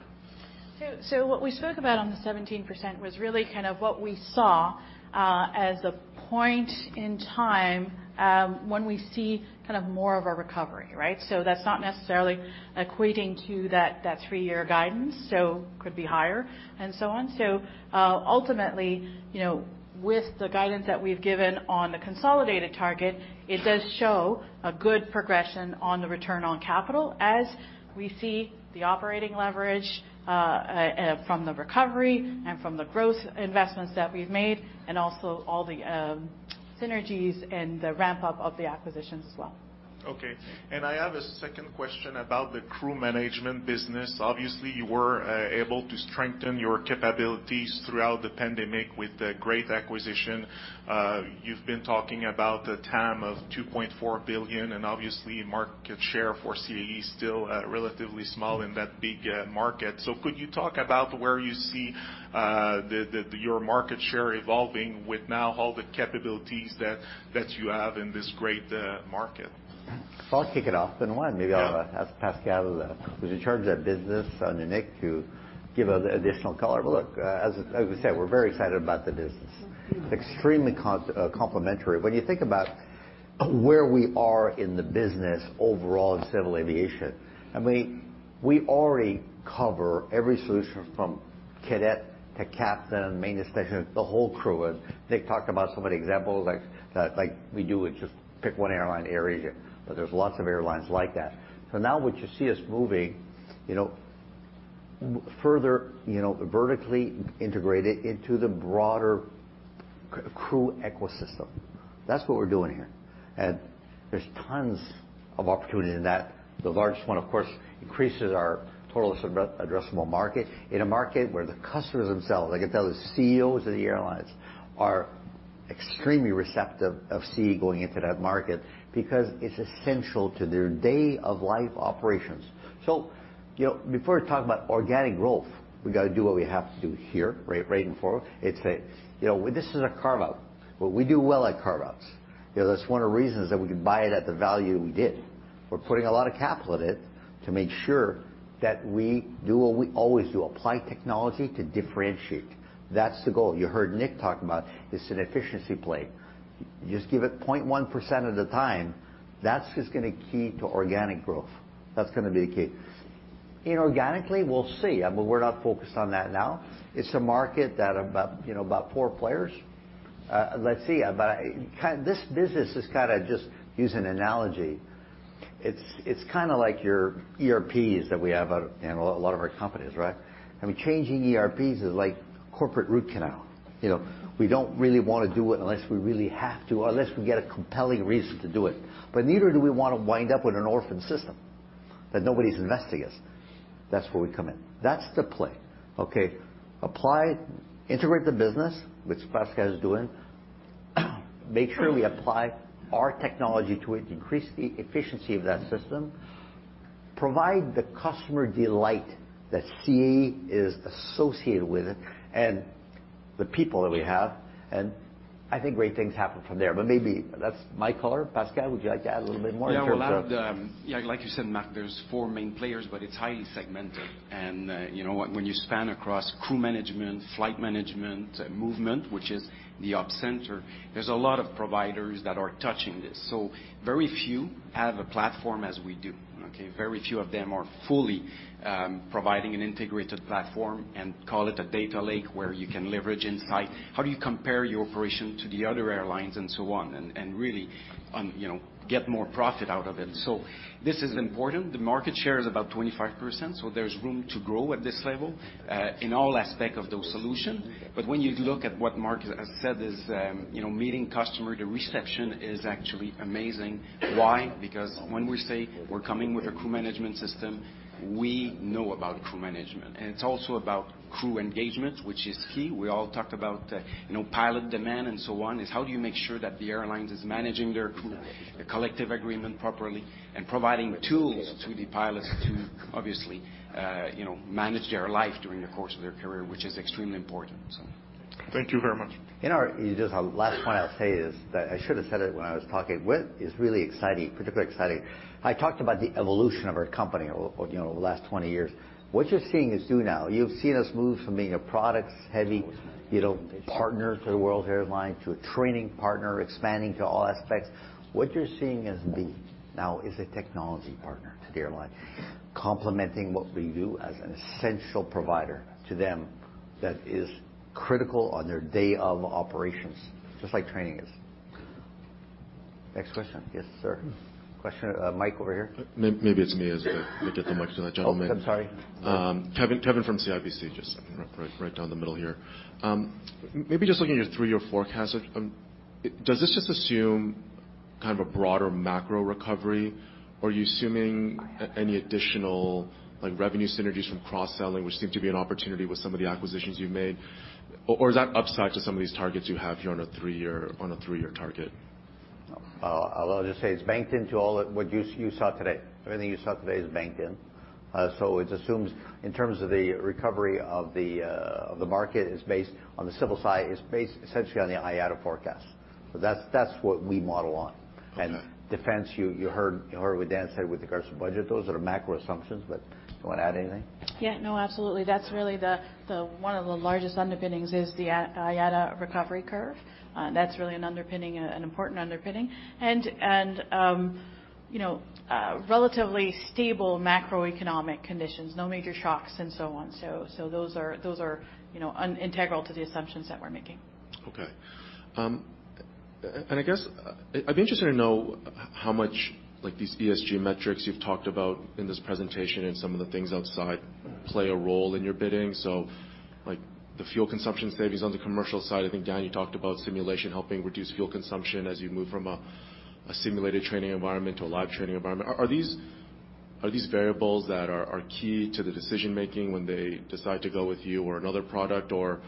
What we spoke about on the 17% was really kind of what we saw as a point in time when we see kind of more of a recovery, right? That's not necessarily equating to that three-year guidance, so could be higher and so on. Ultimately, you know, with the guidance that we've given on the consolidated target, it does show a good progression on the return on capital as we see the operating leverage from the recovery and from the growth investments that we've made, and also all the synergies and the ramp-up of the acquisitions as well. Okay. I have a second question about the crew management business. Obviously, you were able to strengthen your capabilities throughout the pandemic with a great acquisition. You've been talking about a TAM of 2.4 billion, and obviously market share for CAE is still relatively small in that big market. Could you talk about where you see the your market share evolving with now all the capabilities that you have in this great market? I'll kick it off, Benoit, and maybe I'll ask Pascal, who's in charge of that business, and Nick to give additional color. Look, as we said, we're very excited about the business. Extremely complementary. When you think about- Where we are in the business overall in civil aviation. I mean, we already cover every solution from cadet to captain, maintenance technician, the whole crew. Nick talked about so many examples like we do with just pick one airline area, but there's lots of airlines like that. Now what you see us moving, you know, further, you know, vertically integrated into the broader crew ecosystem. That's what we're doing here. There's tons of opportunity in that. The largest one, of course, increases our total addressable market. In a market where the customers themselves, like I tell the CEOs of the airlines, are extremely receptive of CAE going into that market because it's essential to their day-to-day operations. You know, before we talk about organic growth, we got to do what we have to do here, right and forward. You know, this is a carve-out, but we do well at carve-outs. You know, that's one of the reasons that we can buy it at the value we did. We're putting a lot of capital in it to make sure that we do what we always do, apply technology to differentiate. That's the goal. You heard Nick talk about it's an efficiency play. Just give it 0.1% of the time. That's just going to be key to organic growth. That's going to be the key. Inorganically, we'll see. I mean, we're not focused on that now. It's a market that's about, you know, about four players. Let's see. This business is kind of just, use an analogy, it's kind of like your ERPs that we have in a lot of our companies, right? I mean, changing ERPs is like corporate root canal. You know, we don't really want to do it unless we really have to, unless we get a compelling reason to do it. Neither do we want to wind up with an orphan system that nobody's investing in. That's where we come in. That's the play, okay? Apply, integrate the business, which Pascal is doing, make sure we apply our technology to it, increase the efficiency of that system, provide the customer delight that CAE is associated with it and the people that we have, and I think great things happen from there. Maybe that's my color. Pascal, would you like to add a little bit more in terms of? Yeah. Well, like you said, Marc, there's four main players, but it's highly segmented. You know, when you span across crew management, flight management, movement, which is the op center, there's a lot of providers that are touching this. Very few have a platform as we do. Okay? Very few of them are fully providing an integrated platform and call it a data lake, where you can leverage insight. How do you compare your operation to the other airlines and so on, and really you know, get more profit out of it? This is important. The market share is about 25%, so there's room to grow at this level in all aspect of those solutions. When you look at what Marc has said is you know, meeting customer, the reception is actually amazing. Why? Because when we say we're coming with a crew management system, we know about crew management, and it's also about crew engagement, which is key. We all talked about, you know, pilot demand and so on. It's how do you make sure that the airlines is managing their crew, the collective agreement properly, and providing tools to the pilots to obviously, you know, manage their life during the course of their career, which is extremely important. Thank you very much. Just last point I'll say is that I should have said it when I was talking, what is really exciting, particularly exciting. I talked about the evolution of our company over, you know, over the last 20 years. What you're seeing us do now, you've seen us move from being a products-heavy, you know, partner to the world airline, to a training partner, expanding to all aspects. What you're seeing us be now is a technology partner to the airline, complementing what we do as an essential provider to them that is critical on their day-of operations, just like training is. Next question. Yes, sir. Question. Mike, over here. Maybe it's me as I get the mic to that gentleman. Oh, I'm sorry. Kevin from CIBC. Just right down the middle here. Maybe just looking at your three-year forecast, does this just assume kind of a broader macro recovery, or are you assuming any additional, like, revenue synergies from cross-selling, which seem to be an opportunity with some of the acquisitions you've made, or is that upside to some of these targets you have here on a three-year target? I'll just say it's baked into all of what you saw today. Everything you saw today is baked in. It assumes in terms of the recovery of the market is based on the civil side, is based essentially on the IATA forecast. That's what we model on. Okay. Defense, you heard what Dan said with regards to budget. Those are macro assumptions, but you want to add anything? Yeah, no, absolutely. That's really one of the largest underpinnings is the IATA recovery curve. That's really an underpinning, an important underpinning. You know, relatively stable macroeconomic conditions, no major shocks and so on. Those are, you know, integral to the assumptions that we're making. I guess I'd be interested to know how much, like these ESG metrics you've talked about in this presentation and some of the things outside play a role in your bidding. Like the fuel consumption savings on the commercial side, I think, Dan, you talked about simulation helping reduce fuel consumption as you move from a simulated training environment to a live training environment. Are these variables that are key to the decision-making when they decide to go with you or another product, or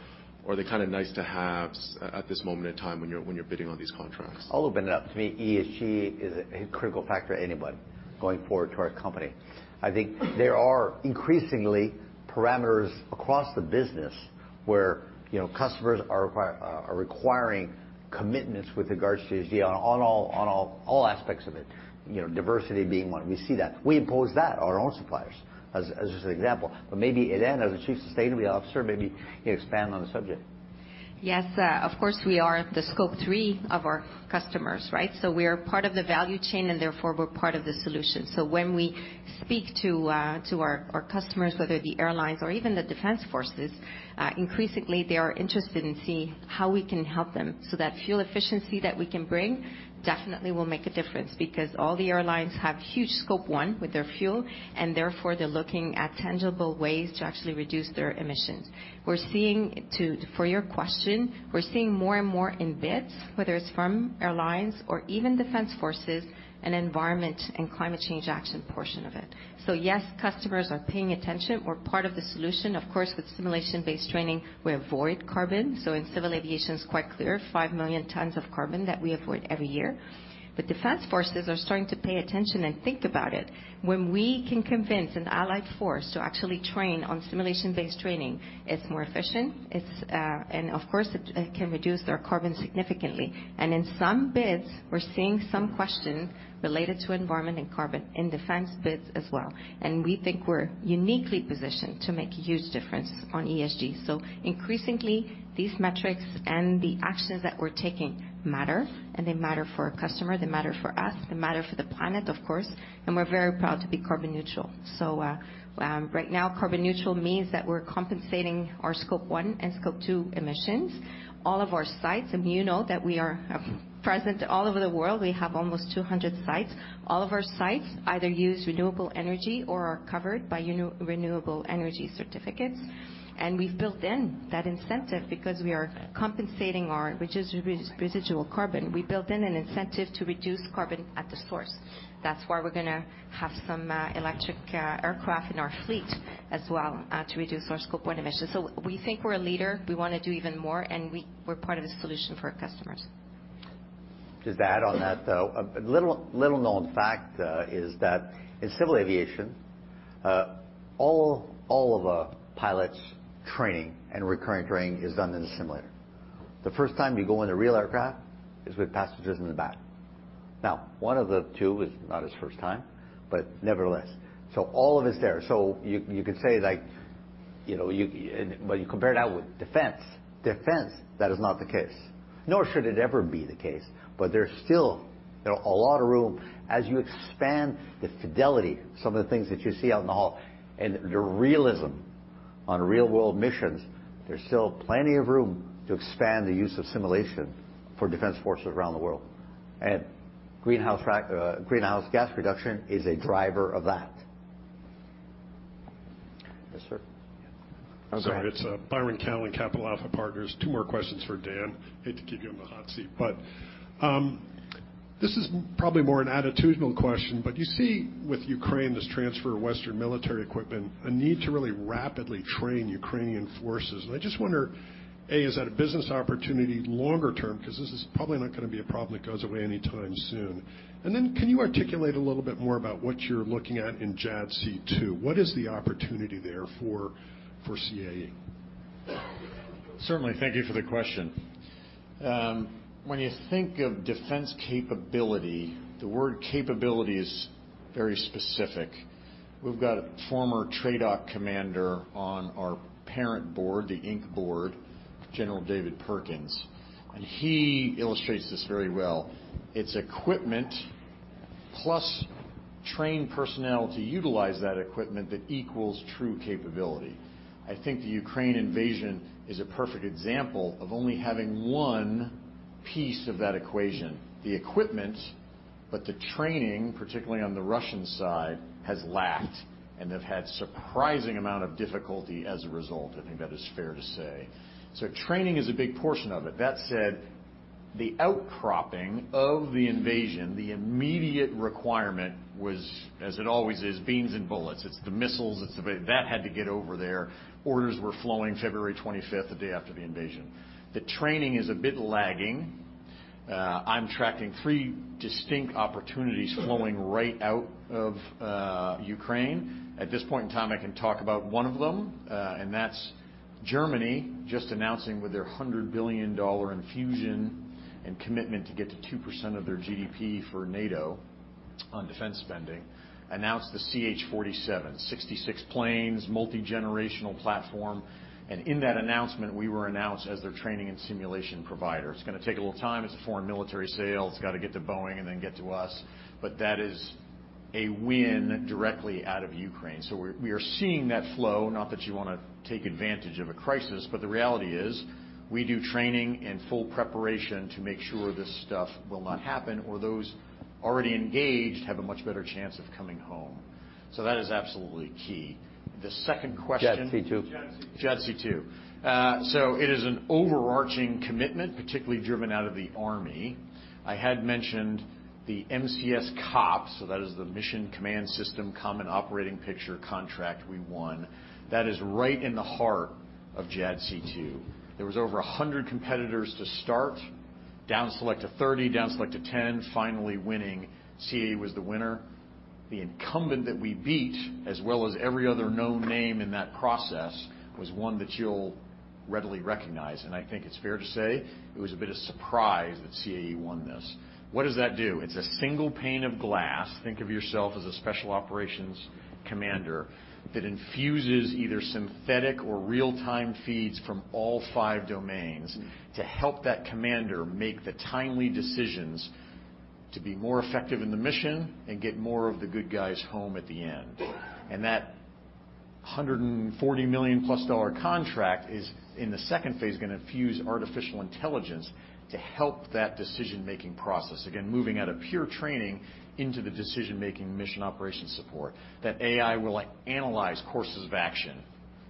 are they kind of nice to haves at this moment in time when you're bidding on these contracts? I'll open it up. To me, ESG is a critical factor to anybody going forward to our company. I think there are increasingly parameters across the business where, you know, customers are requiring commitments with regards to ESG on all aspects of it, you know, diversity being one. We see that. We impose that on our own suppliers as an example. Maybe Hélène, as the Chief Sustainability Officer, maybe you expand on the subject. Yes, of course, we are the Scope 3 of our customers, right? We are part of the value chain, and therefore, we're part of the solution. When we speak to our customers, whether the airlines or even the defense forces, increasingly they are interested in seeing how we can help them, so that fuel efficiency that we can bring definitely will make a difference because all the airlines have huge Scope 1 with their fuel, and therefore, they're looking at tangible ways to actually reduce their emissions. For your question, we're seeing more and more in bids, whether it's from airlines or even defense forces and environment and climate change action portion of it. Yes, customers are paying attention. We're part of the solution. Of course, with simulation-based training, we avoid carbon, so in civil aviation it's quite clear, 5 million tons of carbon that we avoid every year. Defense forces are starting to pay attention and think about it. When we can convince an allied force to actually train on simulation-based training, it's more efficient. Of course, it can reduce their carbon significantly. In some bids, we're seeing some question related to environment and carbon in defense bids as well. We think we're uniquely positioned to make huge difference on ESG. Increasingly, these metrics and the actions that we're taking matter, and they matter for our customer, they matter for us, they matter for the planet, of course, and we're very proud to be carbon neutral. Right now, carbon neutral means that we're compensating our scope one and scope two emissions. All of our sites, and you know that we are present all over the world, we have almost 200 sites. All of our sites either use renewable energy or are covered by non-renewable energy certificates. We've built in that incentive because we are compensating our residual carbon. We built in an incentive to reduce carbon at the source. That's why we're gonna have some electric aircraft in our fleet as well to reduce our scope one emissions. We think we're a leader. We wanna do even more, and we're part of the solution for our customers. Just to add on that, though, a little known fact is that in civil aviation, all of a pilot's training and recurrent training is done in the simulator. The first time you go in a real aircraft is with passengers in the back. Now, one of the two is not his first time, but nevertheless, so all of it's there. So you could say like, you know, when you compare that with defense, that is not the case, nor should it ever be the case. But there's still a lot of room as you expand the fidelity, some of the things that you see out in the hall and the realism on real-world missions, there's still plenty of room to expand the use of simulation for defense forces around the world. Greenhouse gas reduction is a driver of that. Yes, sir. Sorry, it's Byron Callan, Capital Alpha Partners. Two more questions for Dan. Hate to keep you in the hot seat, but this is probably more an attitudinal question, but you see with Ukraine this transfer of Western military equipment, a need to really rapidly train Ukrainian forces. I just wonder, A, is that a business opportunity longer term? 'Cause this is probably not gonna be a problem that goes away anytime soon. Then can you articulate a little bit more about what you're looking at in JADC2? What is the opportunity there for CAE? Certainly. Thank you for the question. When you think of defense capability, the word capability is very specific. We've got a former TRADOC commander on our parent board, the Inc. board, General David Perkins, and he illustrates this very well. It's equipment plus trained personnel to utilize that equipment that equals true capability. I think the Ukraine invasion is a perfect example of only having one piece of that equation, the equipment, but the training, particularly on the Russian side, has lacked and have had surprising amount of difficulty as a result. I think that is fair to say. Training is a big portion of it. That said, the outcropping of the invasion, the immediate requirement was, as it always is, beans and bullets. It's the missiles, it's the. That had to get over there. Orders were flowing February 25, the day after the invasion. The training is a bit lagging. I'm tracking three distinct opportunities flowing right out of Ukraine. At this point in time, I can talk about one of them, and that's Germany just announcing with their $100 billion infusion and commitment to get to 2% of their GDP for NATO on defense spending, announced the CH-47, 66 planes, multi-generational platform. In that announcement, we were announced as their training and simulation provider. It's gonna take a little time. It's a foreign military sale. It's got to get to Boeing and then get to us. That is a win directly out of Ukraine. We are seeing that flow, not that you wanna take advantage of a crisis, but the reality is we do training and full preparation to make sure this stuff will not happen, or those already engaged have a much better chance of coming home. That is absolutely key. The second question. JADC2. JADC2. It is an overarching commitment, particularly driven out of the army. I had mentioned the MCS/COP, that is the Mission Command System/Common Operating Picture contract we won. That is right in the heart of JADC2. There was over 100 competitors to start, down select to 30, down select to 10, finally winning. CAE was the winner. The incumbent that we beat, as well as every other known name in that process, was one that you'll readily recognize. I think it's fair to say it was a bit of surprise that CAE won this. What does that do? It's a single pane of glass, think of yourself as a special operations commander, that infuses either synthetic or real-time feeds from all five domains to help that commander make the timely decisions. To be more effective in the mission and get more of the good guys home at the end. That $140 million+ contract is, in the second phase, gonna infuse artificial intelligence to help that decision-making process. Again, moving out of pure training into the decision-making mission operation support that AI will analyze courses of action.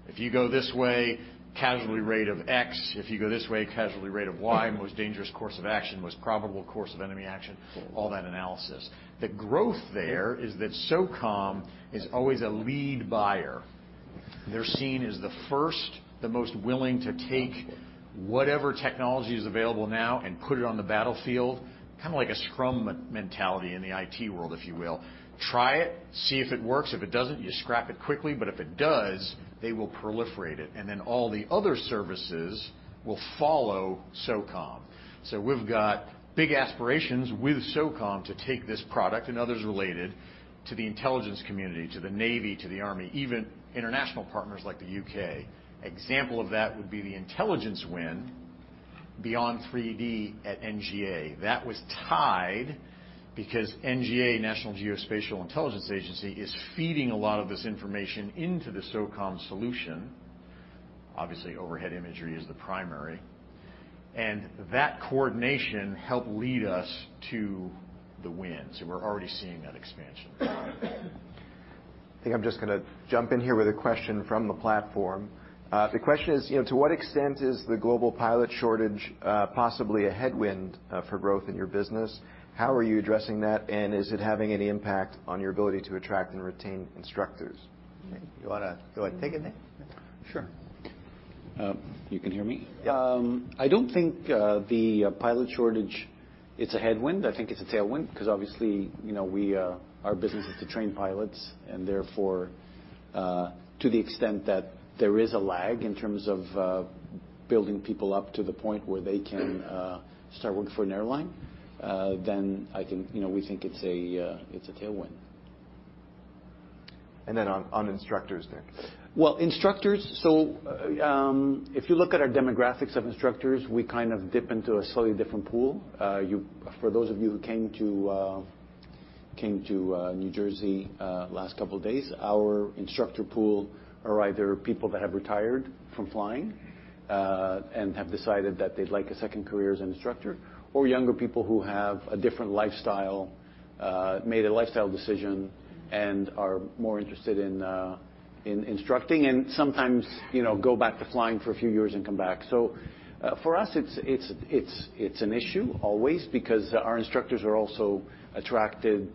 If you go this way, casualty rate of X, if you go this way, casualty rate of Y, most dangerous course of action, most probable course of enemy action, all that analysis. The growth there is that SOCOM is always a lead buyer. They're seen as the first, the most willing to take whatever technology is available now and put it on the battlefield, kind of like a scrum mentality in the IT world, if you will. Try it, see if it works. If it doesn't, you scrap it quickly. If it does, they will proliferate it, and then all the other services will follow SOCOM. We've got big aspirations with SOCOM to take this product and others related to the intelligence community, to the Navy, to the Army, even international partners like the UK. Example of that would be the intelligence win Beyond 3D at NGA. That was tied because NGA, National Geospatial-Intelligence Agency, is feeding a lot of this information into the SOCOM solution. Obviously, overhead imagery is the primary, and that coordination helped lead us to the win. We're already seeing that expansion. I think I'm just gonna jump in here with a question from the platform. The question is, you know, to what extent is the global pilot shortage possibly a headwind for growth in your business? How are you addressing that, and is it having any impact on your ability to attract and retain instructors? You wanna go ahead and take it, Nick? Sure. You can hear me? Yeah. I don't think the pilot shortage, it's a headwind. I think it's a tailwind, 'cause obviously, you know, our business is to train pilots, and therefore, to the extent that there is a lag in terms of building people up to the point where they can start working for an airline, then I think, you know, we think it's a tailwind. On instructors, Nick. Well, instructors, if you look at our demographics of instructors, we kind of dip into a slightly different pool. For those of you who came to New Jersey last couple days, our instructor pool are either people that have retired from flying and have decided that they'd like a second career as an instructor or younger people who have a different lifestyle, made a lifestyle decision and are more interested in instructing and sometimes, you know, go back to flying for a few years and come back. For us, it's an issue always because our instructors are also attractive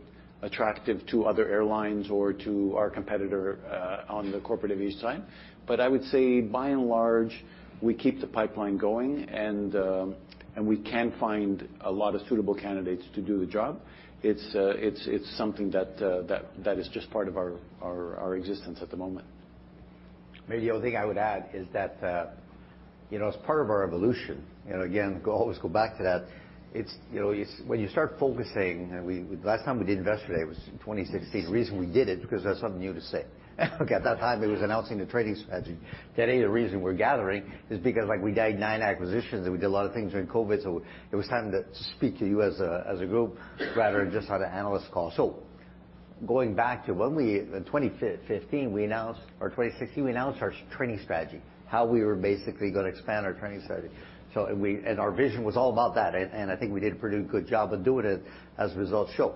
to other airlines or to our competitor on the corporate aviation side. I would say by and large, we keep the pipeline going and we can find a lot of suitable candidates to do the job. It's something that is just part of our existence at the moment. Maybe the only thing I would add is that, you know, as part of our evolution, you know, again, always go back to that. It's you know it's when you start focusing. The last time we did Investor Day was in 2016. The reason we did it, because there's something new to say. Like, at that time, it was announcing the training strategy. Today, the reason we're gathering is because, like, we did nine acquisitions, and we did a lot of things during COVID, so it was time to speak to you as a group rather than just on an analyst call. Going back to when we, in 2015, or 2016, we announced our training strategy, how we were basically gonna expand our training strategy. Our vision was all about that, and I think we did a pretty good job of doing it as the results show.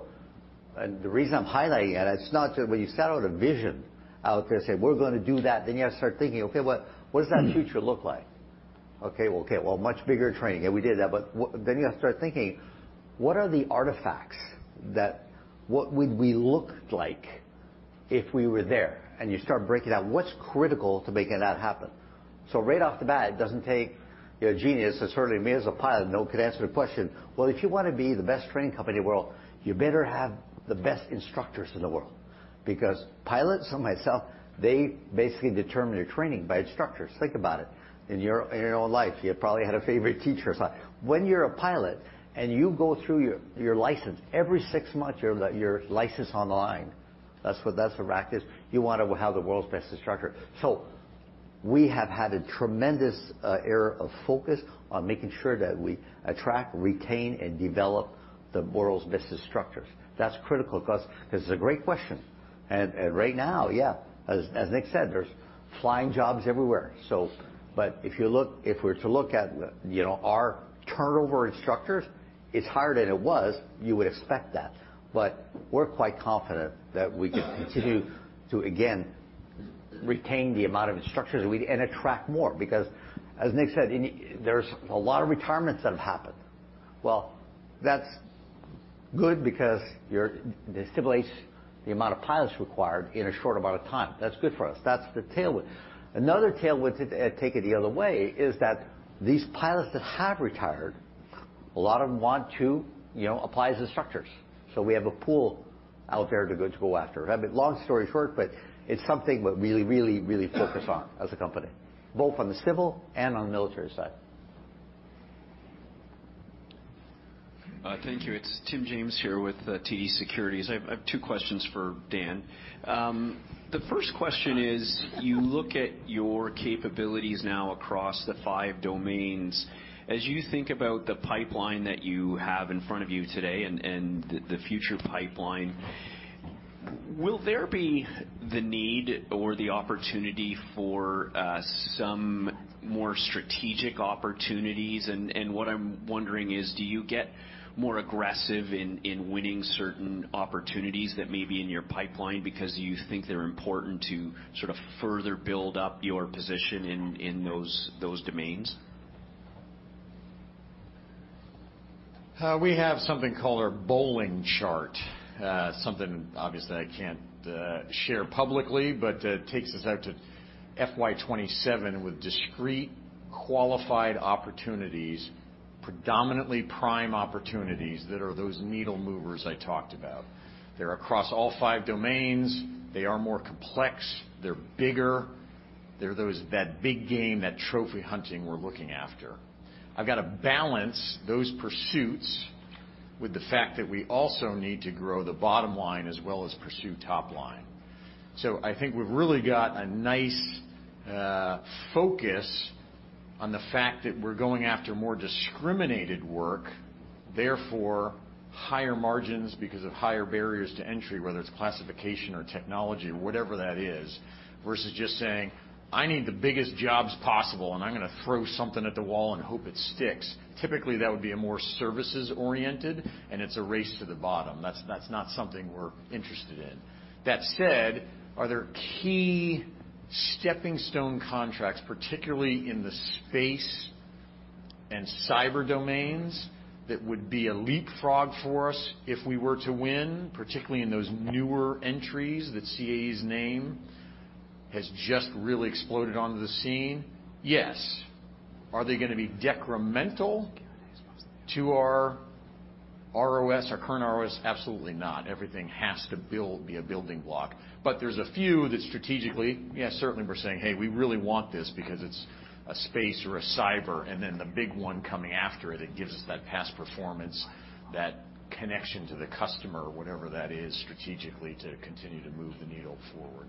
The reason I'm highlighting it is not to—when you set out a vision out there, say, "We're gonna do that," then you have to start thinking, "Okay, what does that future look like?" Okay, well, much bigger training, and we did that. Then you gotta start thinking, "What are the artifacts that what would we look like if we were there?" You start breaking down what's critical to making that happen. Right off the bat, it doesn't take, you know, a genius. Certainly me as a pilot, no one could answer the question. Well, if you wanna be the best training company in the world, you better have the best instructors in the world because pilots like myself, they basically determine your training by instructors. Think about it. In your own life, you probably had a favorite teacher or something. When you're a pilot and you go through your license, every six months, your license is on the line. That's the practice. You wanna have the world's best instructor. We have had a tremendous era of focus on making sure that we attract, retain, and develop the world's best instructors. That's critical to us 'cause it's a great question. Right now, yeah, as Nick said, there's flying jobs everywhere. If we're to look at, you know, our instructor turnover, it's higher than it was. You would expect that. We're quite confident that we can continue to, again, retain the amount of instructors and attract more. Because as Nick said, there's a lot of retirements that have happened. Well, that's good because it stimulates the amount of pilots required in a short amount of time. That's good for us. That's the tailwind. Another tailwind, to take it the other way, is that these pilots that have retired, a lot of them want to, you know, apply as instructors. We have a pool out there to go after. I mean, long story short, but it's something we really focus on as a company, both on the civil and on the military side. Thank you. It's Tim James here with TD Securities. I have two questions for Dan. The first question is, you look at your capabilities now across the five domains. As you think about the pipeline that you have in front of you today and the future pipeline. Will there be the need or the opportunity for some more strategic opportunities? And what I'm wondering is, do you get more aggressive in winning certain opportunities that may be in your pipeline because you think they're important to sort of further build up your position in those domains? We have something called our bowling chart. Something obviously I can't share publicly, but takes us out to FY 2027 with discrete qualified opportunities, predominantly prime opportunities that are those needle movers I talked about. They're across all five domains. They are more complex, they're bigger. They're those that big game, that trophy hunting we're looking after. I've got to balance those pursuits with the fact that we also need to grow the bottom line as well as pursue top line. I think we've really got a nice focus on the fact that we're going after more discriminated work, therefore higher margins because of higher barriers to entry, whether it's classification or technology, whatever that is, versus just saying, "I need the biggest jobs possible, and I'm gonna throw something at the wall and hope it sticks." Typically, that would be a more services oriented, and it's a race to the bottom. That's not something we're interested in. That said, are there key stepping stone contracts, particularly in the space and cyber domains, that would be a leapfrog for us if we were to win, particularly in those newer entries that CAE's name has just really exploded onto the scene? Yes. Are they gonna be decremental to our ROS, our current ROS? Absolutely not. Everything has to build, be a building block. There's a few that strategically, yes, certainly we're saying, "Hey, we really want this because it's a space or a cyber." The big one coming after it gives us that past performance, that connection to the customer, whatever that is, strategically, to continue to move the needle forward.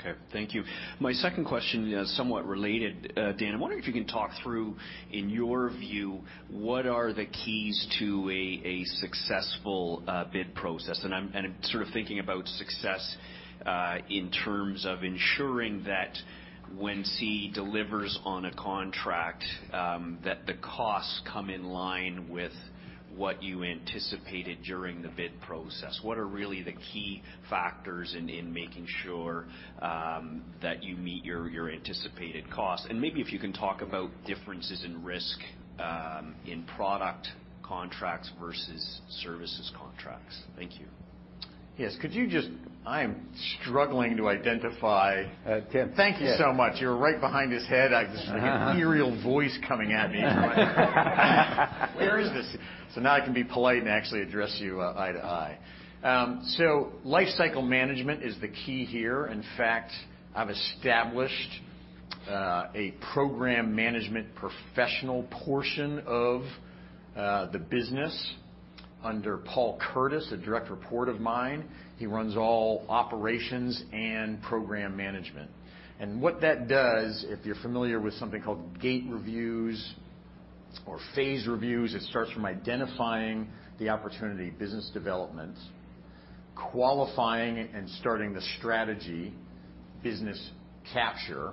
Okay. Thank you. My second question is somewhat related. Dan, I'm wondering if you can talk through, in your view, what are the keys to a successful bid process. I'm sort of thinking about success in terms of ensuring that when CAE delivers on a contract, that the costs come in line with what you anticipated during the bid process. What are really the key factors in making sure that you meet your anticipated costs? Maybe if you can talk about differences in risk in product contracts versus services contracts. Thank you. Yes. I am struggling to identify. Tim. Thank you so much. You're right behind his head. Like this ethereal voice coming at me. Where is this? Now I can be polite and actually address you, eye to eye. Lifecycle management is the key here. In fact, I've established a program management professional portion of the business under Paul Curtis, a direct report of mine. He runs all operations and program management. What that does, if you're familiar with something called gate reviews or phase reviews, it starts from identifying the opportunity, business development, qualifying and starting the strategy, business capture,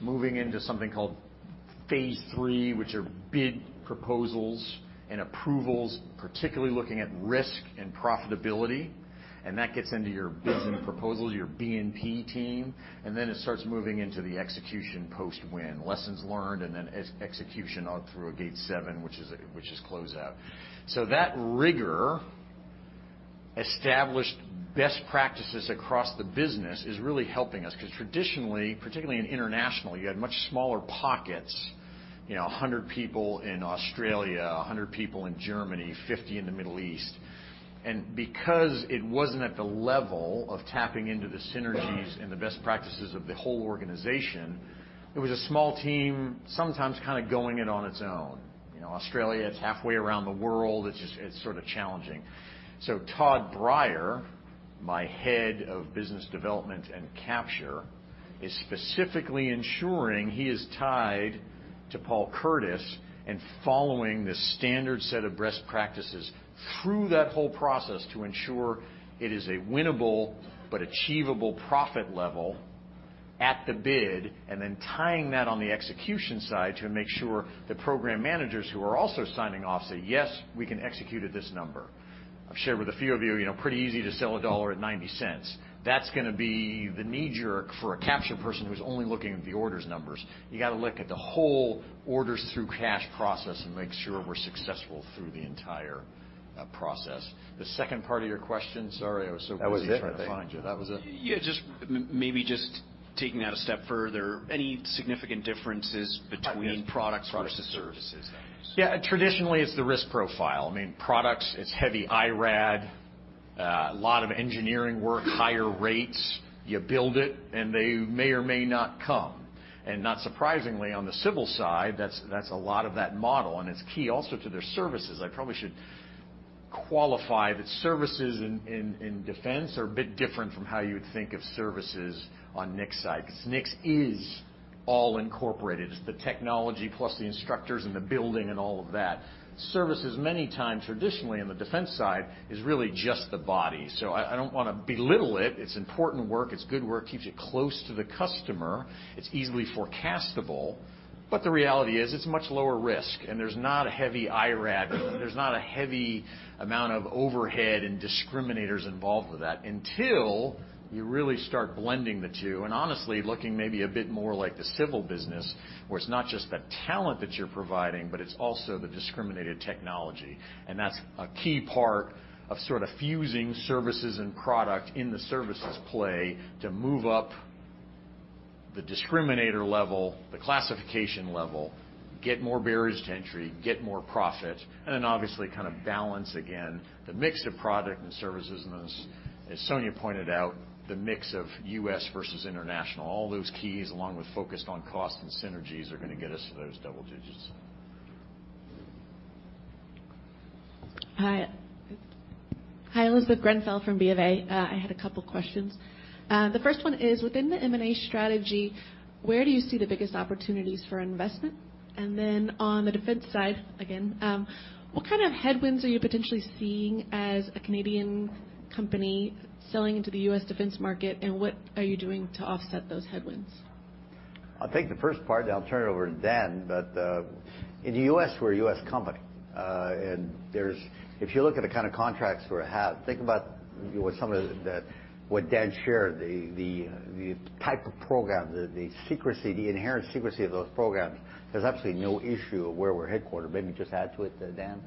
moving into something called phase three, which are bid proposals and approvals, particularly looking at risk and profitability. That gets into your business proposals, your B&P team, and then it starts moving into the execution post-win, lessons learned, and then execution all through a gate seven, which is close out. That rigor established best practices across the business is really helping us 'cause traditionally, particularly in international, you had much smaller pockets, you know, 100 people in Australia, 100 people in Germany, 50 in the Middle East. Because it wasn't at the level of tapping into the synergies and the best practices of the whole organization, it was a small team sometimes kinda going it on its own. You know, Australia, it's halfway around the world. It's just, it's sort of challenging. Todd Breyer, my head of business development and capture, is specifically ensuring he is tied to Paul Curtis and following the standard set of best practices through that whole process to ensure it is a winnable but achievable profit level at the bid, and then tying that on the execution side to make sure the program managers who are also signing off say, "Yes, we can execute at this number." I've shared with a few of you know, pretty easy to sell a dollar at 90 cents. That's gonna be the knee-jerk for a capture person who's only looking at the orders numbers. You gotta look at the whole orders through cash process and make sure we're successful through the entire process. The second part of your question? Sorry, I was so busy- That was it, I think. That was it. Yeah, just maybe just taking that a step further. Any significant differences between products versus services? Yeah. Traditionally, it's the risk profile. I mean, products, it's heavy IRAD, lot of engineering work, higher rates. You build it, and they may or may not come. Not surprisingly, on the civil side, that's a lot of that model, and it's key also to their services. I probably should qualify that services in defense are a bit different from how you would think of services on Nick's side, 'cause Nick's is all incorporated, the technology plus the instructors and the building and all of that. Services many times traditionally on the defense side is really just the body. I don't wanna belittle it's important work, it's good work, keeps you close to the customer. It's easily forecastable, but the reality is, it's much lower risk, and there's not a heavy IRAD. There's not a heavy amount of overhead and discriminators involved with that until you really start blending the two, and honestly, looking maybe a bit more like the civil business, where it's not just the talent that you're providing, but it's also the discriminated technology. That's a key part of sort of fusing services and product in the services play to move up the discriminator level, the classification level, get more barriers to entry, get more profit, and then obviously kind of balance again the mix of product and services and those, as Sonia pointed out, the mix of U.S. versus international. All those keys along with focused on cost and synergies are gonna get us to those double digits. Hi. Hi, Elizabeth Grenfell from BofA. I had a couple questions. The first one is, within the M&A strategy, where do you see the biggest opportunities for investment? On the defense side, again, what kind of headwinds are you potentially seeing as a Canadian company selling into the U.S. defense market, and what are you doing to offset those headwinds? I'll take the first part, and I'll turn it over to Dan. In the U.S., we're a U.S. company. If you look at the kind of contracts we have, think about what Dan shared, the type of program, the secrecy, the inherent secrecy of those programs. There's absolutely no issue of where we're headquartered. Maybe just add to it, Dan.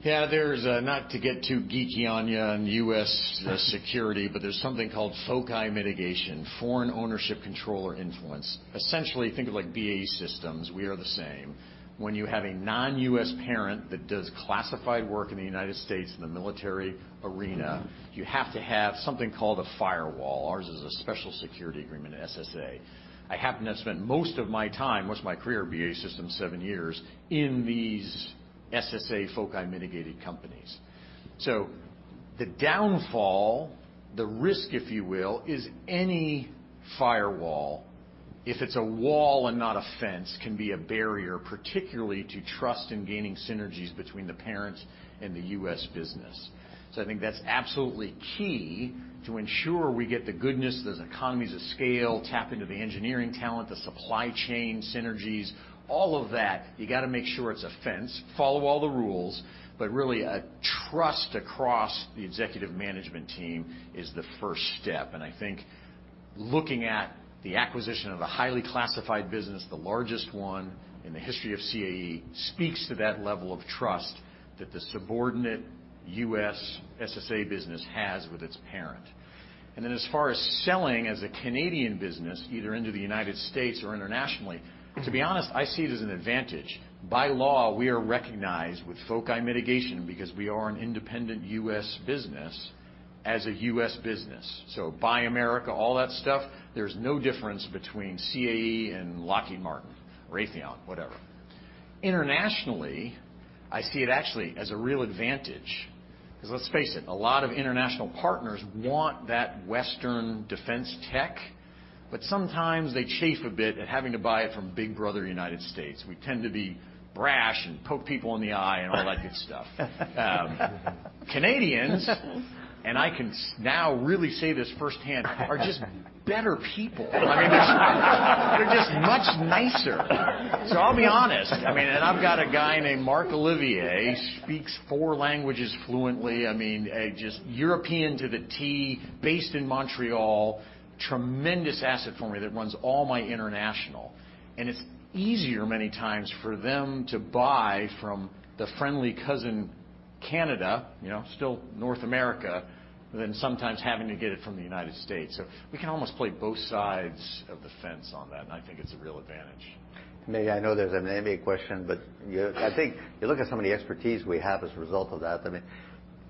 Yeah, there's not to get too geeky on you on U.S. security, but there's something called FOCI mitigation, foreign ownership control or influence. Essentially, think of like BAE Systems. We are the same. When you have a non-U.S. parent that does classified work in the United States in the military arena, you have to have something called a firewall. Ours is a special security agreement, SSA. I happen to have spent most of my time, most of my career at BAE Systems, seven years, in these SSA FOCI mitigated companies. The downfall, the risk, if you will, is any firewall, if it's a wall and not a fence, can be a barrier, particularly to trust and gaining synergies between the parents and the U.S. business. I think that's absolutely key to ensure we get the goodness, those economies of scale, tap into the engineering talent, the supply chain synergies, all of that. You gotta make sure it's a fence, follow all the rules, but really a trust across the executive management team is the first step. I think looking at the acquisition of a highly classified business, the largest one in the history of CAE, speaks to that level of trust that the subordinate U.S. SSA business has with its parent. Then as far as selling as a Canadian business, either into the United States or internationally, to be honest, I see it as an advantage. By law, we are recognized with FOCI mitigation because we are an independent U.S. business as a U.S. business. Buy America, all that stuff, there's no difference between CAE and Lockheed Martin or Raytheon, whatever. Internationally, I see it actually as a real advantage, 'cause let's face it, a lot of international partners want that Western defense tech, but sometimes they chafe a bit at having to buy it from big brother United States. We tend to be brash and poke people in the eye and all that good stuff. Canadians, and I can now really say this firsthand, are just better people. I mean, they're just much nicer. I'll be honest. I mean, and I've got a guy named Marc-Olivier, speaks four languages fluently. I mean, a just European to the T, based in Montreal, tremendous asset for me that runs all my international. It's easier many times for them to buy from the friendly cousin Canada, you know, still North America, than sometimes having to get it from the United States. We can almost play both sides of the fence on that, and I think it's a real advantage. Maybe I know there's an M&A question, but I think you look at some of the expertise we have as a result of that. I mean,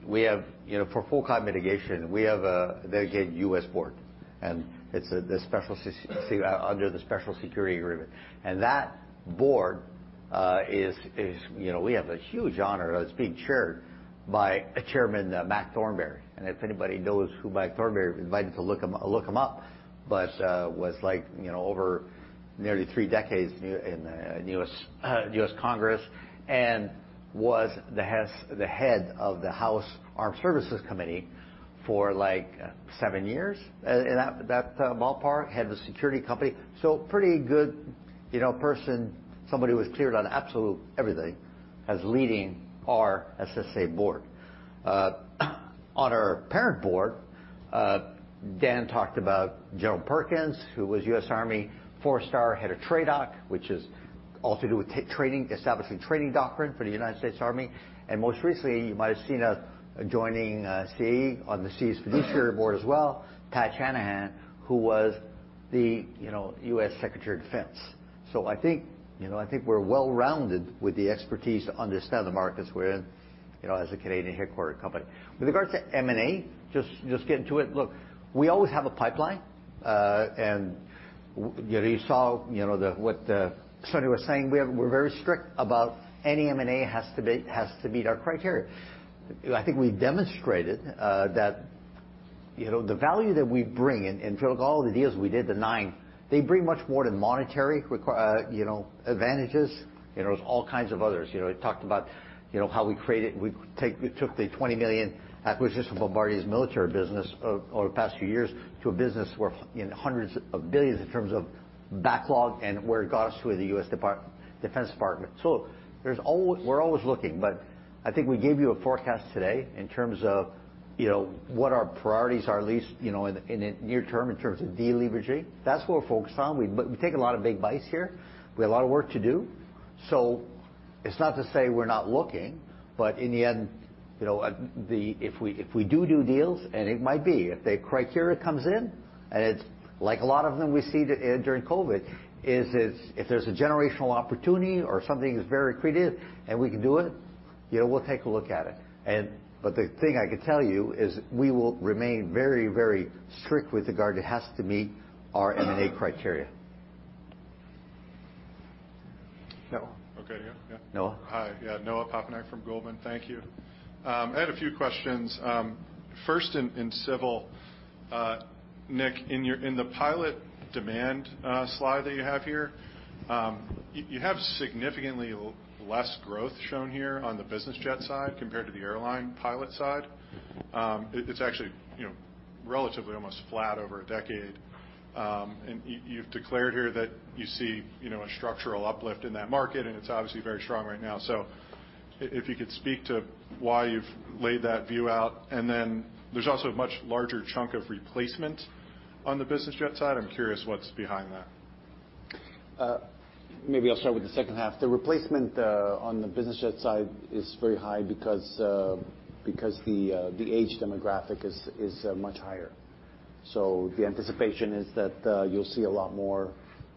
we have, you know, for FOCI mitigation, we have a dedicated U.S. board, and it's under the Special Security Agreement. That board is, you know, we have a huge honor as being chaired by a chairman, Mac Thornberry. If anybody doesn't know who Mac Thornberry is, I invite you to look him up, but was, like, you know, over nearly three decades in the U.S. Congress, and was the head of the House Armed Services Committee for, like, seven years, in that ballpark, head of a security company. Pretty good, you know, person, somebody who was cleared on absolute everything as leading our SSA board. On our parent board, Dan talked about General Perkins, who was U.S. Army four-star head of TRADOC, which is all to do with training, establishing training doctrine for the United States Army. Most recently, you might have seen us joining CAE on CAE's fiduciary board as well, Pat Shanahan, who was, you know, U.S. Secretary of Defense. I think, you know, we're well-rounded with the expertise to understand the markets we're in, you know, as a Canadian headquartered company. With regards to M&A, just get into it. Look, we always have a pipeline, and you saw, you know, what Sonia was saying, we're very strict about any M&A has to meet our criteria. I think we demonstrated that. You know, the value that we bring in total, all the deals we did, the 9, they bring much more than monetary advantages. You know, there's all kinds of others. You know, we talked about, you know, how we took the $20 million acquisition from Bombardier's military business over the past few years to a business worth, you know, hundreds of billions in terms of backlog and where it got us with the U.S. Department of Defense. We're always looking, but I think we gave you a forecast today in terms of, you know, what our priorities are, at least, you know, in the near term, in terms of de-leveraging. That's what we're focused on. But we take a lot of big bites here. We have a lot of work to do. It's not to say we're not looking, but in the end, you know, if we do deals, and it might be, if the criteria comes in, and it's like a lot of them we see during COVID, if there's a generational opportunity or something is very accretive, and we can do it, you know, we'll take a look at it. The thing I could tell you is we will remain very, very strict with regard, it has to meet our M&A criteria. Noah. Okay. Yeah. Noah. Hi. Yeah, Noah Poponak from Goldman Sachs. Thank you. I had a few questions. First, in civil, Nick, in your pilot demand slide that you have here, you have significantly less growth shown here on the business jet side compared to the airline pilot side. It's actually, you know, relatively almost flat over a decade. And you've declared here that you see, you know, a structural uplift in that market, and it's obviously very strong right now. If you could speak to why you've laid that view out, and then there's also a much larger chunk of replacement on the business jet side. I'm curious what's behind that. Maybe I'll start with the second half. The replacement on the business jet side is very high because the age demographic is much higher. So the anticipation is that you'll see a lot more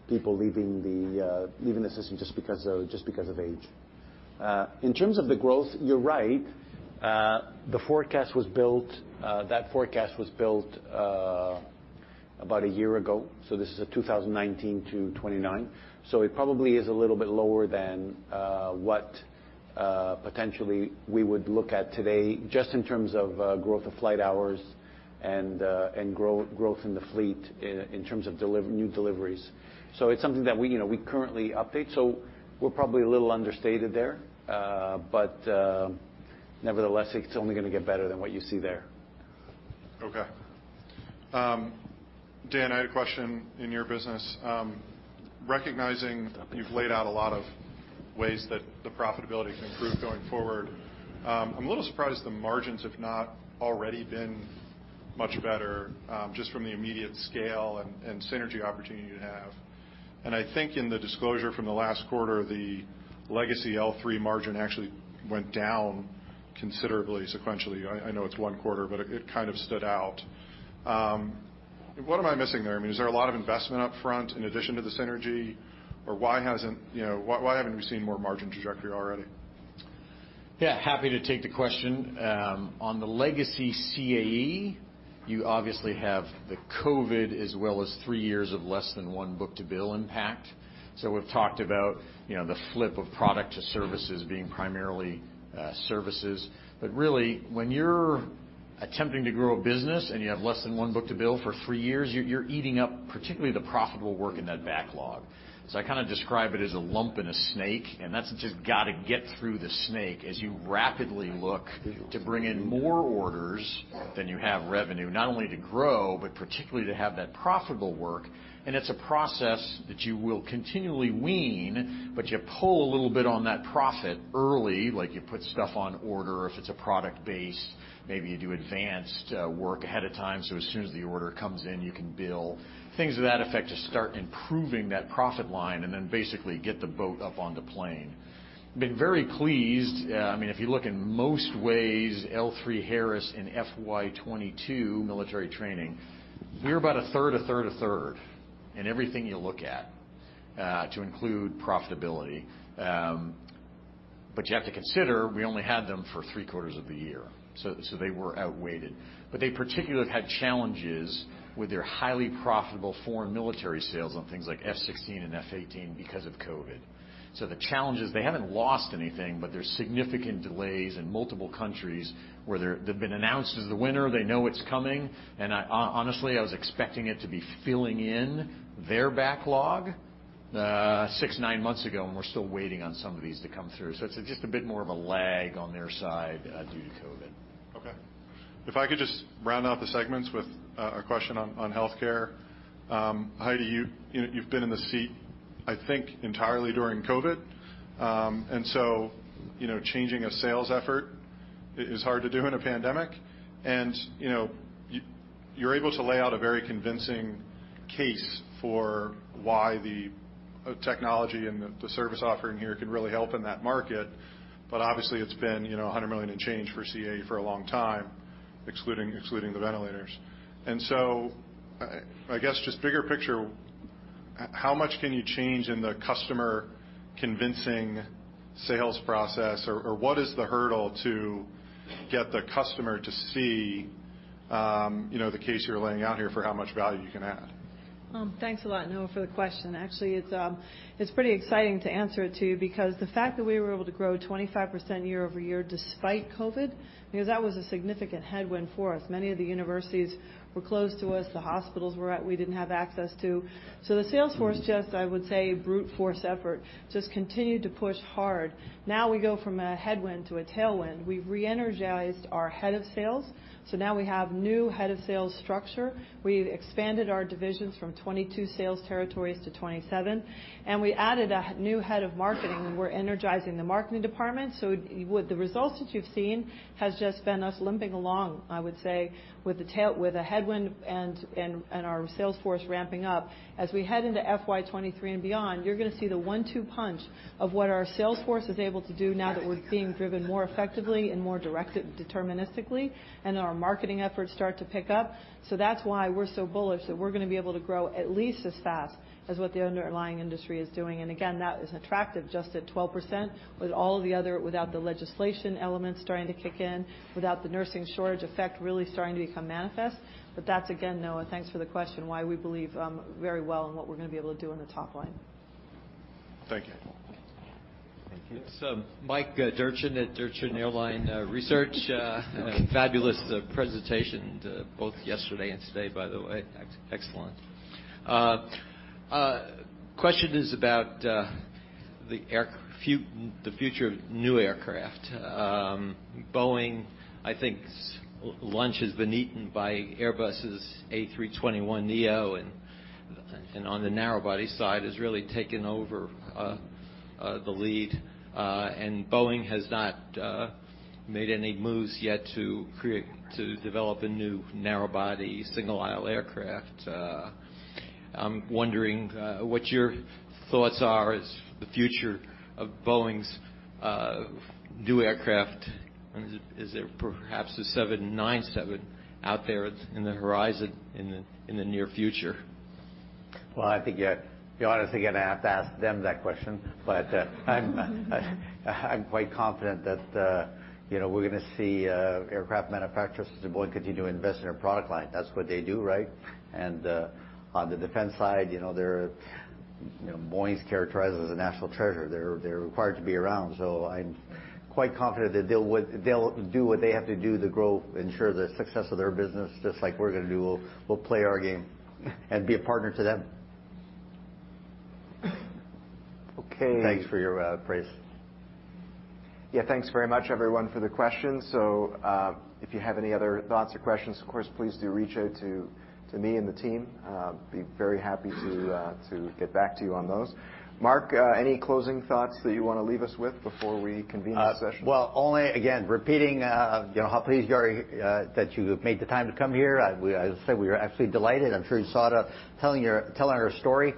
people leaving the system just because of age. In terms of the growth, you're right. The forecast was built about a year ago, so this is a 2019 to 2029. So it probably is a little bit lower than what potentially we would look at today just in terms of growth of flight hours and growth in the fleet in terms of new deliveries. So it's something that we, you know, we currently update, so we're probably a little understated there. Nevertheless, it's only gonna get better than what you see there. Okay. Dan, I had a question in your business. Recognizing you've laid out a lot of ways that the profitability can improve going forward, I'm a little surprised the margins have not already been much better, just from the immediate scale and synergy opportunity you have. I think in the disclosure from the last quarter, the legacy L-3 margin actually went down considerably sequentially. I know it's one quarter, but it kind of stood out. What am I missing there? I mean, is there a lot of investment up front in addition to the synergy? Or why haven't we seen more margin trajectory already? Yeah. Happy to take the question. On the legacy CAE, you obviously have the COVID as well as three years of less than one book-to-bill impact. We've talked about, you know, the flip of product to services being primarily, services. Really, when you're attempting to grow a business and you have less than one book-to-bill for three years, you're eating up particularly the profitable work in that backlog. I kind of describe it as a lump in a snake, and that's just gotta get through the snake as you rapidly look to bring in more orders than you have revenue, not only to grow, but particularly to have that profitable work. It's a process that you will continually wean, but you pull a little bit on that profit early, like you put stuff on order if it's a product base, maybe you do advanced work ahead of time, so as soon as the order comes in, you can bill things to that effect to start improving that profit line and then basically get the boat up on the plane. Been very pleased. If you look in most ways, L3Harris in FY 2022 military training, we're about a third in everything you look at, to include profitability. You have to consider we only had them for 3 quarters of the year, so they were outweighed. They particularly had challenges with their highly profitable foreign military sales on things like F-16 and F-18 because of COVID. The challenge is they haven't lost anything, but there's significant delays in multiple countries where they've been announced as the winner, they know it's coming, and I honestly was expecting it to be filling in their backlog, 6, 9 months ago, and we're still waiting on some of these to come through. It's just a bit more of a lag on their side, due to COVID. Okay. If I could just round out the segments with a question on healthcare. Heidi, you know, you've been in the seat, I think, entirely during COVID. You know, changing a sales effort is hard to do in a pandemic. You know, you're able to lay out a very convincing case for why the technology and the service offering here could really help in that market. Obviously, it's been, you know, 100 million and change for CAE for a long time, excluding the ventilators. I guess, just bigger picture, how much can you change in the customer convincing sales process or what is the hurdle to get the customer to see, you know, the case you're laying out here for how much value you can add? Thanks a lot, Noah, for the question. Actually, it's pretty exciting to answer it too, because the fact that we were able to grow 25% year-over-year despite COVID, you know, that was a significant headwind for us. Many of the universities were closed to us. The hospitals, we didn't have access to. The sales force just, I would say, brute force effort, just continued to push hard. Now we go from a headwind to a tailwind. We've re-energized our head of sales, so now we have new head of sales structure. We've expanded our divisions from 22 sales territories to 27, and we added a new head of marketing, and we're energizing the marketing department. With the results that you've seen has just been us limping along, I would say, with a tail. With a headwind and our sales force ramping up. As we head into FY 2023 and beyond, you're gonna see the one-two punch of what our sales force is able to do now that we're being driven more effectively and more directed deterministically, and our marketing efforts start to pick up. That's why we're so bullish that we're gonna be able to grow at least as fast as what the underlying industry is doing. That is attractive just at 12% with all the other without the legislation elements starting to kick in, without the nursing shortage effect really starting to become manifest. That's again, Noah, thanks for the question, why we believe very well in what we're gonna be able to do on the top line. Thank you. Thank you. It's Mike Ciarmoli at Truist Securities. Fabulous presentation both yesterday and today, by the way. Excellent. Question is about the future of new aircraft. Boeing, I think lunch has been eaten by Airbus' A321neo, and on the narrow body side has really taken over the lead. Boeing has not made any moves yet to develop a new narrow body single aisle aircraft. I'm wondering what your thoughts are on the future of Boeing's new aircraft. Is there perhaps a 797 out there on the horizon in the near future? Well, I think you're honestly gonna have to ask them that question. I'm quite confident that, you know, we're gonna see aircraft manufacturers such as Boeing continue to invest in their product line. That's what they do, right? On the defense side, you know, they're, you know, Boeing's characterized as a national treasure. They're required to be around, so I'm quite confident that they'll do what they have to do to grow, ensure the success of their business, just like we're gonna do. We'll play our game and be a partner to them. Okay. Thanks for your praise. Yeah, thanks very much everyone for the questions. If you have any other thoughts or questions, of course, please do reach out to me and the team. Be very happy to get back to you on those. Marc, any closing thoughts that you wanna leave us with before we convene this session? Well, only again, repeating, you know, how pleased we are that you made the time to come here. We are absolutely delighted. I'm sure you saw the telling our story.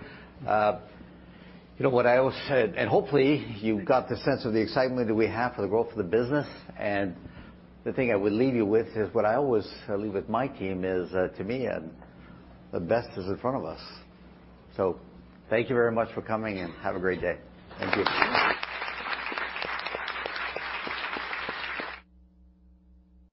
You know what I always said, and hopefully you've got the sense of the excitement that we have for the growth of the business. The thing I would leave you with is what I always leave with my team is, to me, the best is in front of us. Thank you very much for coming, and have a great day. Thank you.